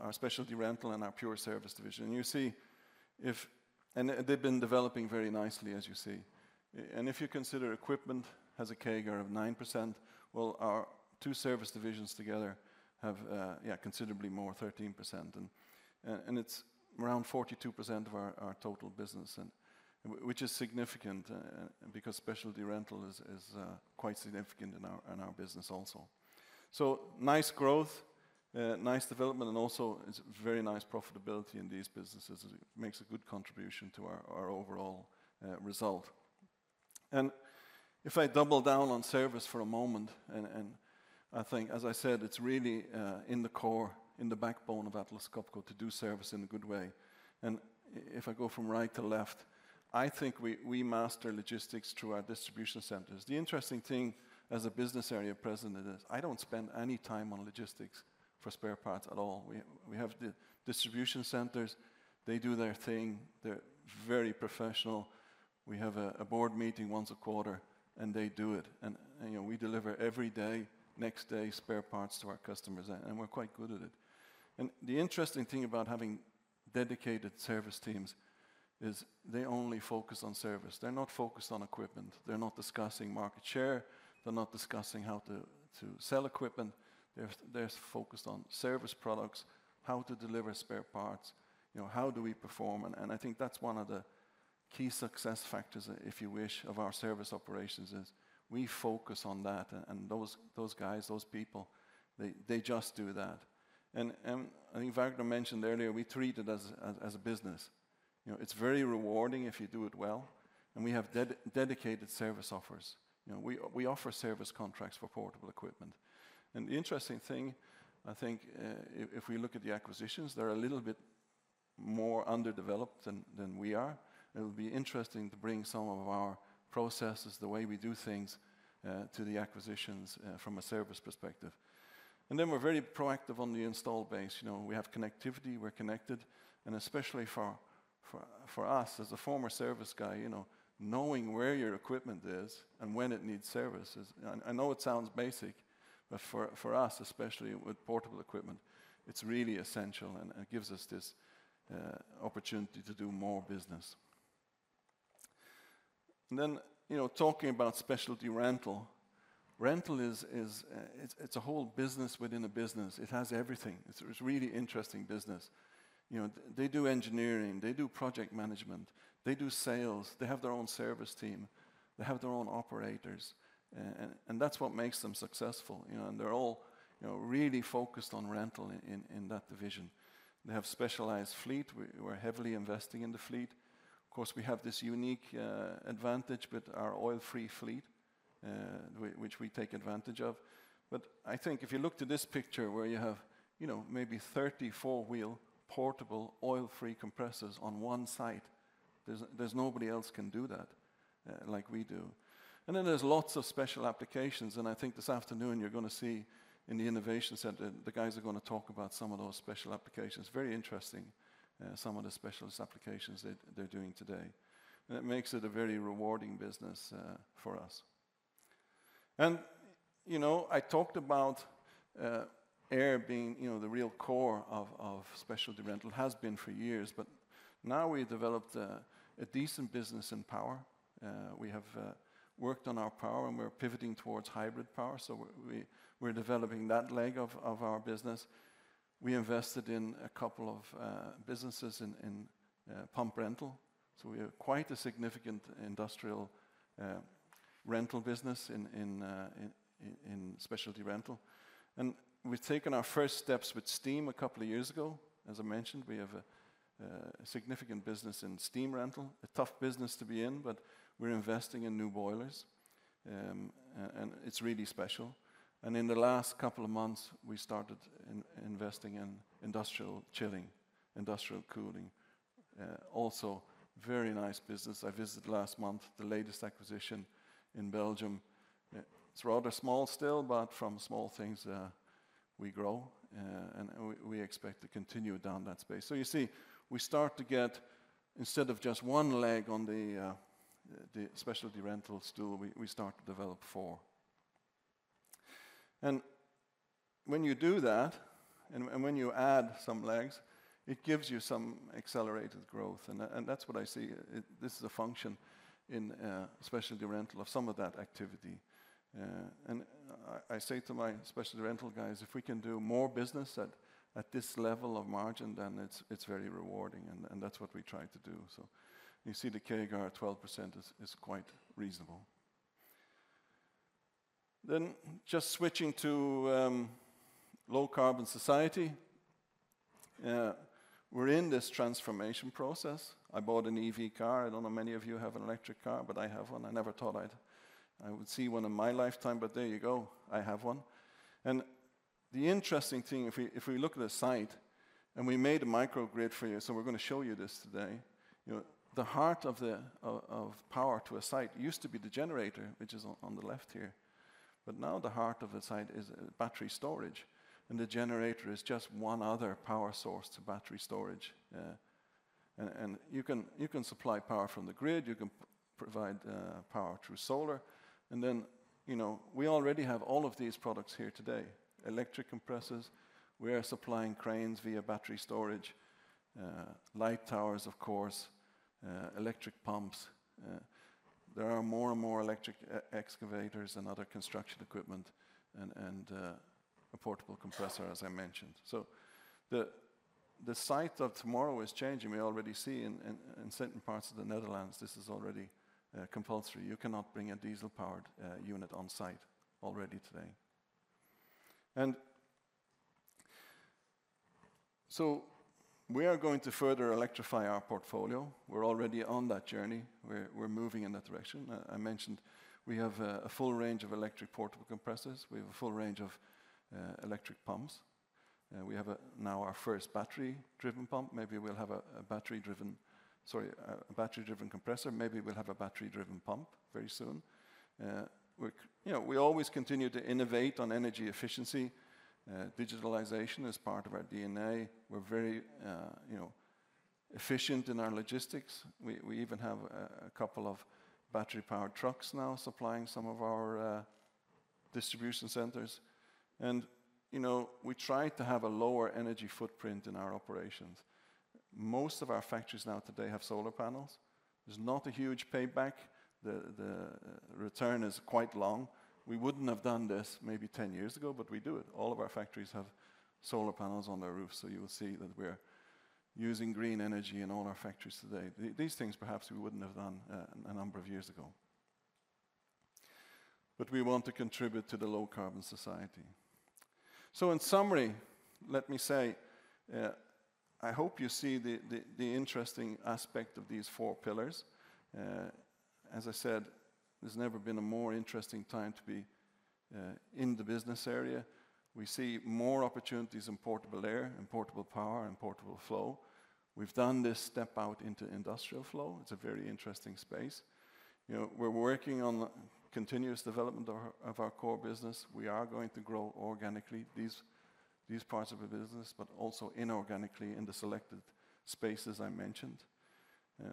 our Specialty Rental and our pure service division. You see, if... And they, they've been developing very nicely, as you see. And if you consider equipment has a CAGR of 9%, well, our two service divisions together have, yeah, considerably more, 13%, and, and it's around 42% of our total business, and which is significant, because Specialty Rental is quite significant in our business also. So nice growth, nice development, and also it's very nice profitability in these businesses. It makes a good contribution to our, our overall result. And if I double down on service for a moment, and I think, as I said, it's really in the core, in the backbone of Atlas Copco to do service in a good way. And if I go from right to left, I think we master logistics through our distribution centers. The interesting thing as a business area president is I don't spend any time on logistics for spare parts at all. We have the distribution centers. They do their thing. They're very professional. We have a board meeting once a quarter, and they do it, and, you know, we deliver every day, next-day spare parts to our customers, and we're quite good at it. And the interesting thing about having dedicated service teams is they only focus on service. They're not focused on equipment. They're not discussing market share. They're not discussing how to sell equipment. They're focused on service products, how to deliver spare parts, you know, how do we perform? And I think that's one of the key success factors, if you wish, of our service operations, is we focus on that, and those guys, those people, they just do that. And I think Vagner mentioned earlier, we treat it as a business. You know, it's very rewarding if you do it well, and we have dedicated service offers. You know, we offer service contracts for portable equipment. The interesting thing, I think, if we look at the acquisitions, they're a little bit more underdeveloped than we are. It'll be interesting to bring some of our processes, the way we do things, to the acquisitions, from a service perspective. Then we're very proactive on the installed base. You know, we have connectivity. We're connected, and especially for us, as a former service guy, you know, knowing where your equipment is and when it needs service is... I know it sounds basic, but for us, especially with portable equipment, it's really essential, and it gives us this opportunity to do more business. Then, you know, talking about Specialty Rental, rental is, it's a whole business within a business. It has everything. It's really interesting business. You know, they do engineering. They do project management. They do sales. They have their own service team. They have their own operators, and that's what makes them successful, you know, and they're all, you know, really focused on rental in that division. They have specialized fleet. We're heavily investing in the fleet. Of course, we have this unique advantage with our oil-free fleet, which we take advantage of. But I think if you looked at this picture where you have, you know, maybe 30 four-wheel, portable, oil-free compressors on one site, there's nobody else can do that like we do. And then there's lots of special applications, and I think this afternoon, you're gonna see in the innovation center, the guys are gonna talk about some of those special applications. Very interesting, some of the specialist applications that they're doing today, and it makes it a very rewarding business for us. You know, I talked about air being, you know, the real core of Specialty Rental, has been for years, but now we developed a decent business in power. We have worked on our power, and we're pivoting towards hybrid power, so we're developing that leg of our business. We invested in a couple of businesses in pump rental, so we have quite a significant rental business in Specialty Rental. We've taken our first steps with steam a couple of years ago. As I mentioned, we have a significant business in steam rental. A tough business to be in, but we're investing in new boilers, and it's really special. And in the last couple of months, we started investing in industrial chilling, industrial cooling. Also very nice business. I visited last month, the latest acquisition in Belgium. It's rather small still, but from small things, we grow, and we expect to continue down that space. So you see, we start to get, instead of just one leg on the Specialty Rental stool, we start to develop four. And when you do that, and when you add some legs, it gives you some accelerated growth, and that's what I see. This is a function in Specialty Rental of some of that activity. And I say to my Specialty Rental guys, "If we can do more business at this level of margin, then it's very rewarding," and that's what we try to do. So you see the CAGR, 12% is quite reasonable. Then just switching to low-carbon society. We're in this transformation process. I bought an EV car. I don't know if many of you have an electric car, but I have one. I never thought I'd see one in my lifetime, but there you go, I have one. And the interesting thing, if we look at a site, and we made a microgrid for you, so we're gonna show you this today. You know, the heart of the power to a site used to be the generator, which is on the left here, but now the heart of the site is battery storage, and the generator is just one other power source to battery storage. And you can supply power from the grid, you can provide power through solar. And then, you know, we already have all of these products here today: electric compressors, we are supplying cranes via battery storage, light towers, of course, electric pumps. There are more and more electric excavators and other construction equipment and a portable compressor, as I mentioned. So the site of tomorrow is changing. We already see in certain parts of the Netherlands, this is already compulsory. You cannot bring a diesel-powered unit on site already today. So we are going to further electrify our portfolio. We're already on that journey. We're moving in that direction. I mentioned we have a full range of electric portable compressors. We have a full range of electric pumps. We have now our first battery-driven pump. Maybe we'll have a battery-driven, sorry, a battery-driven compressor. Maybe we'll have a battery-driven pump very soon. We're, you know, we always continue to innovate on energy efficiency. Digitalization is part of our DNA. We're very, you know, efficient in our logistics. We even have a couple of battery-powered trucks now supplying some of our distribution centers. You know, we try to have a lower energy footprint in our operations. Most of our factories now today have solar panels. There's not a huge payback. The return is quite long. We wouldn't have done this maybe 10 years ago, but we do it. All of our factories have solar panels on their roof, so you will see that we're using green energy in all our factories today. These things perhaps we wouldn't have done a number of years ago. But we want to contribute to the low-carbon society. So in summary, let me say, I hope you see the interesting aspect of these four pillars. As I said, there's never been a more interesting time to be in the business area. We see more opportunities in Portable Air, in portable power, in portable flow. We've done this step out into Industrial Flow. It's a very interesting space. You know, we're working on the continuous development of our, of our core business. We are going to grow organically, these, these parts of the business, but also inorganically in the selected spaces I mentioned.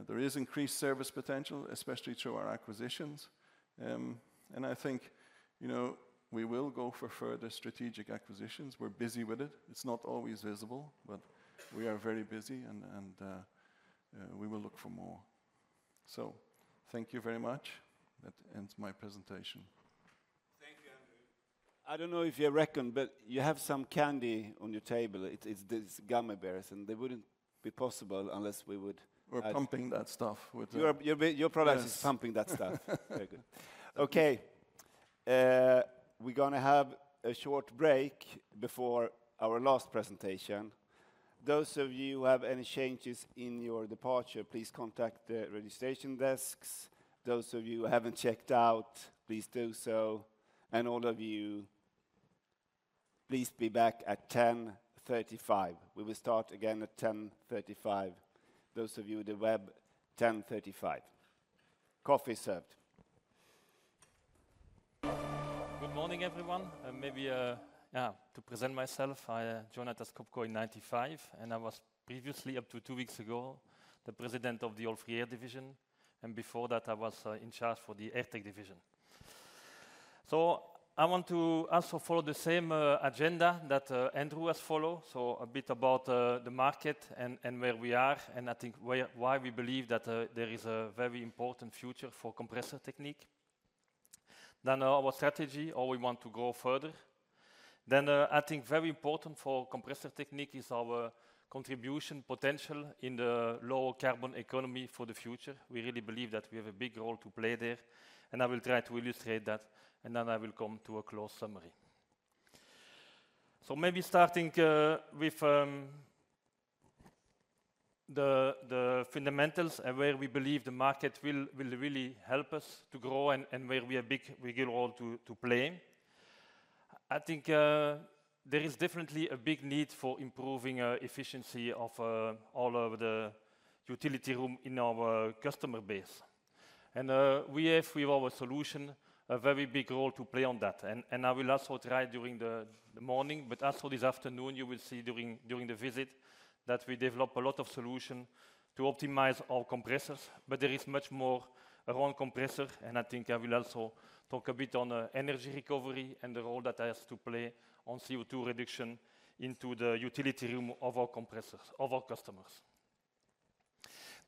There is increased service potential, especially through our acquisitions. And I think, you know, we will go for further strategic acquisitions. We're busy with it. It's not always visible, but we are very busy, and we will look for more. So thank you very much. That ends my presentation. Thank you, Andrew. I don't know if you reckon, but you have some candy on your table. It's, it's these gummy bears, and they wouldn't be possible unless we would- We're pumping that stuff with- Your product- Yes. is pumping that stuff. Very good. Okay, we're gonna have a short break before our last presentation. Those of you who have any changes in your departure, please contact the registration desks. Those of you who haven't checked out, please do so, and all of you, please be back at 10:35 A.M. We will start again at 10:35 A.M. Those of you on the web, 10:35 A.M. Coffee is served. Good morning, everyone, and maybe, yeah, to present myself, I joined Atlas Copco in 1995, and I was previously, up to two weeks ago, the president of the Oil-free Air division, and before that, I was in charge for the Airtec division. So I want to also follow the same agenda that Andrew has followed, so a bit about the market and where we are, and I think why we believe that there is a very important future for Compressor Technique. Then our strategy, how we want to go further. Then, I think very important for Compressor Technique is our contribution potential in the low carbon economy for the future. We really believe that we have a big role to play there, and I will try to illustrate that, and then I will come to a close summary. So maybe starting with the, the fundamentals and where we believe the market will, will really help us to grow and, and where we have big regular role to, to play. I think there is definitely a big need for improving efficiency of all of the utility room in our customer base. And we have, with our solution, a very big role to play on that. And, and I will also try during the, the morning, but also this afternoon, you will see during, during the visit, that we develop a lot of solution to optimize our compressors. But there is much more around compressor, and I think I will also talk a bit on energy recovery and the role that has to play on CO2 reduction into the utility room of our compressors, of our customers.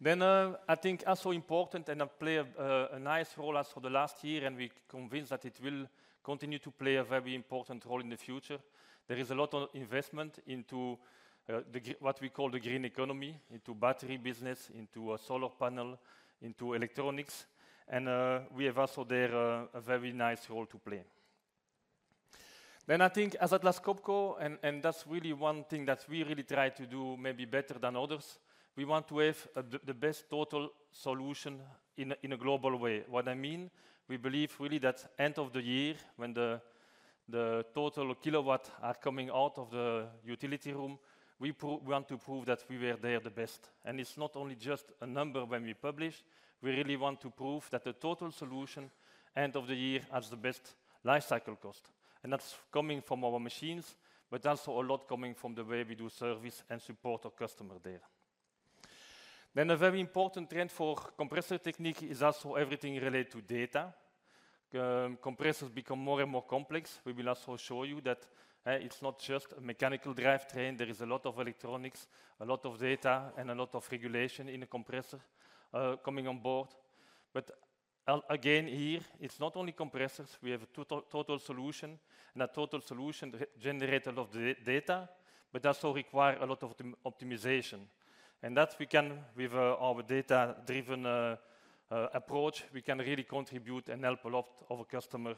Then, I think also important, and play a, a nice role as for the last year, and we're convinced that it will continue to play a very important role in the future. There is a lot of investment into what we call the green economy, into battery business, into a solar panel, into electronics, and we have also there, a, a very nice role to play. Then I think as Atlas Copco, and, and that's really one thing that we really try to do maybe better than others, we want to have the, the best total solution in a, in a global way. What I mean, we believe really that end of the year, when the, the total kilowatt are coming out of the utility room, we want to prove that we were there the best. It's not only just a number when we publish, we really want to prove that the total solution end of the year has the best life cycle cost. That's coming from our machines, but also a lot coming from the way we do service and support our customer there. A very important trend for Compressor Technique is also everything related to data. Compressors become more and more complex. We will also show you that, it's not just a mechanical drivetrain, there is a lot of electronics, a lot of data, and a lot of regulation in a compressor coming on board. But again, here, it's not only compressors. We have a total solution, and a total solution generate a lot of data, but also require a lot of optimization. That we can, with our data-driven approach, we can really contribute and help a lot of our customer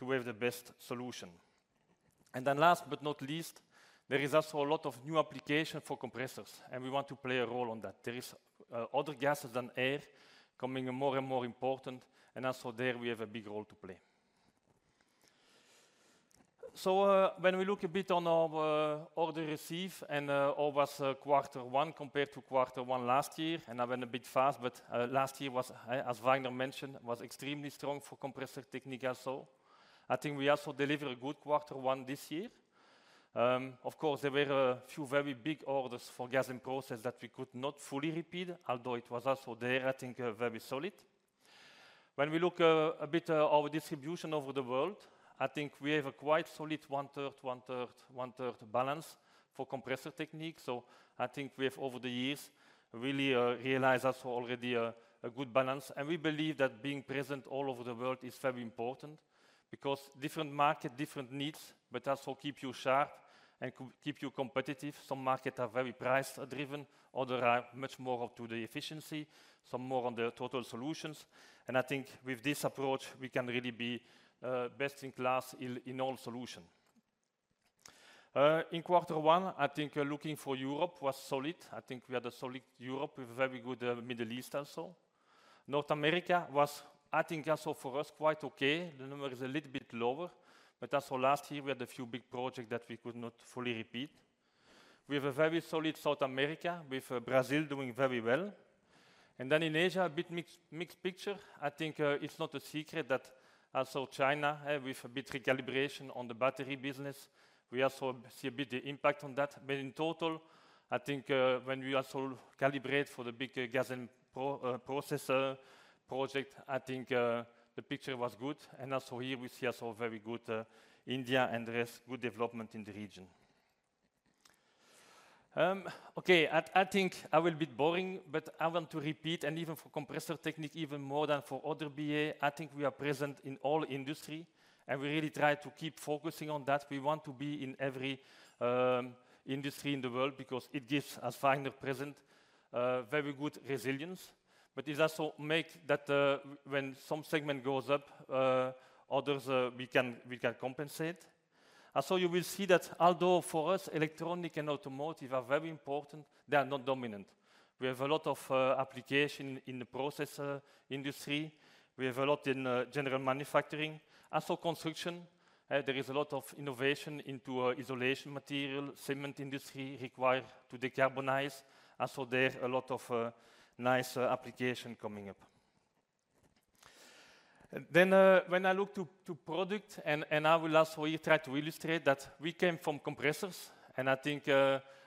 to have the best solution. And then last but not least, there is also a lot of new application for compressors, and we want to play a role on that. There is other gases than air becoming more and more important, and also there we have a big role to play. So, when we look a bit on our order intake and orders quarter one compared to quarter one last year, and I went a bit fast, but last year was, as Vagner mentioned, was extremely strong for Compressor Technique also. I think we also delivered a good quarter one this year. Of course, there were a few very big orders for Gas and Process that we could not fully repeat, although it was also there, I think, very solid. When we look a bit our distribution over the world, I think we have a quite solid 1/3, 1/3, 1/3 balance for Compressor Technique. So I think we have, over the years, really, realized also already a good balance. And we believe that being present all over the world is very important because different market, different needs, but also keep you sharp and keep you competitive. Some market are very price-driven, others are much more up to the efficiency, some more on the total solutions. And I think with this approach, we can really be best in class in all solution. In quarter one, I think looking for Europe was solid. I think we had a solid Europe, with very good Middle East also. North America was, I think also for us, quite okay. The number is a little bit lower, but also last year, we had a few big project that we could not fully repeat. We have a very solid South America, with Brazil doing very well. And then in Asia, a bit mixed, mixed picture. I think, it's not a secret that also China, with a bit recalibration on the battery business, we also see a bit impact on that. But in total, I think, when we also calibrate for the big gas and propane processor project, I think, the picture was good. And also here we see also very good India and there's good development in the region. Okay, I think I will be boring, but I want to repeat, and even for Compressor Technique, even more than for other BA, I think we are present in all industry, and we really try to keep focusing on that. We want to be in every industry in the world because it gives, as far as present, a very good resilience. But it also make that, when some segment goes up, others, we can compensate. Also, you will see that although for us, electronic and automotive are very important, they are not dominant. We have a lot of application in the processor industry. We have a lot in general manufacturing. Also, construction, there is a lot of innovation into insulation material. Cement industry require to decarbonize. Also, there's a lot of nice application coming up. Then, when I look to product and I will also try to illustrate that we came from compressors, and I think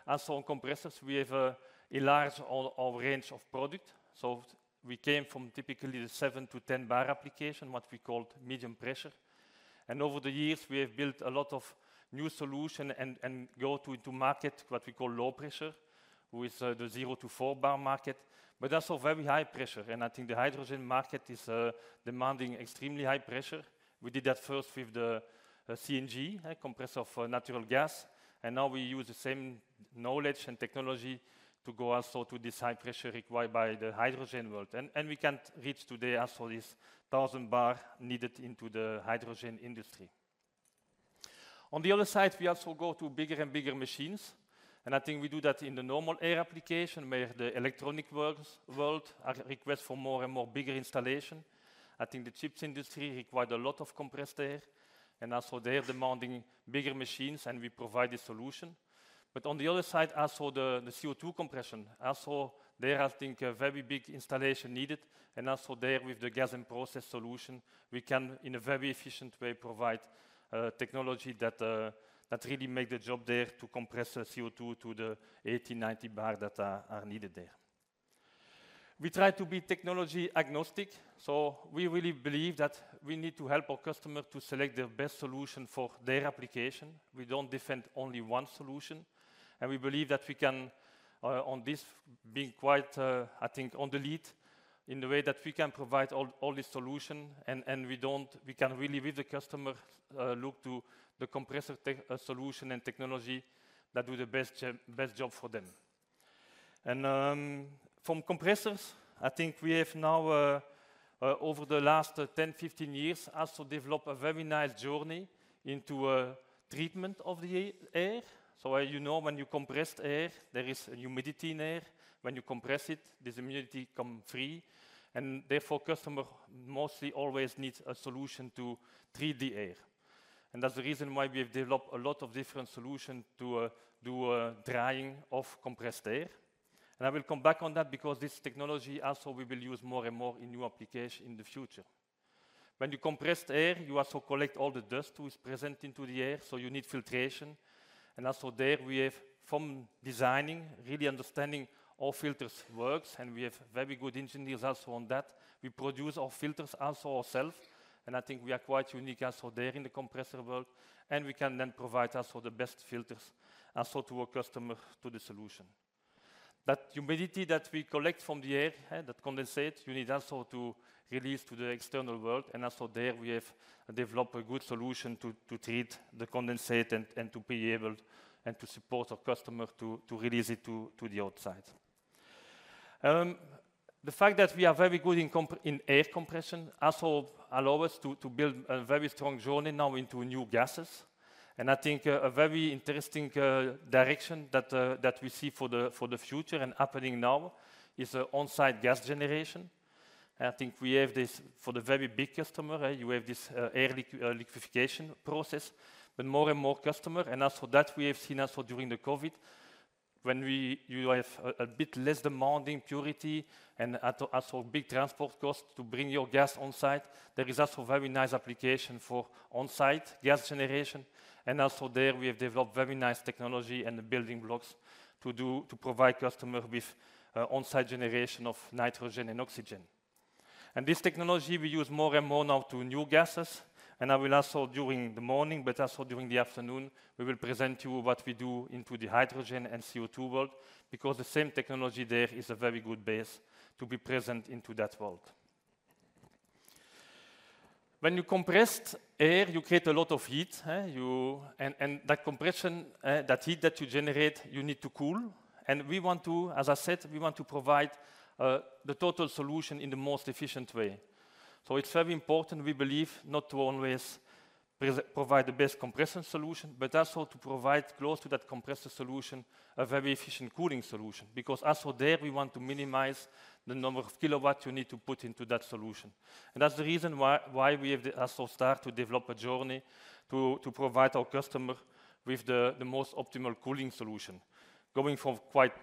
also on compressors, we have a large all-over range of product. So we came from typically the seven-10 bar application, what we call medium pressure. And over the years, we have built a lot of new solution and go to market what we call low pressure, with the zero-four bar market, but also very high pressure. And I think the hydrogen market is demanding extremely high pressure. We did that first with the CNG compressor for natural gas, and now we use the same knowledge and technology to go also to this high pressure required by the hydrogen world. We can't reach today as for this 1,000 bar needed into the hydrogen industry. On the other side, we also go to bigger and bigger machines, and I think we do that in the normal air application, where the electronic world request for more and more bigger installation. I think the chips industry required a lot of compressed air, and also they're demanding bigger machines, and we provide a solution. But on the other side, also the CO2 compression, also there I think a very big installation needed. And also there, with the Gas and Process solution, we can, in a very efficient way, provide technology that really make the job there to compress the CO2 to the 80-90 bar that needed there. We try to be technology agnostic, so we really believe that we need to help our customer to select the best solution for their application. We don't defend only one solution, and we believe that we can on this being quite, I think on the lead, in the way that we can provide all, all the solution and, and we don't we can really with the customer look to the compressor solution and technology that do the best job, best job for them. From compressors, I think we have now over the last 10, 15 years, also developed a very nice journey into treatment of the air. So you know, when you compressed air, there is a humidity in air. When you compress it, this humidity comes free, and therefore customer mostly always needs a solution to treat the air. That's the reason why we have developed a lot of different solutions to do a drying of compressed air. I will come back on that, because this technology also we will use more and more in new applications in the future. When you compress air, you also collect all the dust which is present in the air, so you need filtration. Also there, we have from designing, really understanding how filters work, and we have very good engineers also on that. We produce our filters ourselves, and I think we are quite unique also there in the compressor world, and we can then provide also the best filters to our customer, to the solution. That humidity that we collect from the air, that condensate, you need also to release to the external world. And also there, we have developed a good solution to treat the condensate and to be able and to support our customer to release it to the outside. The fact that we are very good in air compression also allow us to build a very strong journey now into new gases. And I think a very interesting direction that we see for the future and happening now is on-site gas generation. I think we have this for the very big customer, you have this air liquefaction process. But more and more customer, and also that we have seen also during the COVID, when we... You have a bit less demanding purity and also big transport costs to bring your gas on site. There is also very nice application for on-site gas generation. And also there, we have developed very nice technology and the building blocks to provide customer with on-site generation of nitrogen and oxygen. And this technology, we use more and more now to new gases. And I will also during the morning, but also during the afternoon, we will present you what we do into the hydrogen and CO2 world, because the same technology there is a very good base to be present into that world. When you compressed air, you create a lot of heat, you... And that compression, that heat that you generate, you need to cool. We want to, as I said, we want to provide the total solution in the most efficient way. It's very important, we believe, not to always provide the best compression solution, but also to provide close to that compressor solution, a very efficient cooling solution, because also there, we want to minimize the number of kilowatt you need to put into that solution. That's the reason why we have also start to develop a journey to provide our customer with the most optimal cooling solution. Going from quite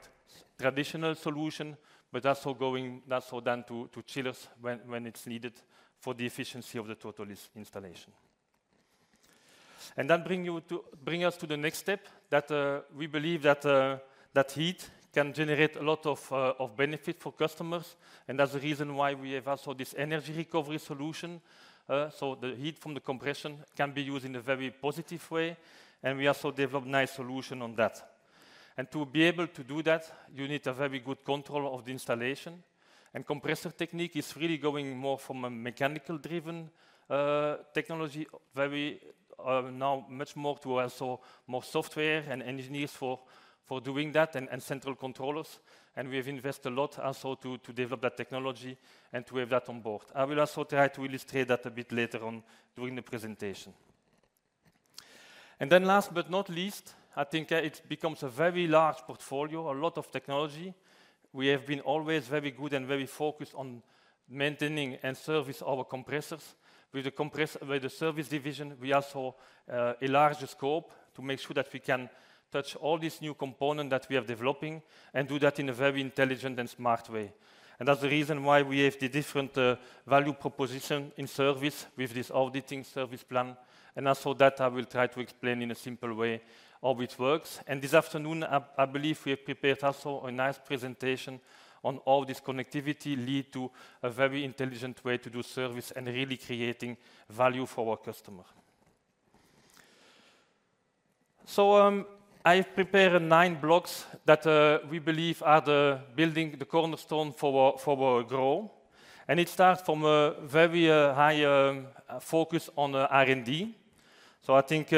traditional solution, but also going then to chillers when it's needed for the efficiency of the total installation. That brings us to the next step, that we believe that heat can generate a lot of benefit for customers, and that's the reason why we have also this energy recovery solution. So the heat from the compression can be used in a very positive way, and we also developed nice solution on that. To be able to do that, you need a very good control of the installation, and Compressor Technique is really going more from a mechanical-driven technology, very now much more to also more software and engineers for doing that, and central controllers. We have invested a lot also to develop that technology and to have that on board. I will also try to illustrate that a bit later on during the presentation. And then last but not least, I think it becomes a very large portfolio, a lot of technology. We have been always very good and very focused on maintaining and service our compressors. With the service division, we also enlarge the scope to make sure that we can touch all these new component that we are developing and do that in a very intelligent and smart way. And that's the reason why we have the different value proposition in service with this auditing service plan. And also that I will try to explain in a simple way how it works. And this afternoon, I believe we have prepared also a nice presentation on how this connectivity lead to a very intelligent way to do service and really creating value for our customer. So, I've prepared nine blocks that we believe are the building blocks, the cornerstone for our, for our growth. It starts from a very high focus on R&D. I think,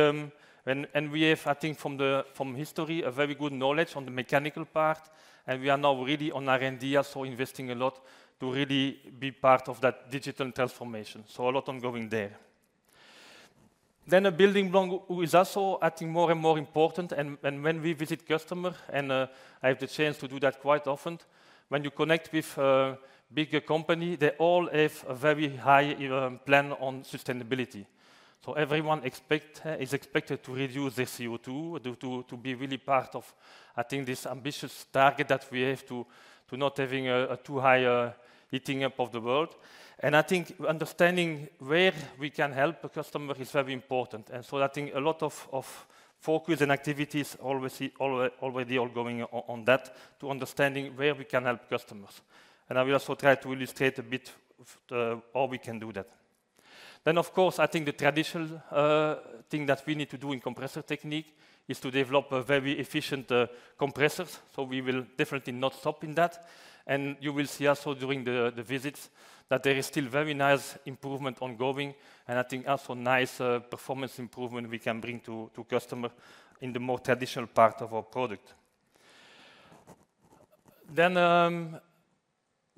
and we have, I think from the, from history, a very good knowledge on the mechanical part, and we are now really on R&D, also investing a lot to really be part of that digital transformation. So a lot going on there. Then a building block, which is also acting more and more important, and when we visit customer, and I have the chance to do that quite often. When you connect with a bigger company, they all have a very high plan on sustainability. So, everyone expects is expected to reduce their CO2 to be really part of, I think, this ambitious target that we have to not having a too high a heating up of the world. And I think understanding where we can help a customer is very important. And so I think a lot of focus and activities already ongoing on that, to understanding where we can help customers. And I will also try to illustrate a bit of how we can do that. Then, of course, I think the traditional thing that we need to do in Compressor Technique is to develop a very efficient compressors. So we will definitely not stop in that, and you will see also during the visits, that there is still very nice improvement ongoing, and I think also nice performance improvement we can bring to customer in the more traditional part of our product. Then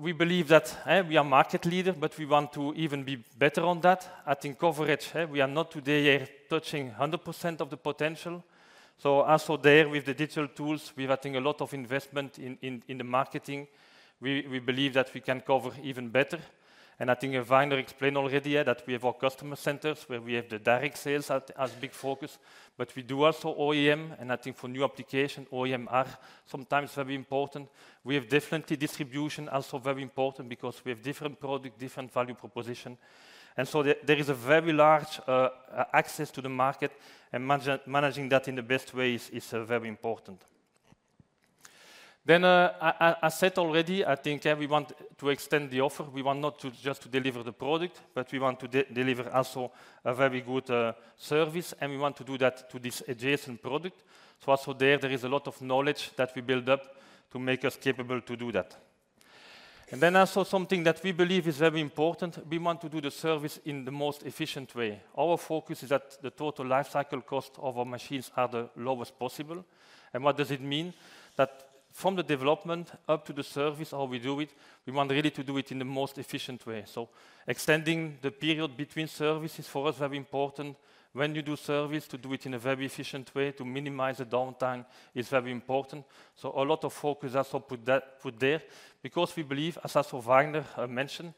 we believe that we are market leader, but we want to even be better on that. I think coverage we are not today touching 100% of the potential. So also there, with the digital tools, we are getting a lot of investment in the marketing. We believe that we can cover even better. And I think Vagner explained already that we have our customer centers, where we have the direct sales as big focus, but we do also OEM, and I think for new application, OEM are sometimes very important. We have definitely distribution, also very important because we have different product, different value proposition. And so there, there is a very large access to the market, and managing that in the first way is very important. Then I said already, I think we want to extend the offer. We want not to just deliver the product, but we want to deliver also a very good service, and we want to do that to this adjacent product. So also there, there is a lot of knowledge that we build up to make us capable to do that. And then also something that we believe is very important, we want to do the service in the most efficient way. Our focus is that the total life cycle cost of our machines are the lowest possible. And what does it mean? That from the development up to the service, how we do it, we want really to do it in the most efficient way. So extending the period between services for us, very important. When you do service, to do it in a very efficient way, to minimize the downtime is very important. So a lot of focus also put there, because we believe, as also Vagner mentioned,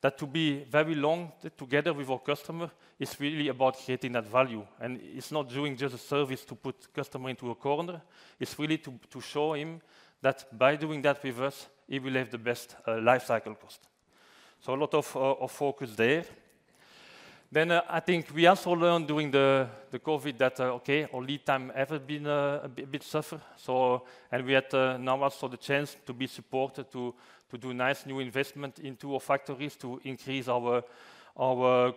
that to be very long together with our customer, is really about creating that value. And it's not doing just a service to put customer into a corner. It's really to show him that by doing that with us, he will have the best life cycle cost. So a lot of focus there. Then, I think we also learned during the COVID that, okay, our lead time have been, a bit suffer. We had now also the chance to be supported to do nice new investment into our factories, to increase our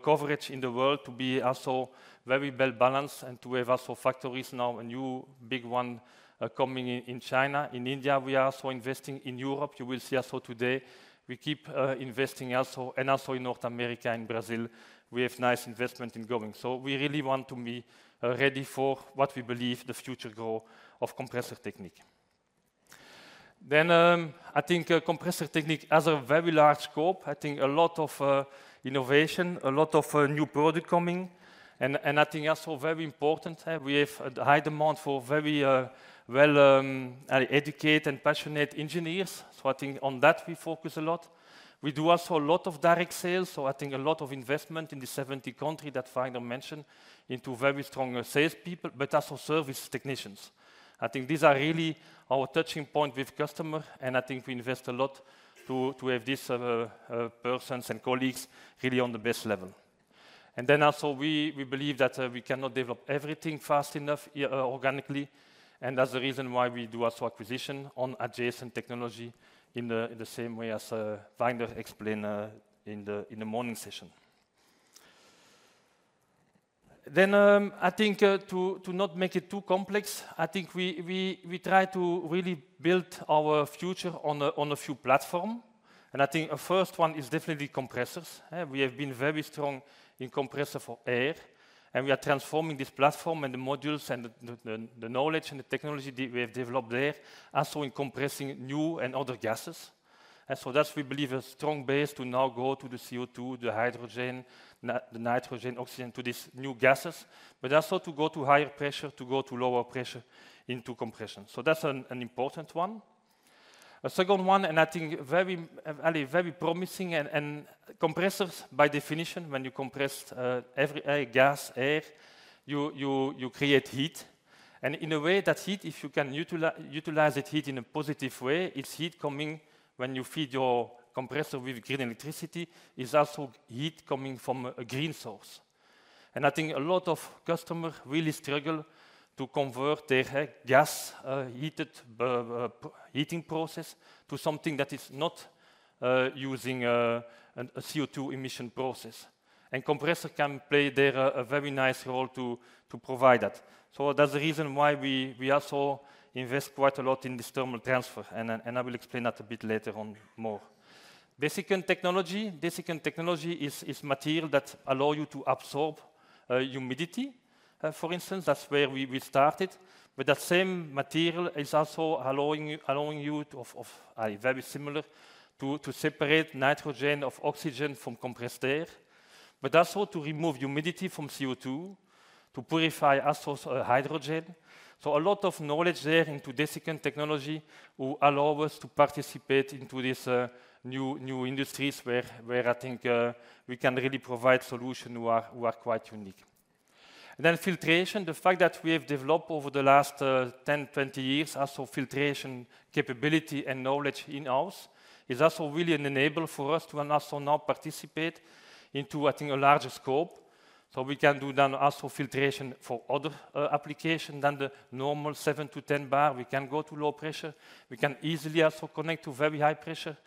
coverage in the world, to be also very well balanced and to have also factories now, a new big one coming in China. In India, we are also investing. In Europe, you will see also today, we keep investing also, and also in North America and Brazil, we have nice investment in going. We really want to be ready for what we believe the future growth of Compressor Technique. I think Compressor Technique has a very large scope. I think a lot of innovation, a lot of new product coming, and I think also very important, we have a high demand for very well educated and passionate engineers. So I think on that, we focus a lot. We do also a lot of direct sales, so I think a lot of investment in the 70 countries that Vagner mentioned into very strong salespeople, but also service technicians. I think these are really our touching point with customer, and I think we invest a lot to have this persons and colleagues really on the best level. And then also, we believe that we cannot develop everything fast enough organically, and that's the reason why we do also acquisition on adjacent technology in the same way as Vagner explained in the morning session. Then, I think, to not make it too complex, I think we try to really build our future on a few platforms, and I think a first one is definitely compressors. We have been very strong in compressors for air, and we are transforming this platform and the modules and the knowledge and the technology that we have developed there, also in compressing new and other gases. And so that's, we believe, a strong base to now go to the CO2, the hydrogen, the nitrogen, oxygen to these new gases, but also to go to higher pressure, to go to lower pressure into compression. So that's an important one. A second one, and I think very promising, and compressors by definition, when you compress every air, gas, air, you create heat. And in a way, that heat, if you can utilize that heat in a positive way, it's heat coming when you feed your compressor with green electricity, is also heat coming from a green source. And I think a lot of customers really struggle to convert their gas heated heating process to something that is not using a CO2 emission process, and compressor can play there a very nice role to provide that. So that's the reason why we also invest quite a lot in this thermal transfer, and I will explain that a bit later on more. Desiccant technology. Desiccant technology is material that allow you to absorb humidity. For instance, that's where we started, but that same material is also allowing you to, very similar to, separate nitrogen of oxygen from compressed air, but also to remove humidity from CO2, to purify also hydrogen. So a lot of knowledge there into desiccant technology will allow us to participate into this new industries, where I think we can really provide solution who are quite unique. Then filtration. The fact that we have developed over the last 10, 20 years, also filtration capability and knowledge in-house, is also really an enable for us to also now participate into, I think, a larger scope. So we can do then also filtration for other application than the normal seven-10 bar. We can go to low pressure. We can easily also connect to very high pressure,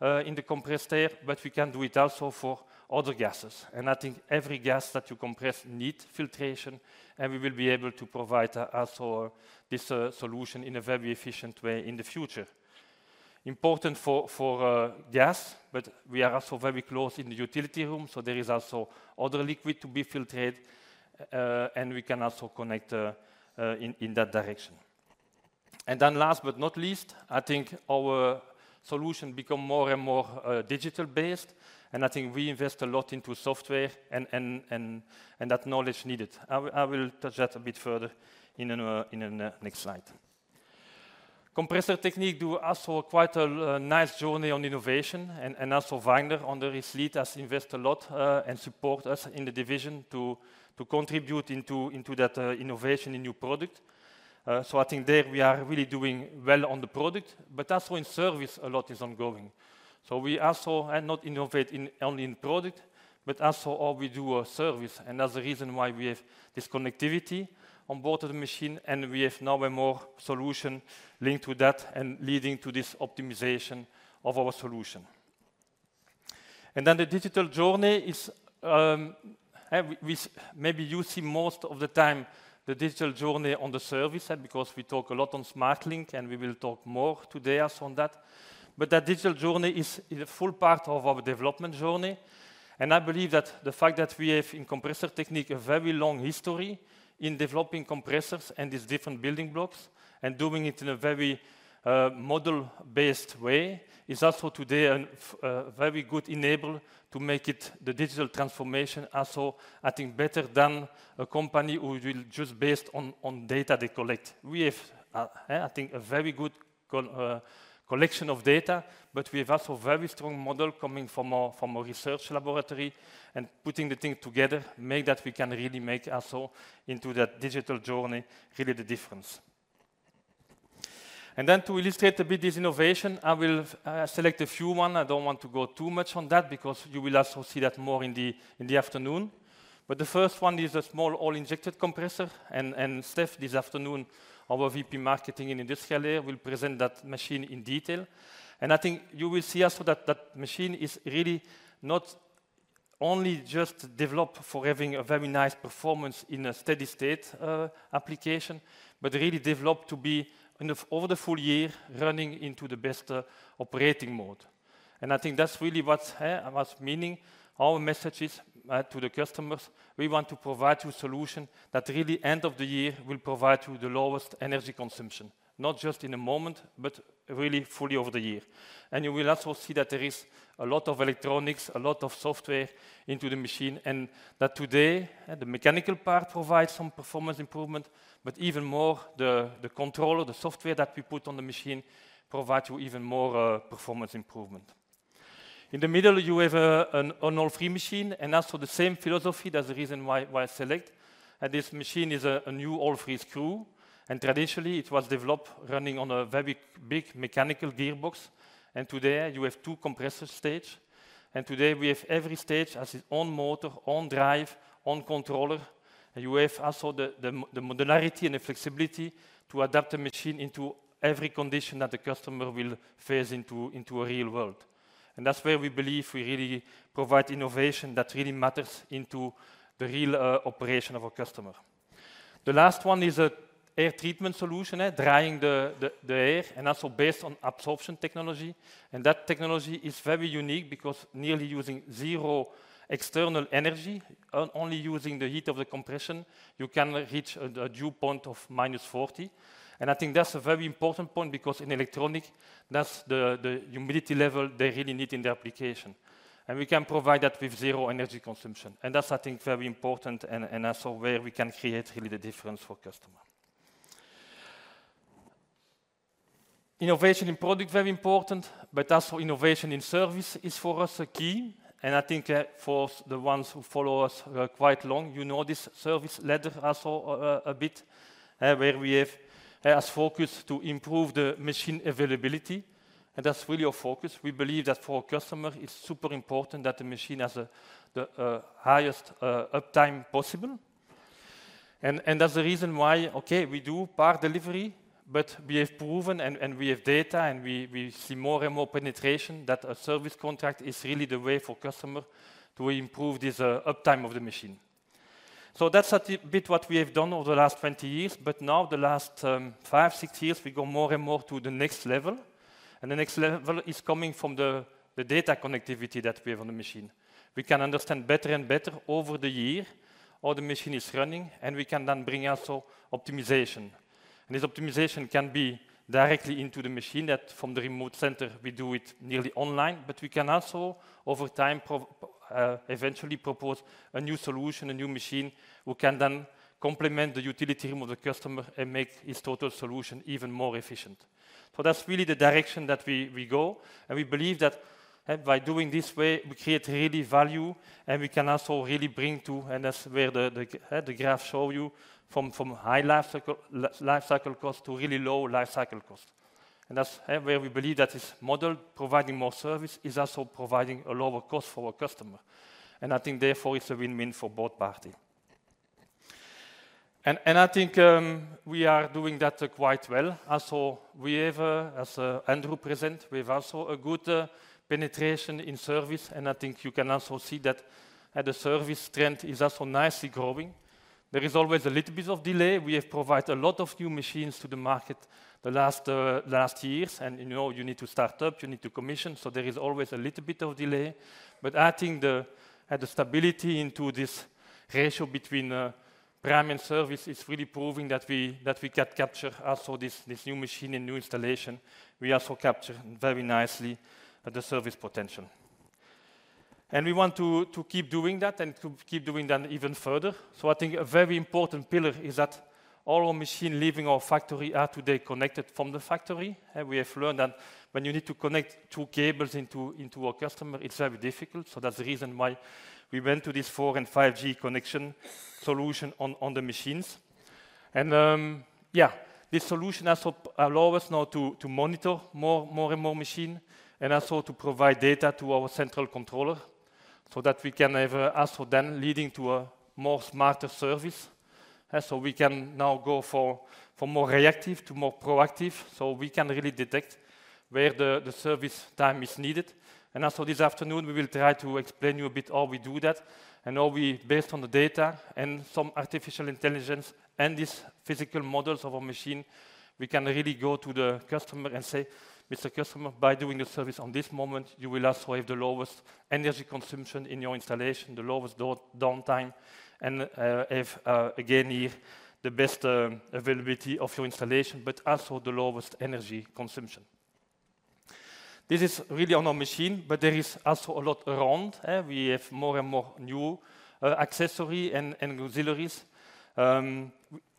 in the compressed air, but we can do it also for other gases. And I think every gas that you compress need filtration, and we will be able to provide also this, solution in a very efficient way in the future. Important for gas, but we are also very close in the utility room, so there is also other liquid to be filtered, and we can also connect, in that direction. And then last but not least, I think our solution become more and more, digital-based, and I think we invest a lot into software and that knowledge needed. I will touch that a bit further in a next slide. Compressor Technique does also quite a nice journey on innovation and also Vagner under this leadership has invested a lot and support us in the division to contribute into that innovation in new product. So I think there we are really doing well on the product, but also in service, a lot is ongoing. So we also innovate not only in product, but also how we do a service, and that's the reason why we have this connectivity on board of the machine, and we have now more solutions linked to that and leading to this optimization of our solution. And then the digital journey is maybe you see most of the time the digital journey on the service side, because we talk a lot on SMARTLINK, and we will talk more today also on that. But that digital journey is a full part of our development journey, and I believe that the fact that we have in Compressor Technique, a very long history in developing compressors and these different building blocks, and doing it in a very, model-based way, is also today, a very good enable to make it the digital transformation. Also, I think, better than a company who will just based on, on data they collect. We have, I think, a very good col, collection of data, but we have also very strong model coming from our, from our research laboratory. And putting the thing together make that we can really make also into that digital journey, really the difference. And then to illustrate a bit this innovation, I will, select a few one. I don't want to go too much on that because you will also see that more in the afternoon. But the first one is a small oil-injected compressor, and Steph, this afternoon, our VP Marketing and Industrial Area, will present that machine in detail. And I think you will see also that that machine is really not only just developed for having a very nice performance in a steady-state application, but really developed to be in the over the full year, running into the best operating mode. And I think that's really what's what's meaning our messages to the customers. We want to provide you solution that really end of the year will provide you the lowest energy consumption, not just in the moment, but really fully over the year. You will also see that there is a lot of electronics, a lot of software into the machine, and that today, the mechanical part provides some performance improvement, but even more the controller, the software that we put on the machine, provide you even more, performance improvement. In the middle, you have an oil-free machine, and also the same philosophy, that's the reason why I select. And this machine is a new oil-free screw, and traditionally it was developed running on a very big mechanical gearbox, and today you have two compressor stage. And today we have every stage as its own motor, own drive, own controller. You have also the modularity and the flexibility to adapt a machine into every condition that the customer will face into a real world. That's where we believe we really provide innovation that really matters into the real operation of a customer. The last one is an air treatment solution, drying the air, and also based on adsorption technology. That technology is very unique because nearly using zero external energy, only using the heat of the compression, you can reach a dew point of -40. I think that's a very important point because in electronics, that's the humidity level they really need in the application. We can provide that with zero energy consumption, and that's, I think, very important and also where we can create really the difference for customer. Innovation in product, very important, but also innovation in service is for us, a key. I think, for the ones who follow us quite long, you know this service ladder also, a bit, where we have has focused to improve the machine availability, and that's really our focus. We believe that for our customer, it's super important that the machine has the highest uptime possible. And that's the reason why, okay, we do part delivery, but we have proven, and we have data, and we see more and more penetration, that a service contract is really the way for customer to improve this uptime of the machine. So that's a bit what we have done over the last 20 years, but now the last five-six years, we go more and more to the next level. And the next level is coming from the data connectivity that we have on the machine. We can understand better and better over the year how the machine is running, and we can then bring also optimization. And this optimization can be directly into the machine, that from the remote center, we do it nearly online. But we can also, over time, eventually propose a new solution, a new machine, who can then complement the utility of the customer and make its total solution even more efficient. So that's really the direction that we go, and we believe that by doing this way, we create really value, and we can also really bring to, and that's where the graph show you from high life cycle cost to really low life cycle cost. And that's where we believe that this model, providing more service, is also providing a lower cost for our customer. And I think therefore it's a win-win for both party. And I think we are doing that quite well. Also, we have, as Andrew present, we have also a good penetration in service, and I think you can also see that at the service trend is also nicely growing. There is always a little bit of delay. We have provided a lot of new machines to the market the last last years, and you know, you need to start up, you need to commission, so there is always a little bit of delay. But I think the, the stability into this ratio between, prime and service is really proving that we, that we can capture also this, this new machine and new installation. We also capture very nicely at the service potential. And we want to, to keep doing that and to keep doing that even further. So I think a very important pillar is that all our machine leaving our factory are today connected from the factory. And we have learned that when you need to connect two cables into, into our customer, it's very difficult. So that's the reason why we went to this 4 and 5G connection solution on, on the machines. This solution also allow us now to monitor more and more machine, and also to provide data to our central controller so that we can have also then leading to a more smarter service. So we can now go for more reactive to more proactive, so we can really detect where the service time is needed. And also this afternoon, we will try to explain you a bit how we do that, and how we, based on the data and some artificial intelligence and these physical models of our machine, we can really go to the customer and say, "Mr. customer, by doing a service on this moment, you will also have the lowest energy consumption in your installation, the lowest downtime, and have again here the best availability of your installation, but also the lowest energy consumption. This is really on our machine, but there is also a lot around. We have more and more new accessory and auxiliaries.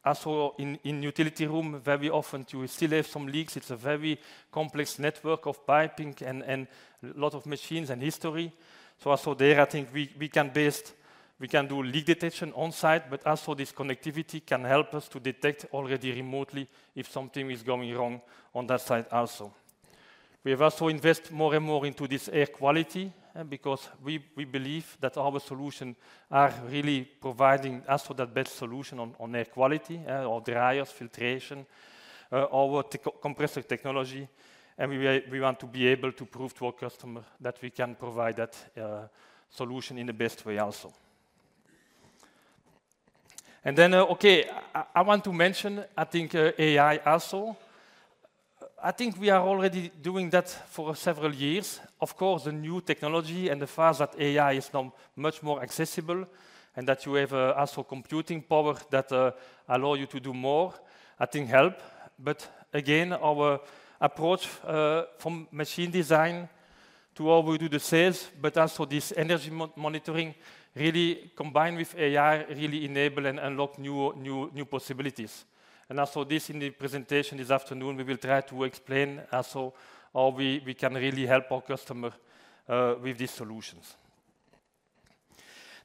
Also in utility room, very often you still have some leaks. It's a very complex network of piping and a lot of machines and history. So also there, I think we can do leak detection on site, but also this connectivity can help us to detect already remotely if something is going wrong on that side also. We have also invest more and more into this air quality, because we, we believe that our solution are really providing also the best solution on, on air quality, or dryers, filtration, our screw compressor technology. And we, we want to be able to prove to our customer that we can provide that, solution in the best way also. And then, okay, I, I want to mention, I think, AI also. I think we are already doing that for several years. Of course, the new technology and the fact that AI is now much more accessible and that you have, also computing power that, allow you to do more, I think help. But again, our approach, from machine design to how we do the sales, but also this energy monitoring, really combined with AI, really enable and unlock new possibilities. And also this in the presentation this afternoon, we will try to explain also how we can really help our customer with these solutions.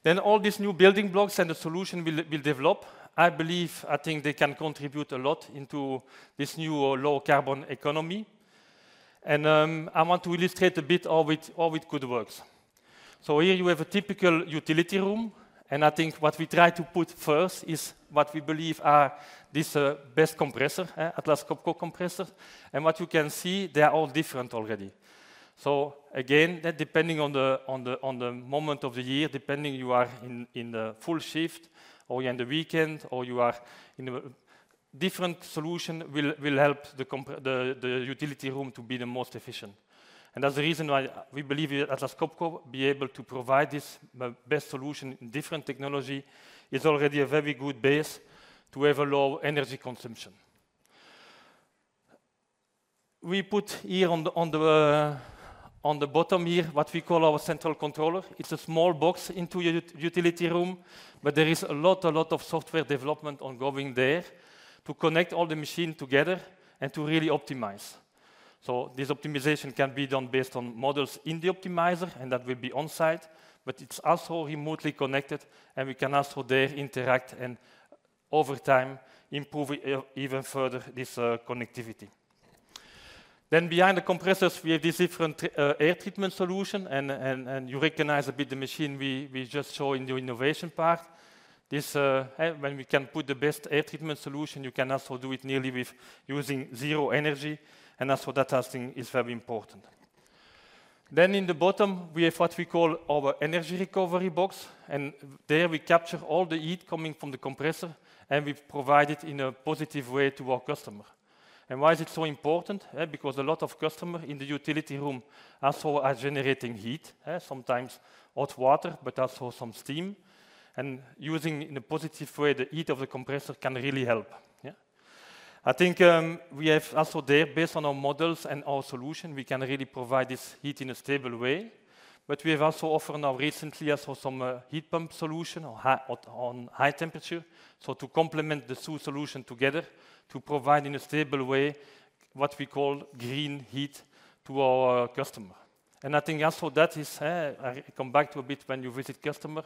Then all these new building blocks and the solution we'll develop, I believe, I think they can contribute a lot into this new low-carbon economy. And I want to illustrate a bit how it could work. So here you have a typical utility room, and I think what we try to put first is what we believe are this best compressor, Atlas Copco compressor. And what you can see, they are all different already. So again, that depending on the moment of the year, depending you are in the full shift or in the weekend, or you are in a... Different solution will help the utility room to be the most efficient. And that's the reason why we believe Atlas Copco be able to provide this the best solution in different technology. It's already a very good base to have a low energy consumption. We put here on the bottom here, what we call our central controller. It's a small box into utility room, but there is a lot of software development ongoing there to connect all the machine together and to really optimize. So this optimization can be done based on models in the optimizer, and that will be on site, but it's also remotely connected, and we can also there interact and over time, improve even further, this connectivity. Then behind the compressors, we have this different air treatment solution, and you recognize a bit the machine we just show in the innovation part. This, when we can put the best air treatment solution, you can also do it nearly with using zero energy, and also that testing is very important. Then in the bottom, we have what we call our energy recovery box, and there we capture all the heat coming from the compressor, and we provide it in a positive way to our customer. And why is it so important? Because a lot of customer in the utility room also are generating heat, sometimes hot water, but also some steam, and using in a positive way, the heat of the compressor can really help. Yeah. I think we have also there, based on our models and our solution, we can really provide this heat in a stable way. But we have also offered now recently also some heat pump solution or high on high temperature, so to complement the two solution together, to provide in a stable way what we call green heat to our customer. And I think also that is. I come back to a bit when you visit customer,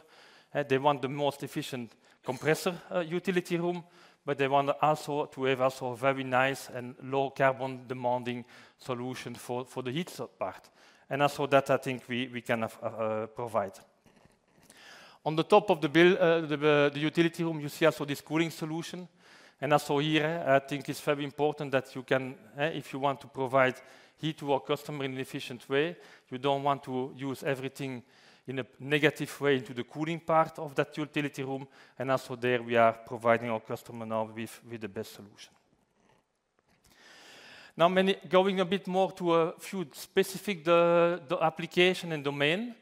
they want the most efficient compressor utility room, but they want also to have also a very nice and low carbon demanding solution for the heat part. And also that I think we, we can provide. On the top of the building, the utility room, you see also this cooling solution. And also here, I think it's very important that you can, if you want to provide heat to our customer in an efficient way, you don't want to use everything in a negative way to the cooling part of that utility room, and also there we are providing our customer now with, with the best solution. Now, going a bit more to a few specific the application and domain.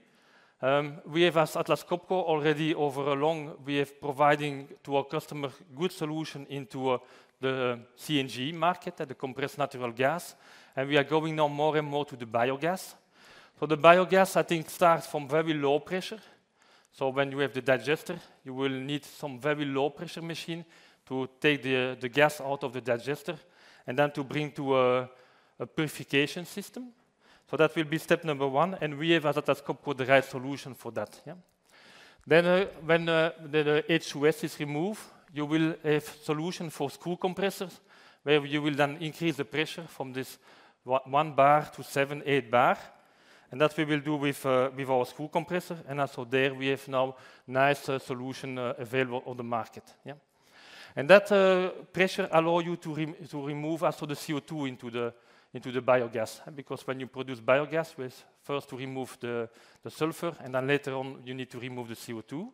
We have as Atlas Copco already over a long, we have providing to our customer good solution into the CNG market, that is the compressed natural gas, and we are going now more and more to the biogas. So the biogas, I think, starts from very low pressure. So when you have the digester, you will need some very low pressure machine to take the gas out of the digester and then to bring to a purification system. So that will be step number 1, and we have at Atlas Copco the right solution for that, yeah. Then when the H2S is removed, you will have solution for screw compressors, where you will then increase the pressure from this 1 bar to 7-8 bar, and that we will do with our screw compressor. And also there we have now nice solution available on the market. Yeah. And that pressure allow you to remove also the CO2 into the biogas, because when you produce biogas, you first remove the sulfur, and then later on, you need to remove the CO2.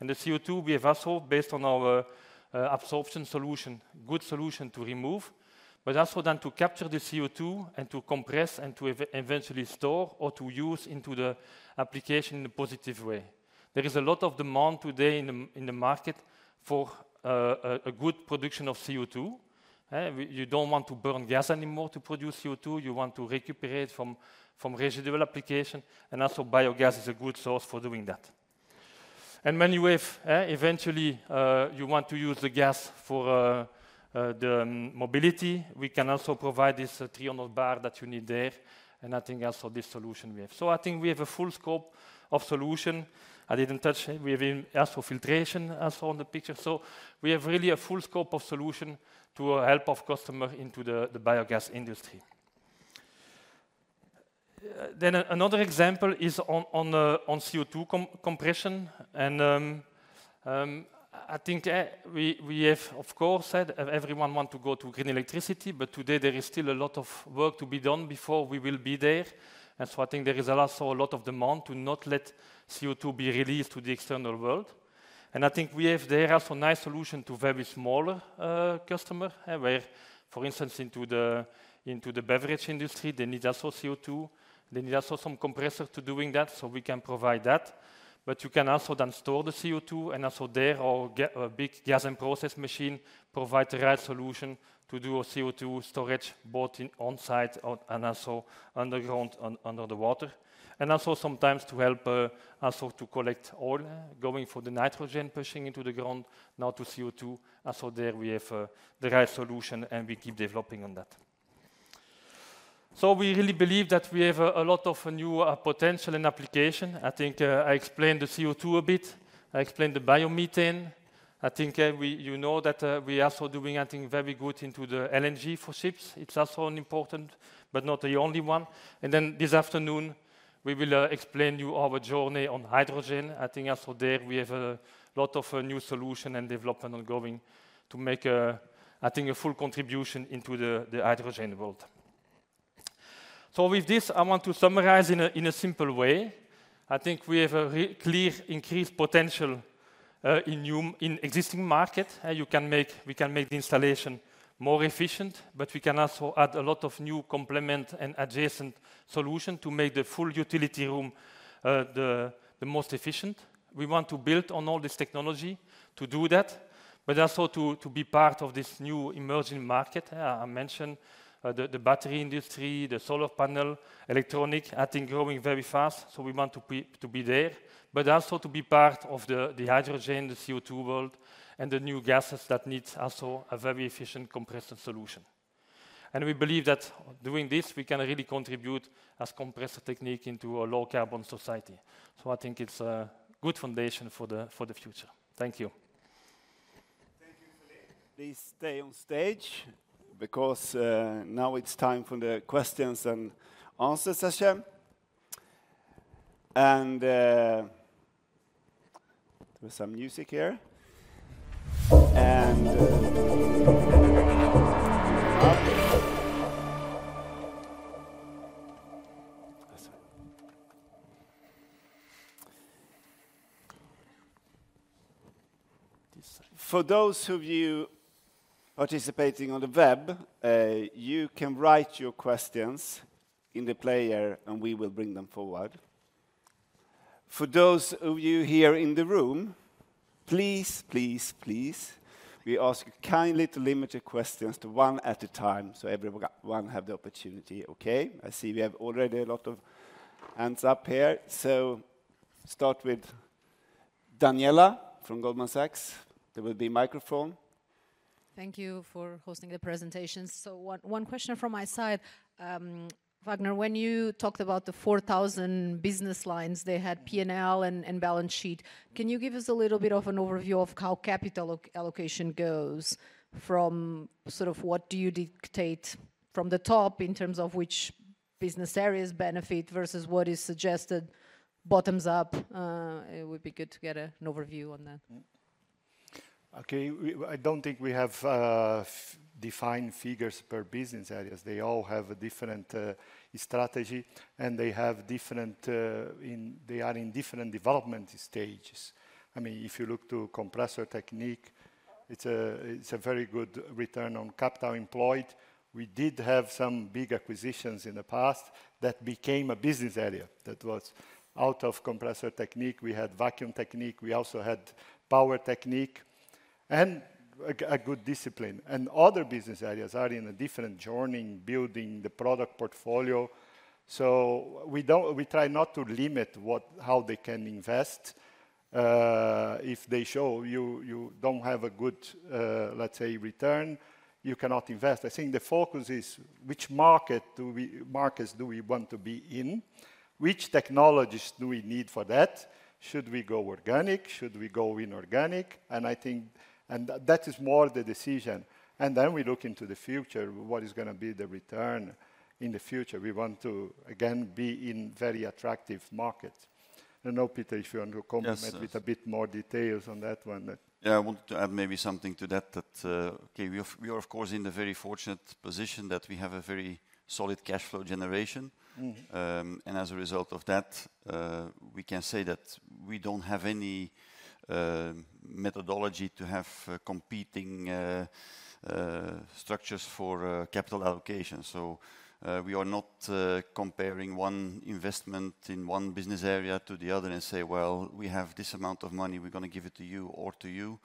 And the CO2, we have also, based on our adsorption solution, good solution to remove, but also then to capture the CO2 and to compress and to eventually store or to use into the application in a positive way. There is a lot of demand today in the market for a good production of CO2. You don't want to burn gas anymore to produce CO2. You want to recuperate from residual application, and also biogas is a good source for doing that. And many ways, eventually, you want to use the gas for the mobility. We can also provide this 300 bar that you need there, and I think also this solution we have. So I think we have a full scope of solution. I didn't touch, we have also filtration, as on the picture. So we have really a full scope of solution to help of customer into the biogas industry. Then another example is on CO2 compression, and I think we have, of course, said everyone want to go to green electricity, but today there is still a lot of work to be done before we will be there. And so I think there is also a lot of demand to not let CO2 be released to the external world. And I think we have there also a nice solution to very small customer, where, for instance, into the beverage industry, they need also CO2. They need also some compressor to doing that, so we can provide that. But you can also then store the CO2, and also there, or get a big Gas and Process machine, provide the right solution to do a CO2 storage, both in on-site and also underground, under the water. And also sometimes to help, also to collect oil, going for the nitrogen, pushing into the ground, now to CO2. And so there we have, the right solution, and we keep developing on that. So we really believe that we have a lot of new potential in application. I think, I explained the CO2 a bit. I explained the biomethane. I think, we... You know that, we are also doing, I think, very good into the LNG for ships. It's also an important, but not the only one. And then this afternoon, we will, explain you our journey on hydrogen. I think also there, we have a lot of new solution and development ongoing to make, I think, a full contribution into the, the hydrogen world. So with this, I want to summarize in a, in a simple way. I think we have a really clear increased potential, in new, in existing market. You can make—we can make the installation more efficient, but we can also add a lot of new complementary and adjacent solution to make the full utility room, the, the most efficient. We want to build on all this technology to do that, but also to, to be part of this new emerging market. I mentioned the battery industry, the solar panel, electronic, I think, growing very fast, so we want to be there, but also to be part of the hydrogen, the CO2 world, and the new gases that needs also a very efficient compressor solution. And we believe that doing this, we can really contribute as Compressor Technique into a low carbon society. So I think it's a good foundation for the future. Thank you.... Please stay on stage, because, now it's time for the questions and answer session. And, there's some music here. And, for those of you participating on the web, you can write your questions in the player, and we will bring them forward. For those of you here in the room, please, please, please, we ask you kindly to limit your questions to one at a time, so everyone have the opportunity, okay? I see we have already a lot of hands up here. So start with Daniela from Goldman Sachs. There will be microphone. Thank you for hosting the presentation. So one question from my side. Vagner, when you talked about the 4,000 business lines, they had P&L and balance sheet. Can you give us a little bit of an overview of how capital allocation goes from sort of what do you dictate from the top in terms of which business areas benefit versus what is suggested bottoms up? It would be good to get an overview on that. Mm-hmm. Okay, we, I don't think we have defined figures per business areas. They all have a different strategy, and they have different. They are in different development stages. I mean, if you look to Compressor Technique, it's a, it's a very good return on capital employed. We did have some big acquisitions in the past that became a business area that was out of Compressor Technique. We had Vacuum Technique, we also had Power Technique and a good discipline. And other business areas are in a different journey, building the product portfolio. So we don't, we try not to limit what, how they can invest. If they show you, you don't have a good, let's say, return, you cannot invest. I think the focus is which market do we, markets do we want to be in? Which technologies do we need for that? Should we go organic? Should we go inorganic? And I think, and that is more the decision, and then we look into the future. What is gonna be the return in the future? We want to, again, be in very attractive markets. I don't know, Peter, if you want to comment- Yes... with a bit more details on that one. Yeah, I want to add maybe something to that, okay, we are of course in the very fortunate position that we have a very solid cash flow generation. Mm-hmm. And as a result of that, we can say that we don't have any methodology to have competing structures for capital allocation. So, we are not comparing one investment in one business area to the other and say, "Well, we have this amount of money. We're gonna give it to you or to you.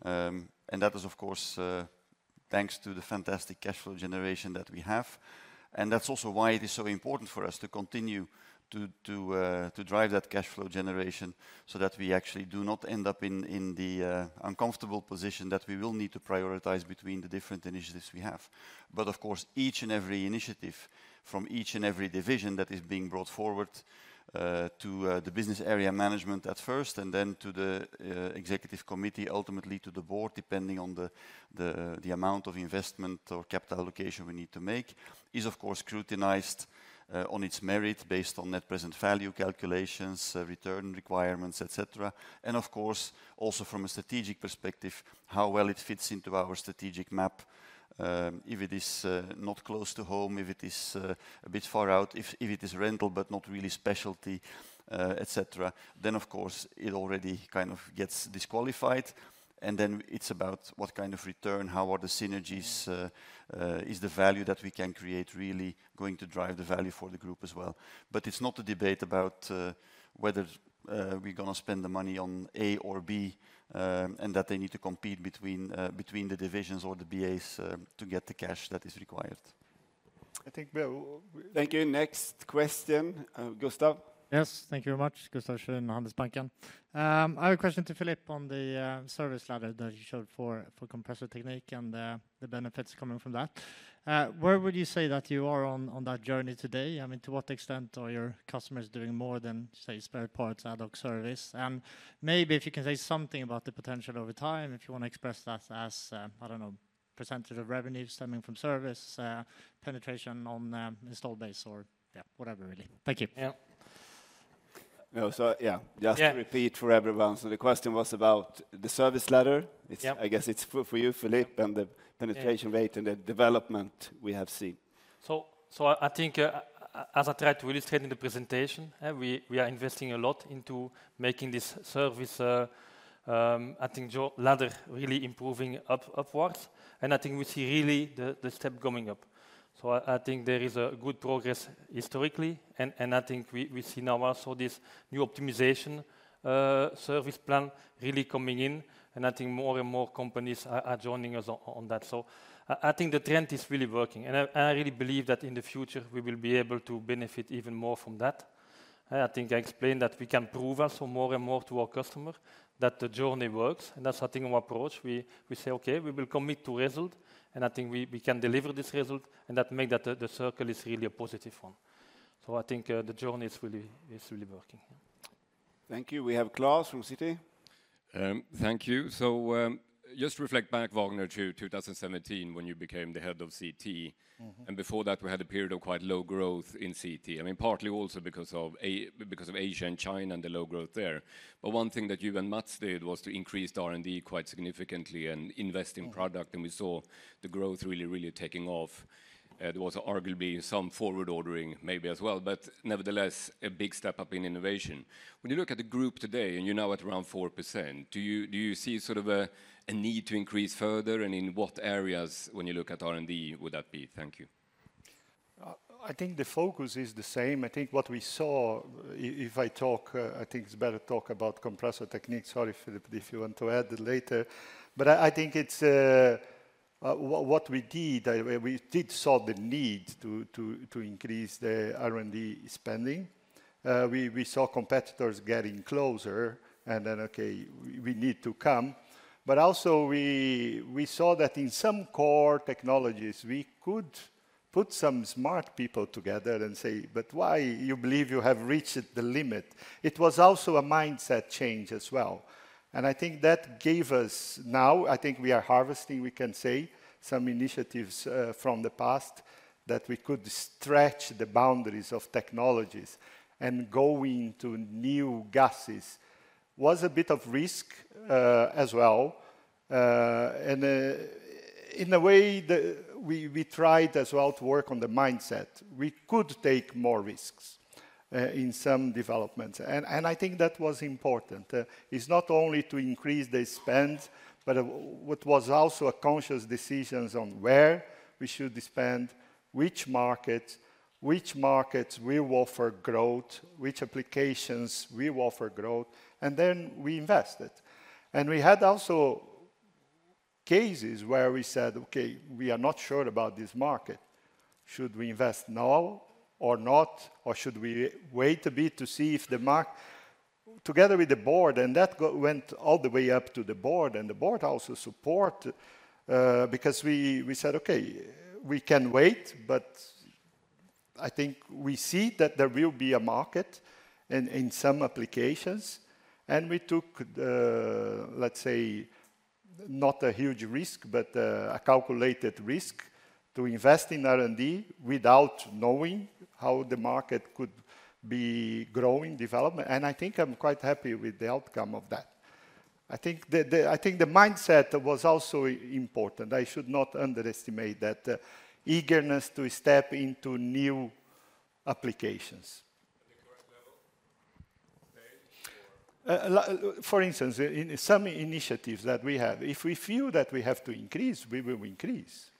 Mm-hmm. And that is of course, thanks to the fantastic cash flow generation that we have, and that's also why it is so important for us to continue to drive that cash flow generation, so that we actually do not end up in the uncomfortable position that we will need to prioritize between the different initiatives we have. But of course, each and every initiative from each and every division that is being brought forward to the business area management at first, and then to the executive committee, ultimately to the board, depending on the amount of investment or capital allocation we need to make, is of course scrutinized on its merit based on net present value calculations, return requirements, et cetera. And of course, also from a strategic perspective, how well it fits into our strategic map. If it is not close to home, if it is a bit far out, if it is rental, but not really specialty, et cetera, then of course it already kind of gets disqualified. And then it's about what kind of return, how are the synergies, is the value that we can create really going to drive the value for the group as well? But it's not a debate about whether we're gonna spend the money on A or B, and that they need to compete between the divisions or the BAs to get the cash that is required. I think, well, thank you. Next question, Gustaf? Yes, thank you very much. Gustaf Schwerin, Handelsbanken. I have a question to Philippe on the service ladder that you showed for Compressor Technique and the benefits coming from that. Where would you say that you are on that journey today? I mean, to what extent are your customers doing more than, say, spare parts, ad hoc service? And maybe if you can say something about the potential over time, if you want to express that as, I don't know, percentage of revenue stemming from service, penetration on the installed base or, yeah, whatever, really. Thank you. Yeah. So yeah- Yeah. Just to repeat for everyone. So the question was about the service ladder. Yeah. I guess it's for you, Philippe, and the- Yeah... penetration rate and the development we have seen. So, I think, as I tried to illustrate in the presentation, we are investing a lot into making this service really improving upwards, and I think we see really the step going up. So I think there is a good progress historically, and I think we see now also this new optimization service plan really coming in, and I think more and more companies are joining us on that. So I think the trend is really working, and I really believe that in the future we will be able to benefit even more from that. I think I explained that we can prove also more and more to our customer that the journey works, and that's I think our approach. We say: "Okay, we will commit to result, and I think we can deliver this result, and that make the circle really a positive one." So I think the journey is really working.... Thank you. We have Klas from Citi. Thank you. Just reflect back, Vagner, to 2017 when you became the Head of CT. Mm-hmm. Before that, we had a period of quite low growth in CT. I mean, partly also because of Asia and China, and the low growth there. But one thing that you and Mats did was to increase R&D quite significantly and invest in product, and we saw the growth really, really taking off. There was arguably some forward ordering maybe as well, but nevertheless, a big step up in innovation. When you look at the group today, and you're now at around 4%, do you, do you see sort of a, a need to increase further? And in what areas, when you look at R&D, would that be? Thank you. I think the focus is the same. I think what we saw, if I talk, I think it's better to talk about Compressor Techniques. Sorry, Philippe, if you want to add it later. But I think it's, what we did, we did saw the need to increase the R&D spending. We saw competitors getting closer, and then, okay, we need to come. But also, we saw that in some core technologies, we could put some smart people together and say, "But why you believe you have reached the limit?" It was also a mindset change as well, and I think that gave us now, I think we are harvesting, we can say, some initiatives from the past, that we could stretch the boundaries of technologies and go into new gases. was a bit of risk, as well. And, in a way, we tried as well to work on the mindset. We could take more risks in some developments. And I think that was important. It's not only to increase the spend, but what was also a conscious decision on where we should spend, which market, which markets will offer growth, which applications will offer growth, and then we invested. And we had also cases where we said: Okay, we are not sure about this market. Should we invest now or not, or should we wait a bit to see if the mark...? Together with the board, and that went all the way up to the board, and the board also support, because we said, "Okay, we can wait, but I think we see that there will be a market in some applications." And we took, let's say, not a huge risk, but a calculated risk to invest in R&D without knowing how the market could be growing, development. And I think I'm quite happy with the outcome of that. I think the mindset was also important. I should not underestimate that eagerness to step into new applications. At the current level, okay, or? For instance, in some initiatives that we have, if we feel that we have to increase, we will increase.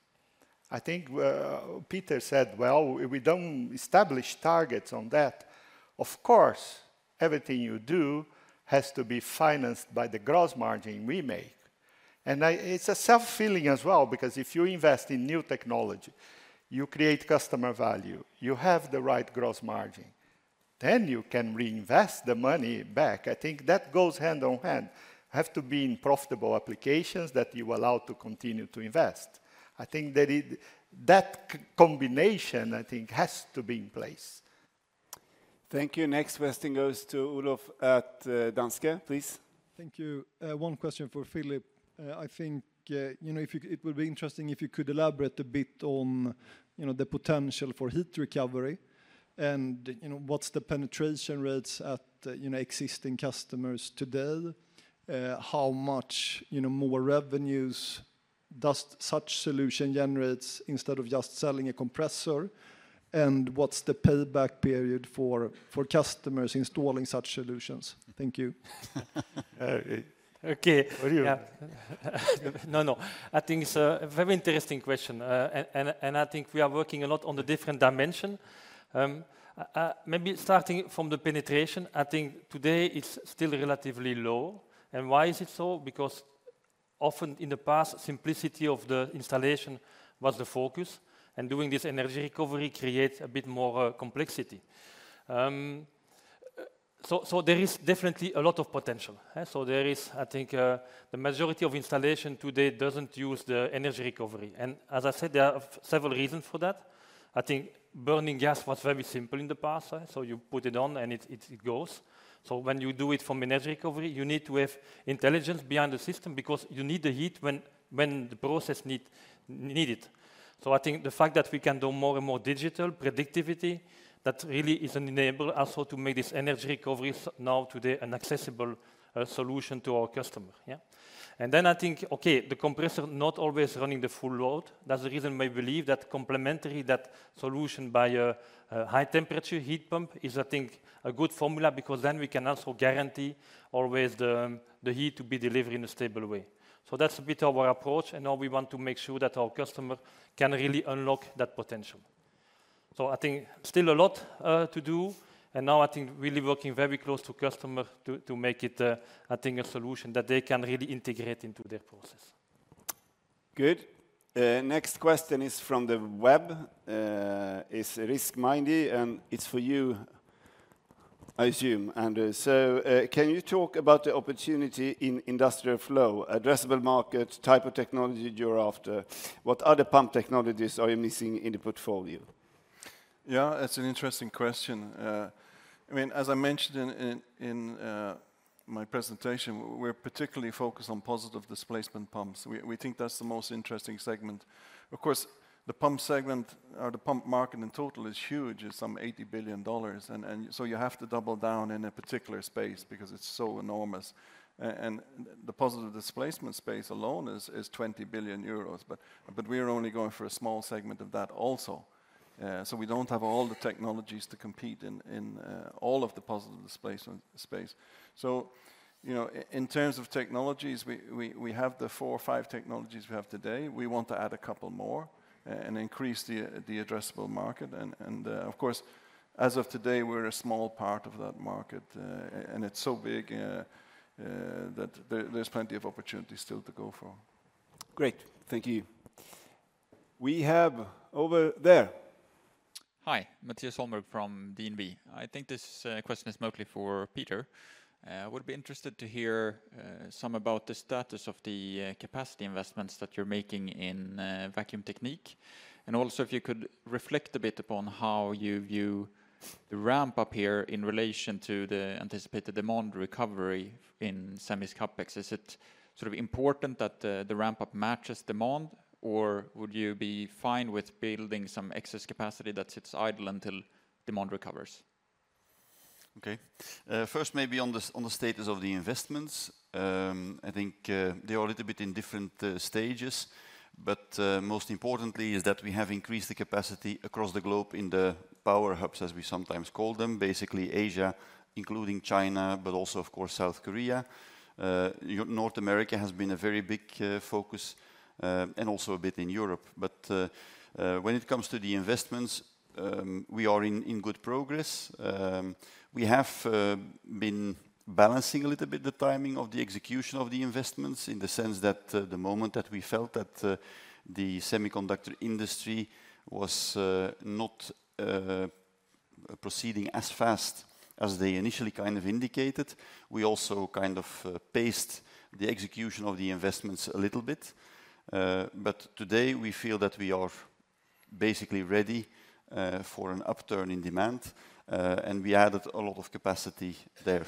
I think Peter said, "Well, we don't establish targets on that." Of course, everything you do has to be financed by the gross margin we make. And I... It's a self-filling as well, because if you invest in new technology, you create customer value, you have the right gross margin, then you can reinvest the money back. I think that goes hand on hand. Have to be in profitable applications that you allow to continue to invest. I think that it, that combination, I think, has to be in place. Thank you. Next question goes to Olof at, Danske, please. Thank you. One question for Philippe. I think, you know, if you could, it would be interesting if you could elaborate a bit on, you know, the potential for heat recovery and, you know, what's the penetration rates at, you know, existing customers today? How much, you know, more revenues does such solution generates instead of just selling a compressor? And what's the payback period for, for customers installing such solutions? Thank you. Okay. For you. Yeah. No, no. I think it's a very interesting question. I think we are working a lot on the different dimension. Maybe starting from the penetration, I think today it's still relatively low. And why is it so? Because often in the past, simplicity of the installation was the focus, and doing this energy recovery creates a bit more complexity. So there is definitely a lot of potential, eh? So there is, I think, the majority of installation today doesn't use the energy recovery, and as I said, there are several reasons for that. I think burning gas was very simple in the past, so you put it on, and it, it, it goes. So when you do it from energy recovery, you need to have intelligence behind the system because you need the heat when, when the process need, need it. So I think the fact that we can do more and more digital predictivity, that really is an enabler also to make this energy recoveries now today an accessible solution to our customer, yeah? And then I think, okay, the compressor not always running the full load. That's the reason we believe that complementary, that solution by a, a high-temperature heat pump is, I think, a good formula, because then we can also guarantee always the, the heat to be delivered in a stable way. So that's a bit of our approach, and now we want to make sure that our customer can really unlock that potential. I think still a lot to do, and now I think really working very close to customer to make it a solution that they can really integrate into their process. Good. Next question is from the web. It's Rizk Maidi, and it's for you, I assume, Andrew. So, can you talk about the opportunity in Industrial Flow, addressable market, type of technology you're after? What other pump technologies are you missing in the portfolio? ...Yeah, it's an interesting question. I mean, as I mentioned in my presentation, we're particularly focused on positive displacement pumps. We think that's the most interesting segment. Of course, the pump segment or the pump market in total is huge, it's some $80 billion, and so you have to double down in a particular space because it's so enormous. And the positive displacement space alone is 20 billion euros, but we are only going for a small segment of that also. So we don't have all the technologies to compete in all of the positive displacement space. So, you know, in terms of technologies, we have the four or five technologies we have today. We want to add a couple more, and increase the addressable market. Of course, as of today, we're a small part of that market, and it's so big that there's plenty of opportunities still to go for. Great. Thank you. We have over there. Hi, Mattias Holmberg from DNB. I think this question is mostly for Peter. Would be interested to hear some about the status of the capacity investments that you're making in Vacuum Technique. And also, if you could reflect a bit upon how you view the ramp up here in relation to the anticipated demand recovery in semi CapEx. Is it sort of important that the ramp up matches demand, or would you be fine with building some excess capacity that sits idle until demand recovers? Okay. First, maybe on the status of the investments. I think they are a little bit in different stages, but most importantly is that we have increased the capacity across the globe in the power hubs, as we sometimes call them. Basically Asia, including China, but also, of course, South Korea. North America has been a very big focus, and also a bit in Europe. But when it comes to the investments, we are in good progress. We have been balancing a little bit the timing of the execution of the investments, in the sense that the moment that we felt that the semiconductor industry was not proceeding as fast as they initially kind of indicated, we also kind of paced the execution of the investments a little bit. But today, we feel that we are basically ready for an upturn in demand, and we added a lot of capacity there.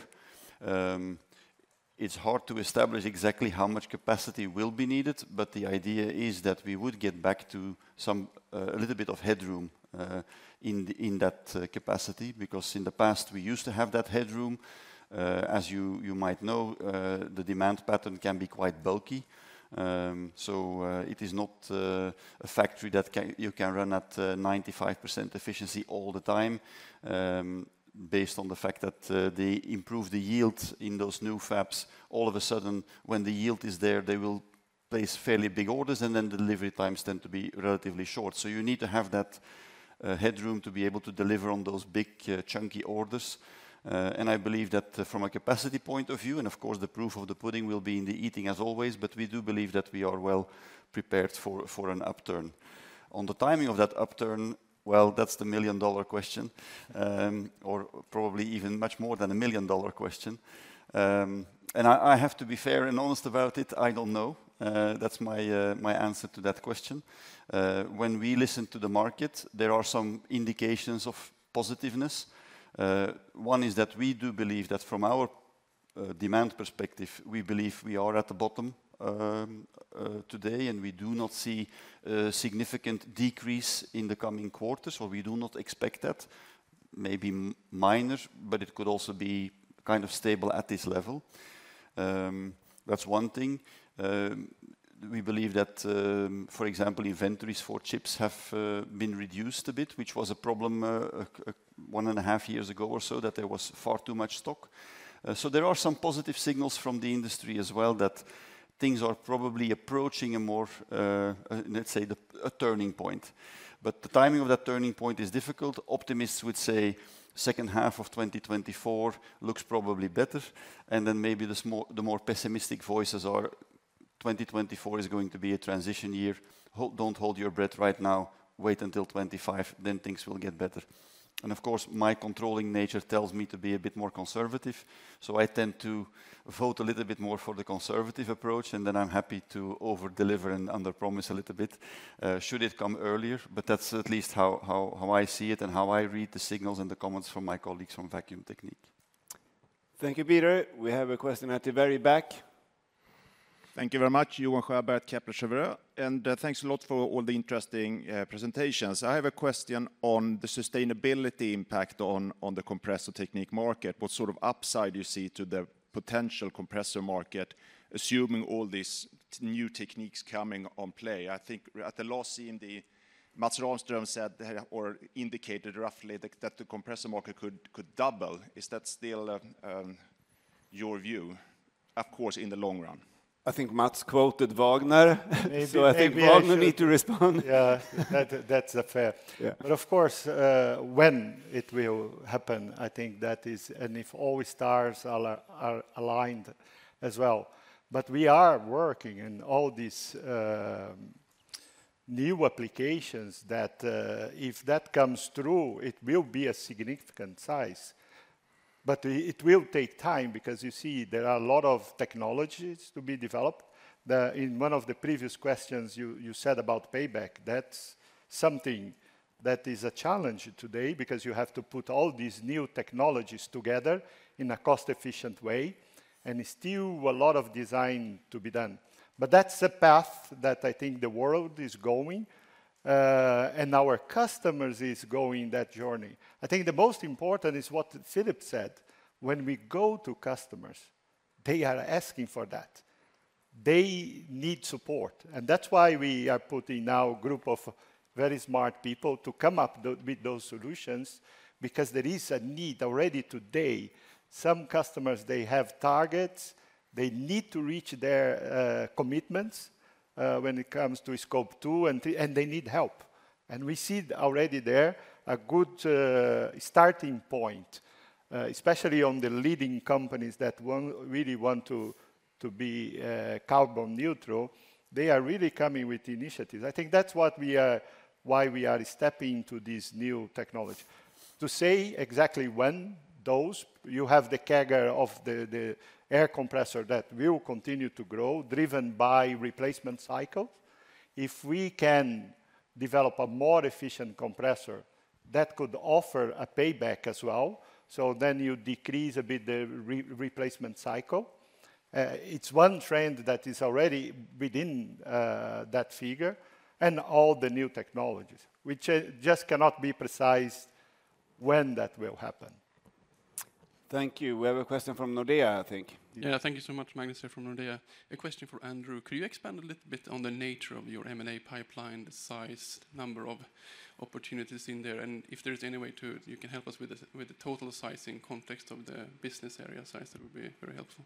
It's hard to establish exactly how much capacity will be needed, but the idea is that we would get back to some a little bit of headroom in that capacity, because in the past, we used to have that headroom. As you might know, the demand pattern can be quite bulky. So, it is not a factory that you can run at 95% efficiency all the time, based on the fact that they improve the yield in those new fabs. All of a sudden, when the yield is there, they will place fairly big orders, and then the delivery times tend to be relatively short. So you need to have that, headroom to be able to deliver on those big, chunky orders. And I believe that from a capacity point of view, and of course, the proof of the pudding will be in the eating as always, but we do believe that we are well prepared for, for an upturn. On the timing of that upturn, well, that's the million-dollar question, or probably even much more than a million-dollar question. And I, I have to be fair and honest about it, I don't know. That's my, my answer to that question. When we listen to the market, there are some indications of positiveness. One is that we do believe that from our demand perspective, we believe we are at the bottom today, and we do not see a significant decrease in the coming quarters, or we do not expect that. Maybe minor, but it could also be kind of stable at this level. That's one thing. We believe that, for example, inventories for chips have been reduced a bit, which was a problem 1.5 years ago or so, that there was far too much stock. So there are some positive signals from the industry as well, that things are probably approaching a more, let's say, a turning point. But the timing of that turning point is difficult. Optimists would say second half of 2024 looks probably better, and then maybe the more pessimistic voices are: 2024 is going to be a transition year. Hold, don't hold your breath right now. Wait until 2025, then things will get better. And of course, my controlling nature tells me to be a bit more conservative, so I tend to vote a little bit more for the conservative approach, and then I'm happy to overdeliver and underpromise a little bit, should it come earlier. But that's at least how I see it and how I read the signals and the comments from my colleagues from Vacuum Technique. Thank you, Peter. We have a question at the very back. Thank you very much, Johan Sjöberg at Kepler Cheuvreux, and, thanks a lot for all the interesting presentations. I have a question on the sustainability impact on, on the Compressor Technique market. What sort of upside do you see to the potential compressor market, assuming all these new techniques coming on play? I think at the last CMD, Mats Rahmström said, or indicated roughly, that, that the compressor market could, could double. Is that still your view? Of course, in the long run. I think Mats quoted Vagner, so I think Vagner need to respond. Yeah, that, that's fair. Yeah. But of course, when it will happen, I think that is... and if all stars are aligned as well. But we are working in all these new applications that, if that comes through, it will be a significant size. But it will take time because you see, there are a lot of technologies to be developed. In one of the previous questions, you said about payback. That's something that is a challenge today, because you have to put all these new technologies together in a cost-efficient way, and still a lot of design to be done. But that's the path that I think the world is going, and our customers is going that journey. I think the most important is what Philippe said: when we go to customers, they are asking for that. They need support, and that's why we are putting now a group of very smart people to come up with with those solutions, because there is a need already today. Some customers, they have targets. They need to reach their commitments when it comes to Scope 2 and 3, and they need help. And we see already there a good starting point especially on the leading companies that want really want to to be carbon neutral. They are really coming with initiatives. I think that's what we are why we are stepping into this new technology. To say exactly when those, you have the CAGR of the air compressor that will continue to grow, driven by replacement cycle. If we can develop a more efficient compressor, that could offer a payback as well, so then you decrease a bit the replacement cycle. It's one trend that is already within that figure, and all the new technologies, which just cannot be precise when that will happen. Thank you. We have a question from Nordea, I think. Yeah, thank you so much. Magnus from Nordea. A question for Andrew. Could you expand a little bit on the nature of your M&A pipeline, the size, number of opportunities in there, and if there's any way to, you can help us with the, with the total sizing context of the business area size, that would be very helpful.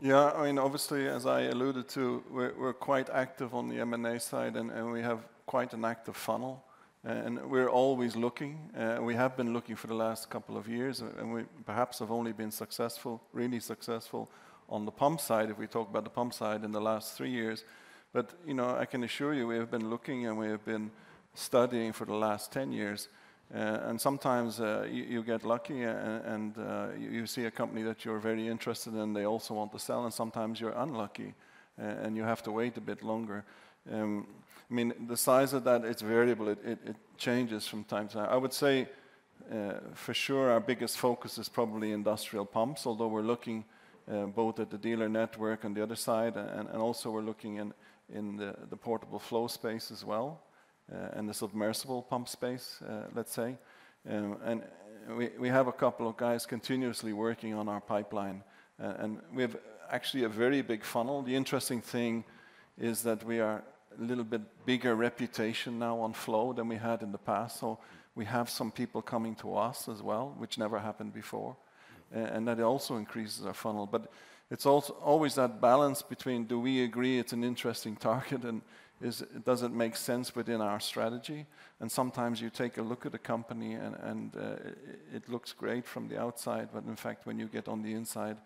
Yeah, I mean, obviously, as I alluded to, we're quite active on the M&A side, and we have quite an active funnel, and we're always looking. We have been looking for the last couple of years, and we perhaps have only been successful, really successful on the pump side, if we talk about the pump side, in the last three years. But, you know, I can assure you, we have been looking and we have been studying for the last 10 years, and sometimes you get lucky, and you see a company that you're very interested in, they also want to sell, and sometimes you're unlucky, and you have to wait a bit longer. I mean, the size of that, it's variable. It changes from time to time. I would say, for sure, our biggest focus is probably industrial pumps, although we're looking both at the dealer network on the other side, and also we're looking in the portable flow space as well, and the submersible pump space, let's say. And we have a couple of guys continuously working on our pipeline, and we have actually a very big funnel. The interesting thing is that we are a little bit bigger reputation now on flow than we had in the past, so we have some people coming to us as well, which never happened before. And that also increases our funnel. But it's also always that balance between do we agree it's an interesting target, and does it make sense within our strategy? Sometimes you take a look at a company and it looks great from the outside, but in fact, when you get on the inside,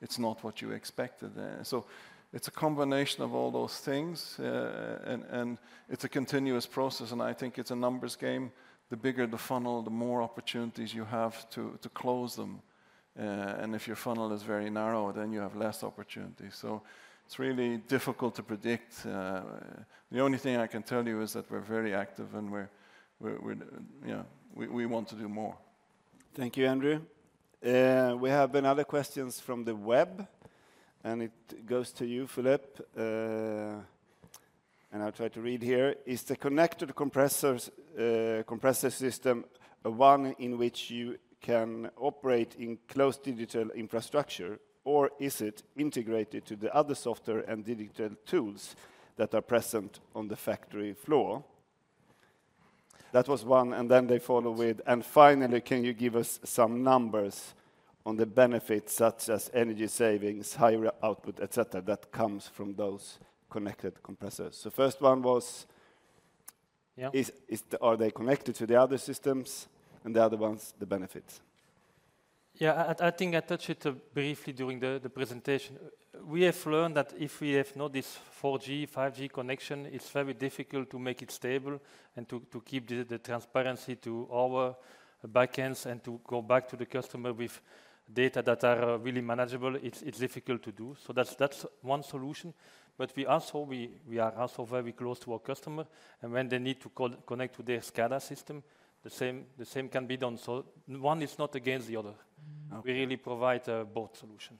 it's not what you expected there. So it's a combination of all those things, and it's a continuous process, and I think it's a numbers game. The bigger the funnel, the more opportunities you have to close them, and if your funnel is very narrow, then you have less opportunities. So it's really difficult to predict. The only thing I can tell you is that we're very active and we're... Yeah, we want to do more. Thank you, Andrew. We have other questions from the web, and it goes to you, Philippe. And I'll try to read here. "Is the connected compressors, compressor system, one in which you can operate in close digital infrastructure, or is it integrated to the other software and digital tools that are present on the factory floor?" That was one, and then they follow with: "And finally, can you give us some numbers on the benefits, such as energy savings, higher output, et cetera, that comes from those connected compressors?" So first one was- Yeah... is, are they connected to the other systems, and the other one's the benefits. Yeah, I think I touched it briefly during the presentation. We have learned that if we have not this 4G, 5G connection, it's very difficult to make it stable and to keep the transparency to our back ends and to go back to the customer with data that are really manageable. It's difficult to do. So that's one solution. But we are also very close to our customer, and when they need to connect to their SCADA system, the same can be done. So one is not against the other. Okay. We really provide both solution.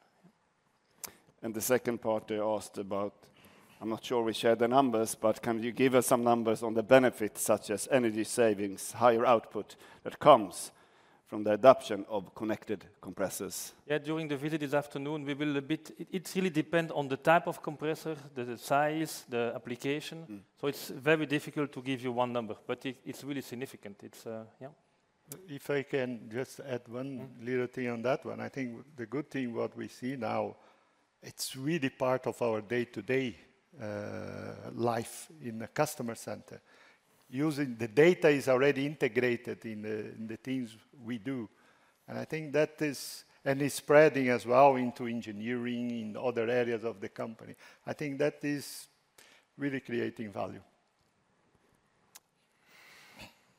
The second part, they asked about, I'm not sure we share the numbers, but can you give us some numbers on the benefits, such as energy savings, higher output, that comes from the adoption of connected compressors? Yeah, during the visit this afternoon, it really depends on the type of compressor, the size, the application. Mm. It's very difficult to give you one number, but it, it's really significant. It's... Yeah. If I can just add one- Mm... little thing on that one. I think the good thing what we see now, it's really part of our day-to-day life in the customer center. Using the data is already integrated in the things we do, and I think that is, and it's spreading as well into engineering, in other areas of the company. I think that is really creating value....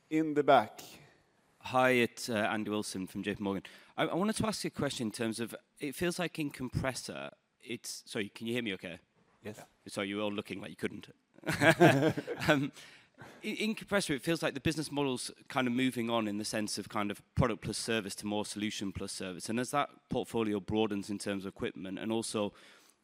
in the back. Hi, it's Andy Wilson from JPMorgan. I wanted to ask you a question in terms of it feels like in compressor, it's... Sorry, can you hear me okay? Yes. Sorry, you were all looking like you couldn't. In compressor, it feels like the business model's kind of moving on in the sense of kind of product plus service to more solution plus service. And as that portfolio broadens in terms of equipment, and also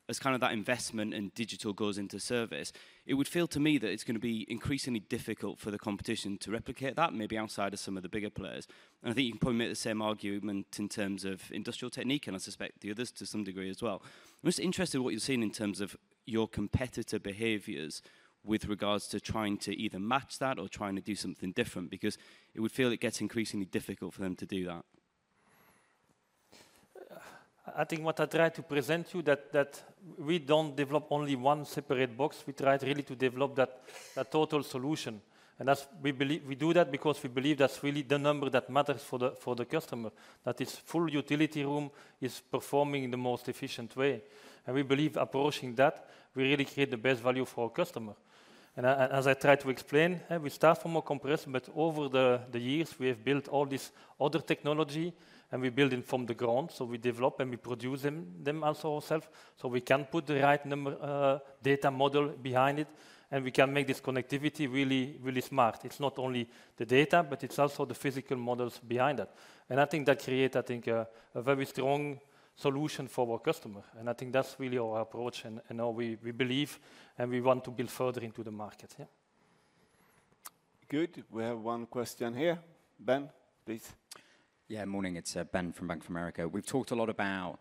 as kind of that investment in digital goes into service, it would feel to me that it's gonna be increasingly difficult for the competition to replicate that, maybe outside of some of the bigger players. And I think you can probably make the same argument in terms of Industrial Technique, and I suspect the others to some degree as well. I'm just interested in what you've seen in terms of your competitor behaviors with regards to trying to either match that or trying to do something different, because it would feel it gets increasingly difficult for them to do that. I think what I tried to present to you, that we don't develop only one separate box. We try really to develop that total solution. And as we believe, we do that because we believe that's really the number that matters for the customer, that his full utility room is performing in the most efficient way. And we believe approaching that, we really create the best value for our customer. And as I tried to explain, we start from a compressor, but over the years, we have built all this other technology, and we build it from the ground, so we develop and we produce them also ourselves. So we can put the right number data model behind it, and we can make this connectivity really, really smart. It's not only the data, but it's also the physical models behind that. I think that create, I think, a very strong solution for our customer, and I think that's really our approach and how we believe, and we want to build further into the market. Yeah. Good. We have one question here. Ben, please. Yeah, morning. It's Ben, from Bank of America. We've talked a lot about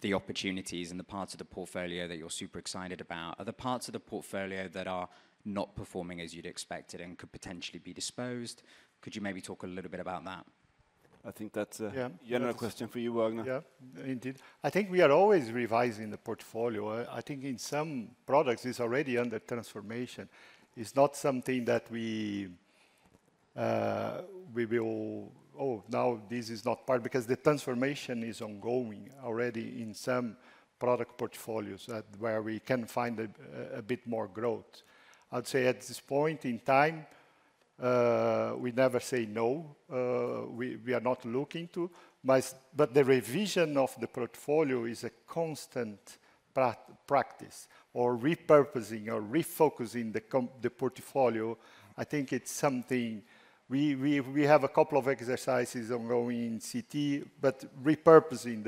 the opportunities and the parts of the portfolio that you're super excited about. Are there parts of the portfolio that are not performing as you'd expected and could potentially be disposed? Could you maybe talk a little bit about that? I think that's a- Yeah... general question for you, Vagner. Yeah, indeed. I think we are always revising the portfolio. I think in some products, it's already under transformation. It's not something that we, we will, "Oh, now this is not part," because the transformation is ongoing already in some product portfolios that where we can find a bit more growth. I'd say at this point in time, we never say no. We, we are not looking to, but, but the revision of the portfolio is a constant practice or repurposing or refocusing the portfolio. I think it's something we have a couple of exercises ongoing in CT, but repurposing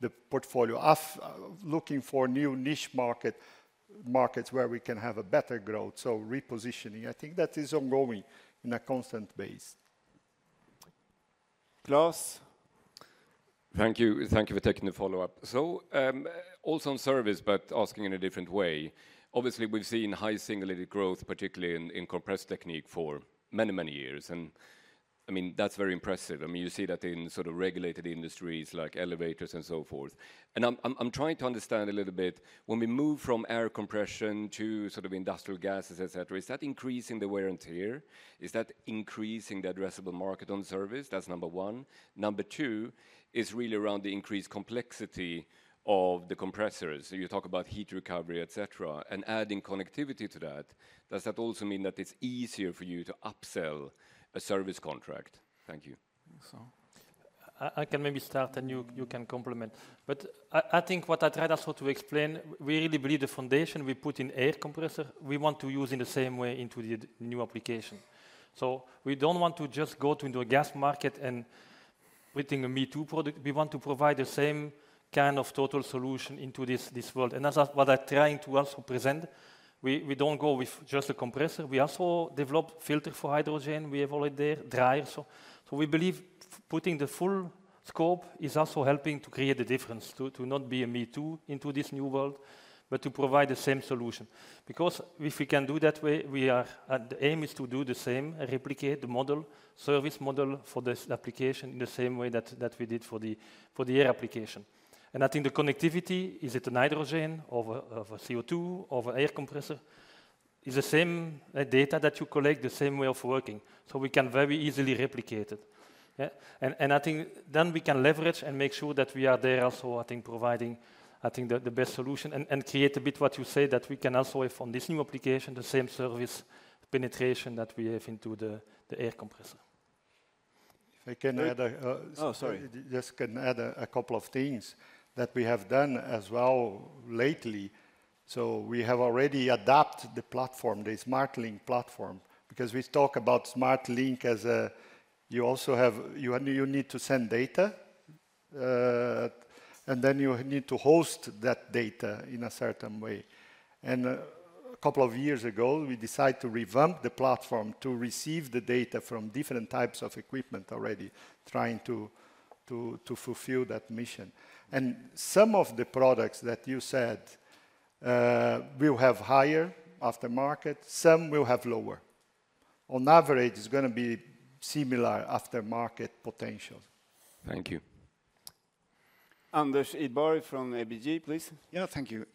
the portfolio, of looking for new niche market, markets where we can have a better growth, so repositioning. I think that is ongoing on a constant basis. Klas? Thank you. Thank you for taking the follow-up. So, also on service, but asking in a different way. Obviously, we've seen high single-digit growth, particularly in Compressor Technique for many, many years, and, I mean, that's very impressive. I mean, you see that in sort of regulated industries like elevators and so forth. And I'm trying to understand a little bit, when we move from air compression to sort of industrial gases, et cetera, is that increasing the wear and tear? Is that increasing the addressable market on service? That's number one. Number two is really around the increased complexity of the compressors. You talk about heat recovery, et cetera, and adding connectivity to that. Does that also mean that it's easier for you to upsell a service contract? Thank you. So I can maybe start, and you can complement. But I think what I tried also to explain, we really believe the foundation we put in air compressor, we want to use in the same way into the new application. So we don't want to just go into a gas market and creating a me-too product. We want to provide the same kind of total solution into this world. And that's what I'm trying to also present. We don't go with just a compressor; we also develop filter for hydrogen. We have already dry air. So we believe putting the full scope is also helping to create the difference, to not be a me-too into this new world, but to provide the same solution. Because if we can do that way, we are... The aim is to do the same, replicate the model, service model for this application in the same way that, that we did for the, for the air application. And I think the connectivity, is it an hydrogen or a, of a CO2, of an air compressor, is the same, data that you collect, the same way of working, so we can very easily replicate it. Yeah, and, and I think then we can leverage and make sure that we are there also, I think, providing, I think, the, the best solution and, and create a bit what you say, that we can also have on this new application, the same service penetration that we have into the, the air compressor. If I can add a, Oh, sorry. Just can add a couple of things that we have done as well lately. So we have already adapted the platform, the SMARTLINK platform, because we talk about SMARTLINK. You need to send data, and then you need to host that data in a certain way. And a couple of years ago, we decided to revamp the platform to receive the data from different types of equipment already, trying to fulfill that mission. And some of the products that you said will have higher aftermarket, some will have lower. On average, it's gonna be similar aftermarket potential. Thank you.... Andrew Idborg from ABG, please. Yeah, thank you.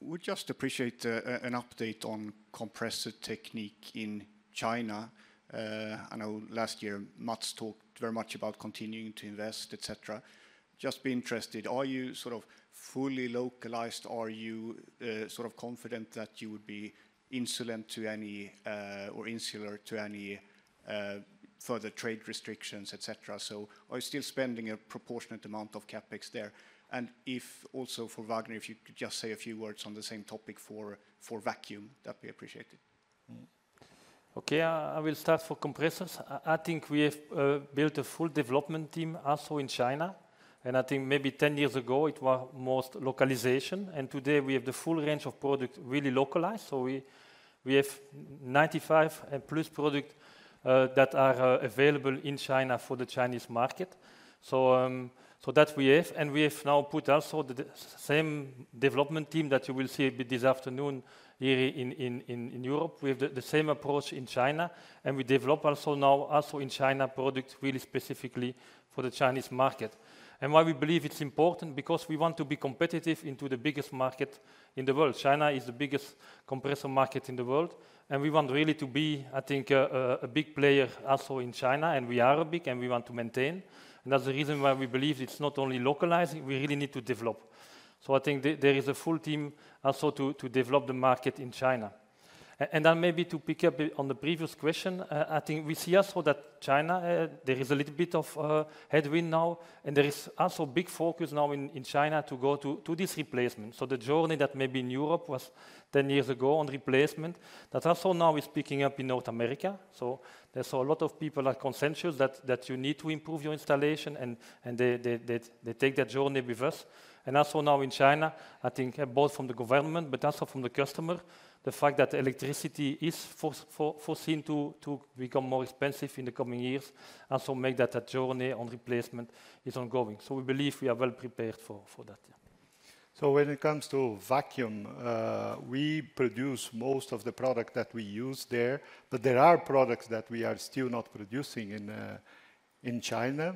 We just appreciate an update on Compressor Technique in China. I know last year, Mats talked very much about continuing to invest, et cetera. Just be interested, are you sort of fully localized? Are you sort of confident that you would be insulated to any or insular to any further trade restrictions, et cetera? So are you still spending a proportionate amount of CapEx there? And if also for Vagner, if you could just say a few words on the same topic for vacuum, that'd be appreciated. Mm-hmm. Okay, I will start for compressors. I think we have built a full development team also in China, and I think maybe 10 years ago it was most localization, and today we have the full range of products really localized. So we have 95 and plus product that are available in China for the Chinese market. So that we have, and we have now put also the same development team that you will see a bit this afternoon here in Europe. We have the same approach in China, and we develop also now also in China, products really specifically for the Chinese market. And why we believe it's important, because we want to be competitive into the biggest market in the world. China is the biggest compressor market in the world, and we want really to be, I think, a big player also in China, and we are big, and we want to maintain. And that's the reason why we believe it's not only localizing, we really need to develop. So I think there is a full team also to develop the market in China. And then maybe to pick up on the previous question, I think we see also that China, there is a little bit of headwind now, and there is also big focus now in China to go to this replacement. So the journey that maybe in Europe was ten years ago on replacement, that also now is picking up in North America. So there's a lot of people are consensus that you need to improve your installation and they take that journey with us. And also now in China, I think both from the government, but also from the customer, the fact that electricity is foreseen to become more expensive in the coming years, also make that a journey on replacement is ongoing. So we believe we are well prepared for that. So when it comes to vacuum, we produce most of the product that we use there, but there are products that we are still not producing in, in China,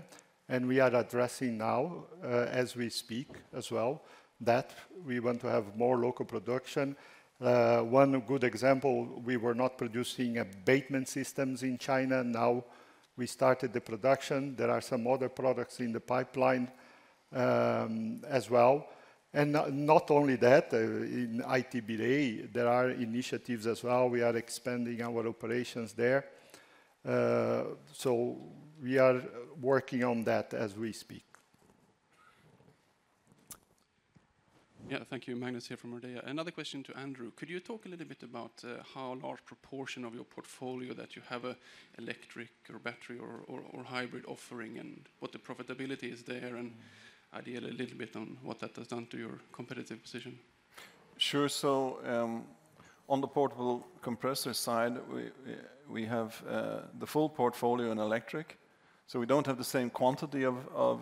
and we are addressing now, as we speak as well, that we want to have more local production. One good example, we were not producing abatement systems in China. Now, we started the production. There are some other products in the pipeline, as well. And not, not only that, in ITB-A, there are initiatives as well. We are expanding our operations there. So we are working on that as we speak. Yeah. Thank you. Magnus here from Nordea. Another question to Andrew: Could you talk a little bit about how large proportion of your portfolio that you have a electric or battery or, or, or hybrid offering, and what the profitability is there, and ideally a little bit on what that has done to your competitive position? Sure. So, on the portable compressor side, we have the full portfolio in electric, so we don't have the same quantity of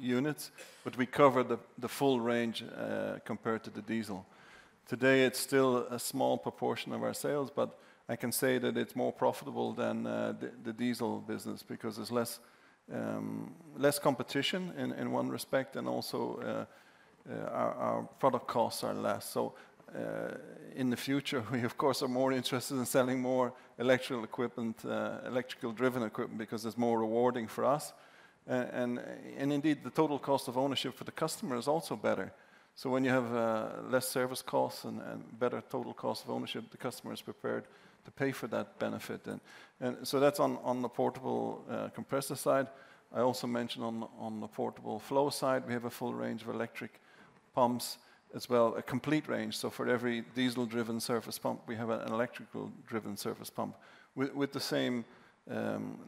units, but we cover the full range compared to the diesel. Today, it's still a small proportion of our sales, but I can say that it's more profitable than the diesel business because there's less competition in one respect, and also, our product costs are less. So, in the future, we of course are more interested in selling more electrical equipment, electrical-driven equipment, because it's more rewarding for us. And indeed, the total cost of ownership for the customer is also better. So when you have less service costs and better total cost of ownership, the customer is prepared to pay for that benefit. So that's on the portable compressor side. I also mentioned on the portable flow side, we have a full range of electric pumps as well, a complete range. So for every diesel-driven surface pump, we have an electrical-driven surface pump with the same,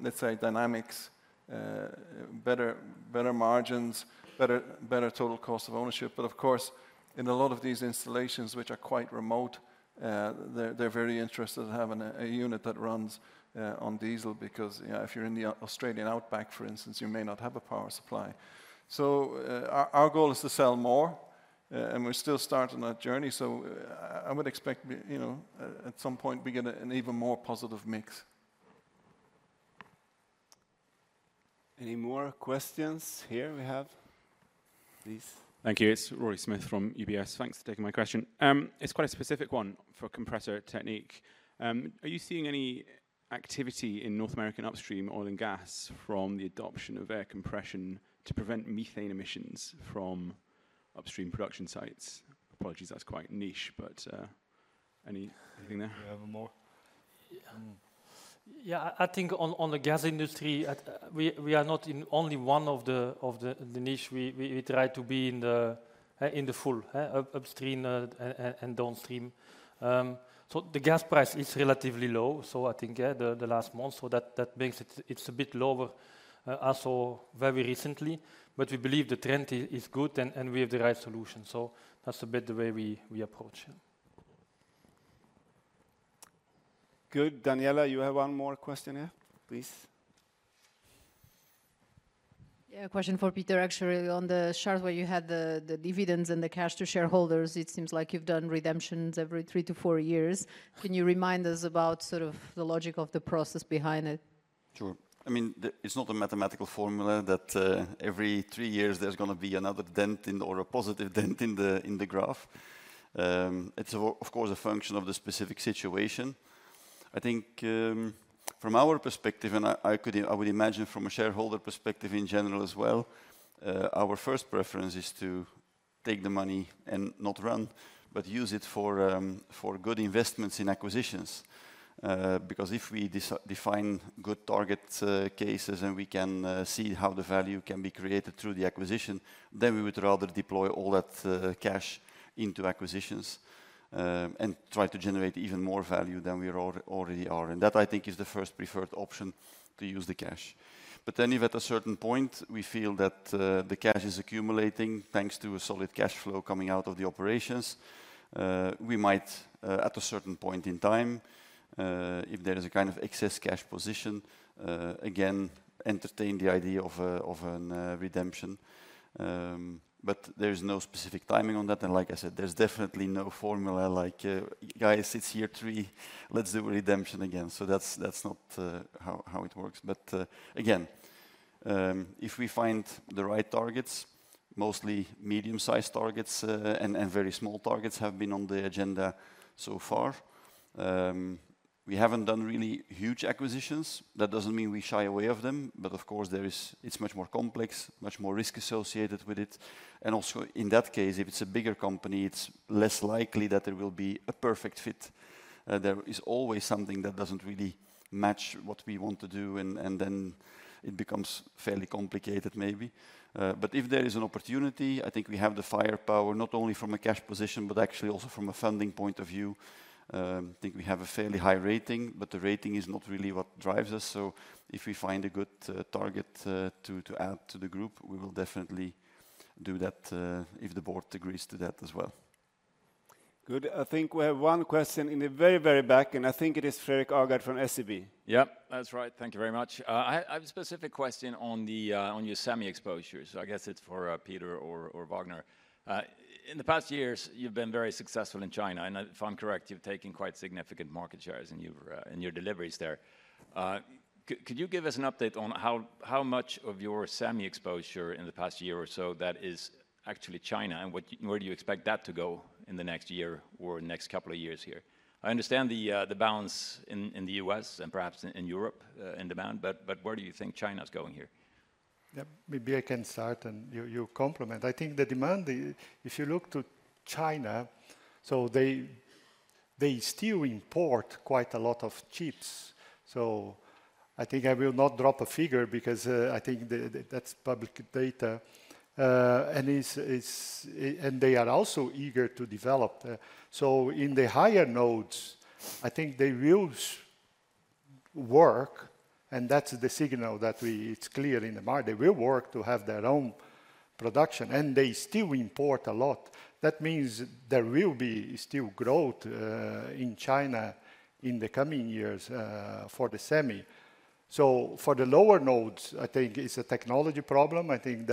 let's say, dynamics, better margins, better total cost of ownership. But of course, in a lot of these installations, which are quite remote, they're very interested in having a unit that runs on diesel, because, you know, if you're in the Australian Outback, for instance, you may not have a power supply. So, our goal is to sell more, and we're still starting that journey. So I would expect, you know, at some point we get an even more positive mix. Any more questions? Here we have. Please. Thank you. It's Rory Smith from UBS. Thanks for taking my question. It's quite a specific one for Compressor Technique. Are you seeing any activity in North American upstream oil and gas from the adoption of air compression to prevent methane emissions from upstream production sites? Apologies, that's quite niche, but, anything there? We have more? Yeah. Yeah, I think on the gas industry, we are not in only one of the niches. We try to be in the full upstream and downstream. So the gas price is relatively low, so I think, yeah, the last month, so that makes it... It's a bit lower, also very recently, but we believe the trend is good, and we have the right solution, so that's a bit the way we approach it. Good. Daniela, you have one more question here, please. Yeah, a question for Peter, actually. On the chart where you had the dividends and the cash to shareholders, it seems like you've done redemptions every three to four years. Can you remind us about sort of the logic of the process behind it?... Sure. I mean, it's not a mathematical formula that every three years there's gonna be another dent in or a positive dent in the graph. It's of course a function of the specific situation. I think, from our perspective, and I would imagine from a shareholder perspective in general as well, our first preference is to take the money and not run, but use it for good investments in acquisitions. Because if we define good target cases, and we can see how the value can be created through the acquisition, then we would rather deploy all that cash into acquisitions, and try to generate even more value than we already are. And that, I think, is the first preferred option to use the cash. But then if at a certain point, we feel that the cash is accumulating, thanks to a solid cash flow coming out of the operations, we might at a certain point in time if there is a kind of excess cash position again entertain the idea of a redemption. But there is no specific timing on that, and like I said, there's definitely no formula like: "guys, it's year three, let's do redemption again." So that's not how it works. But again if we find the right targets, mostly medium-sized targets, and very small targets have been on the agenda so far. We haven't done really huge acquisitions. That doesn't mean we shy away of them, but of course there is. It's much more complex, much more risk associated with it. And also, in that case, if it's a bigger company, it's less likely that there will be a perfect fit. There is always something that doesn't really match what we want to do, and then it becomes fairly complicated maybe. But if there is an opportunity, I think we have the firepower, not only from a cash position, but actually also from a funding point of view. I think we have a fairly high rating, but the rating is not really what drives us. So if we find a good target to add to the group, we will definitely do that, if the board agrees to that as well. Good. I think we have one question in the very, very back, and I think it is Fredrik Agardh from SEB. Yep, that's right. Thank you very much. I have a specific question on your semi exposure, so I guess it's for Peter or Vagner. In the past years, you've been very successful in China, and if I'm correct, you've taken quite significant market shares in your deliveries there. Could you give us an update on how much of your semi exposure in the past year or so that is actually China, and where do you expect that to go in the next year or next couple of years here? I understand the balance in the U.S. and perhaps in Europe in demand, but where do you think China is going here? Yeah, maybe I can start, and you complement. I think the demand, if you look to China, so they still import quite a lot of chips, so I think I will not drop a figure because I think the, that's public data. And they are also eager to develop. So in the higher nodes, I think they will work, and that's the signal that it's clear in the market. They will work to have their own production, and they still import a lot. That means there will be still growth in China in the coming years for the semi. So for the lower nodes, I think it's a technology problem. I think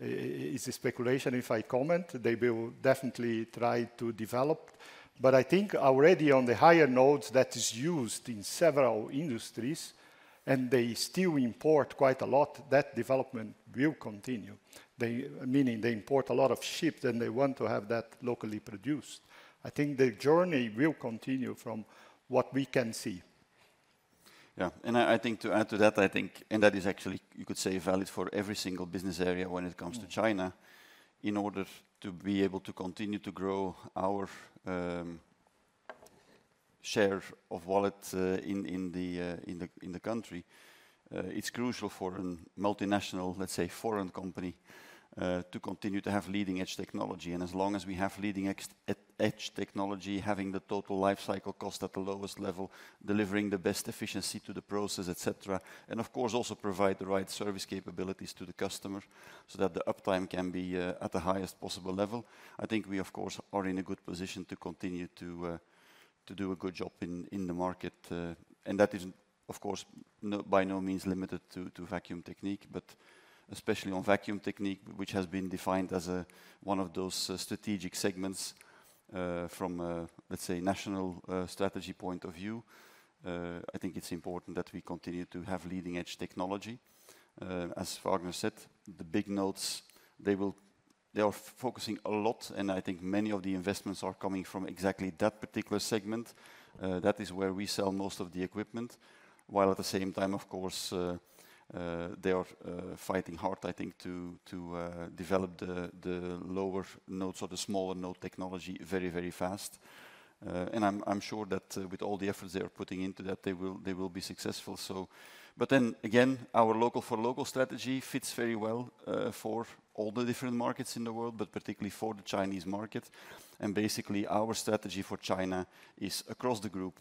it's a speculation if I comment. They will definitely try to develop, but I think already on the higher nodes that is used in several industries, and they still import quite a lot, that development will continue. They—meaning they import a lot of chips, and they want to have that locally produced. I think the journey will continue from what we can see. Yeah. And I think to add to that, I think... and that is actually, you could say, valid for every single business area when it comes to China. In order to be able to continue to grow our share of wallet in the country, it's crucial for a multinational, let's say, foreign company to continue to have leading-edge technology. And as long as we have leading-edge technology, having the total life cycle cost at the lowest level, delivering the best efficiency to the process, et cetera, and of course, also provide the right service capabilities to the customer so that the uptime can be at the highest possible level. I think we, of course, are in a good position to continue to do a good job in the market, and that is, of course, by no means limited to Vacuum Technique, but especially on Vacuum Technique, which has been defined as one of those strategic segments from a, let's say, national strategy point of view. I think it's important that we continue to have leading-edge technology. As Vagner said, the big nodes, they are focusing a lot, and I think many of the investments are coming from exactly that particular segment. That is where we sell most of the equipment, while at the same time, of course, they are fighting hard, I think, to develop the lower nodes or the smaller node technology very, very fast. And I'm sure that with all the efforts they are putting into that, they will be successful, so. But then again, our local for local strategy fits very well for all the different markets in the world, but particularly for the Chinese market. And basically, our strategy for China is across the group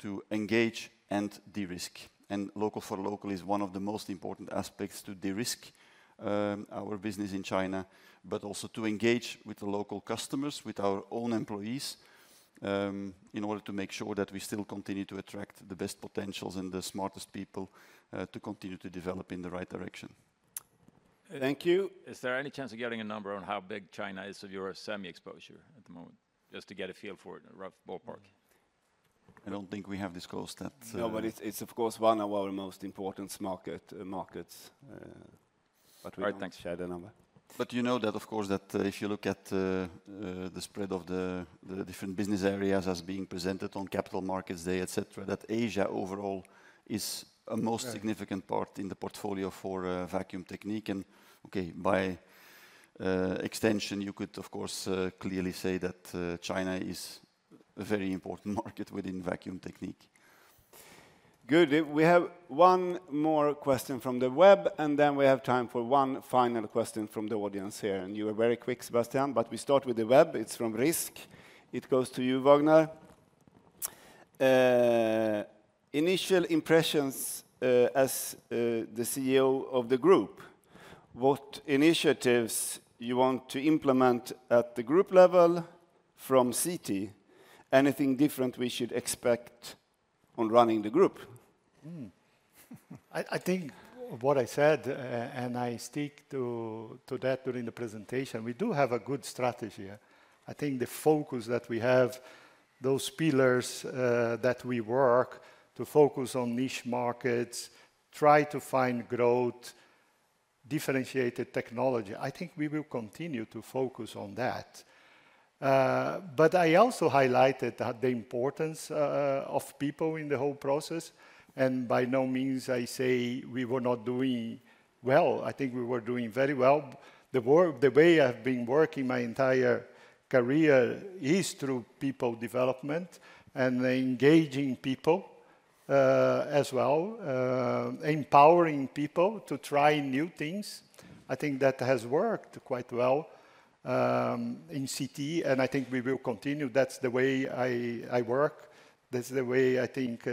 to engage and de-risk. And local for local is one of the most important aspects to de-risk our business in China, but also to engage with the local customers, with our own employees, in order to make sure that we still continue to attract the best potentials and the smartest people to continue to develop in the right direction.... Thank you. Is there any chance of getting a number on how big China is of your semi exposure at the moment? Just to get a feel for it, a rough ballpark. I don't think we have disclosed that. No, but it's, of course, one of our most important market, markets, but we won't- All right, thanks. share the number. But you know that, of course, that, if you look at, the spread of the, the different business areas as being presented on capital markets, they, et cetera, that Asia overall is a most- Yeah significant part in the portfolio for Vacuum Technique. And okay, by extension, you could, of course, clearly say that China is a very important market within Vacuum Technique. Good. We have one more question from the web, and then we have time for one final question from the audience here. And you were very quick, Sebastian, but we start with the web. It's from Rizk. It goes to you, Vagner. Initial impressions, as the CEO of the group, what initiatives you want to implement at the group level from CT? Anything different we should expect on running the group? I think what I said, and I stick to that during the presentation, we do have a good strategy. I think the focus that we have, those pillars, that we work to focus on niche markets, try to find growth, differentiated technology, I think we will continue to focus on that. But I also highlighted the importance of people in the whole process, and by no means I say we were not doing well, I think we were doing very well. The way I've been working my entire career is through people development and engaging people, as well, empowering people to try new things. I think that has worked quite well in CT, and I think we will continue. That's the way I work. That's the way I think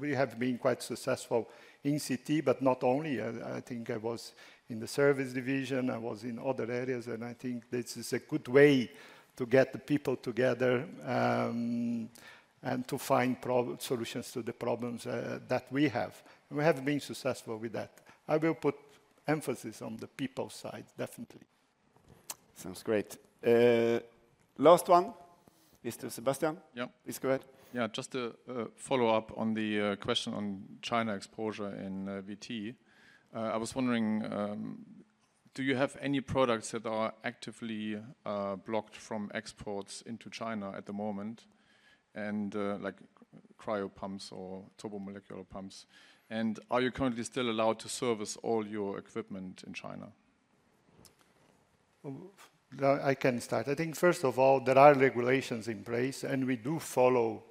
we have been quite successful in CT, but not only. I think I was in the service division, I was in other areas, and I think this is a good way to get the people together, and to find proper solutions to the problems that we have. We have been successful with that. I will put emphasis on the people side, definitely. Sounds great. Last one, Mr. Sebastian. Yeah. Please go ahead. Yeah, just a follow-up on the question on China exposure in VT. I was wondering, do you have any products that are actively blocked from exports into China at the moment, and like cryopumps or turbomolecular pumps? And are you currently still allowed to service all your equipment in China? I can start. I think first of all, there are regulations in place, and we do follow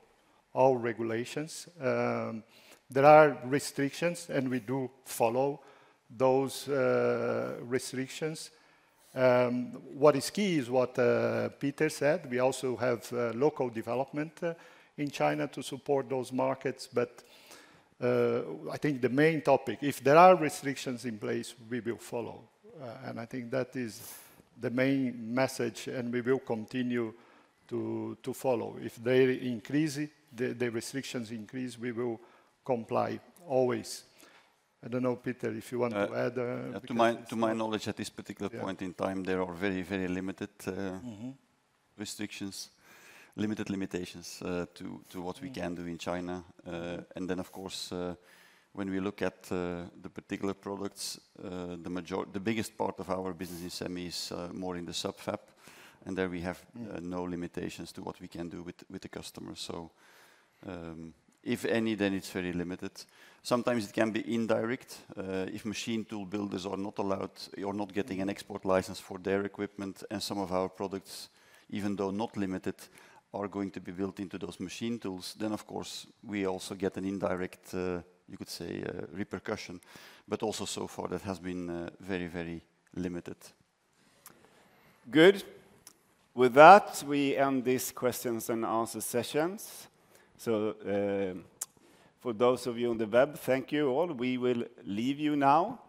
all regulations. There are restrictions, and we do follow those restrictions. What is key is what Peter said, we also have local development in China to support those markets. But I think the main topic, if there are restrictions in place, we will follow. And I think that is the main message, and we will continue to follow. If they increase it, the restrictions increase, we will comply, always. I don't know, Peter, if you want to add, because- To my knowledge, at this particular point- Yeah... in time, there are very, very limited, Mm-hmm... restrictions, limited limitations, to what we can do in China. And then, of course, when we look at the particular products, the biggest part of our business in semi is more in the subfab, and there we have- Mm... no limitations to what we can do with the customers. So, if any, then it's very limited. Sometimes it can be indirect. If machine tool builders are not allowed or not getting an export license for their equipment, and some of our products, even though not limited, are going to be built into those machine tools, then of course, we also get an indirect, you could say, repercussion. But also, so far, that has been, very, very limited. Good. With that, we end this questions-and-answers session. So, for those of you on the web, thank you all. We will leave you now.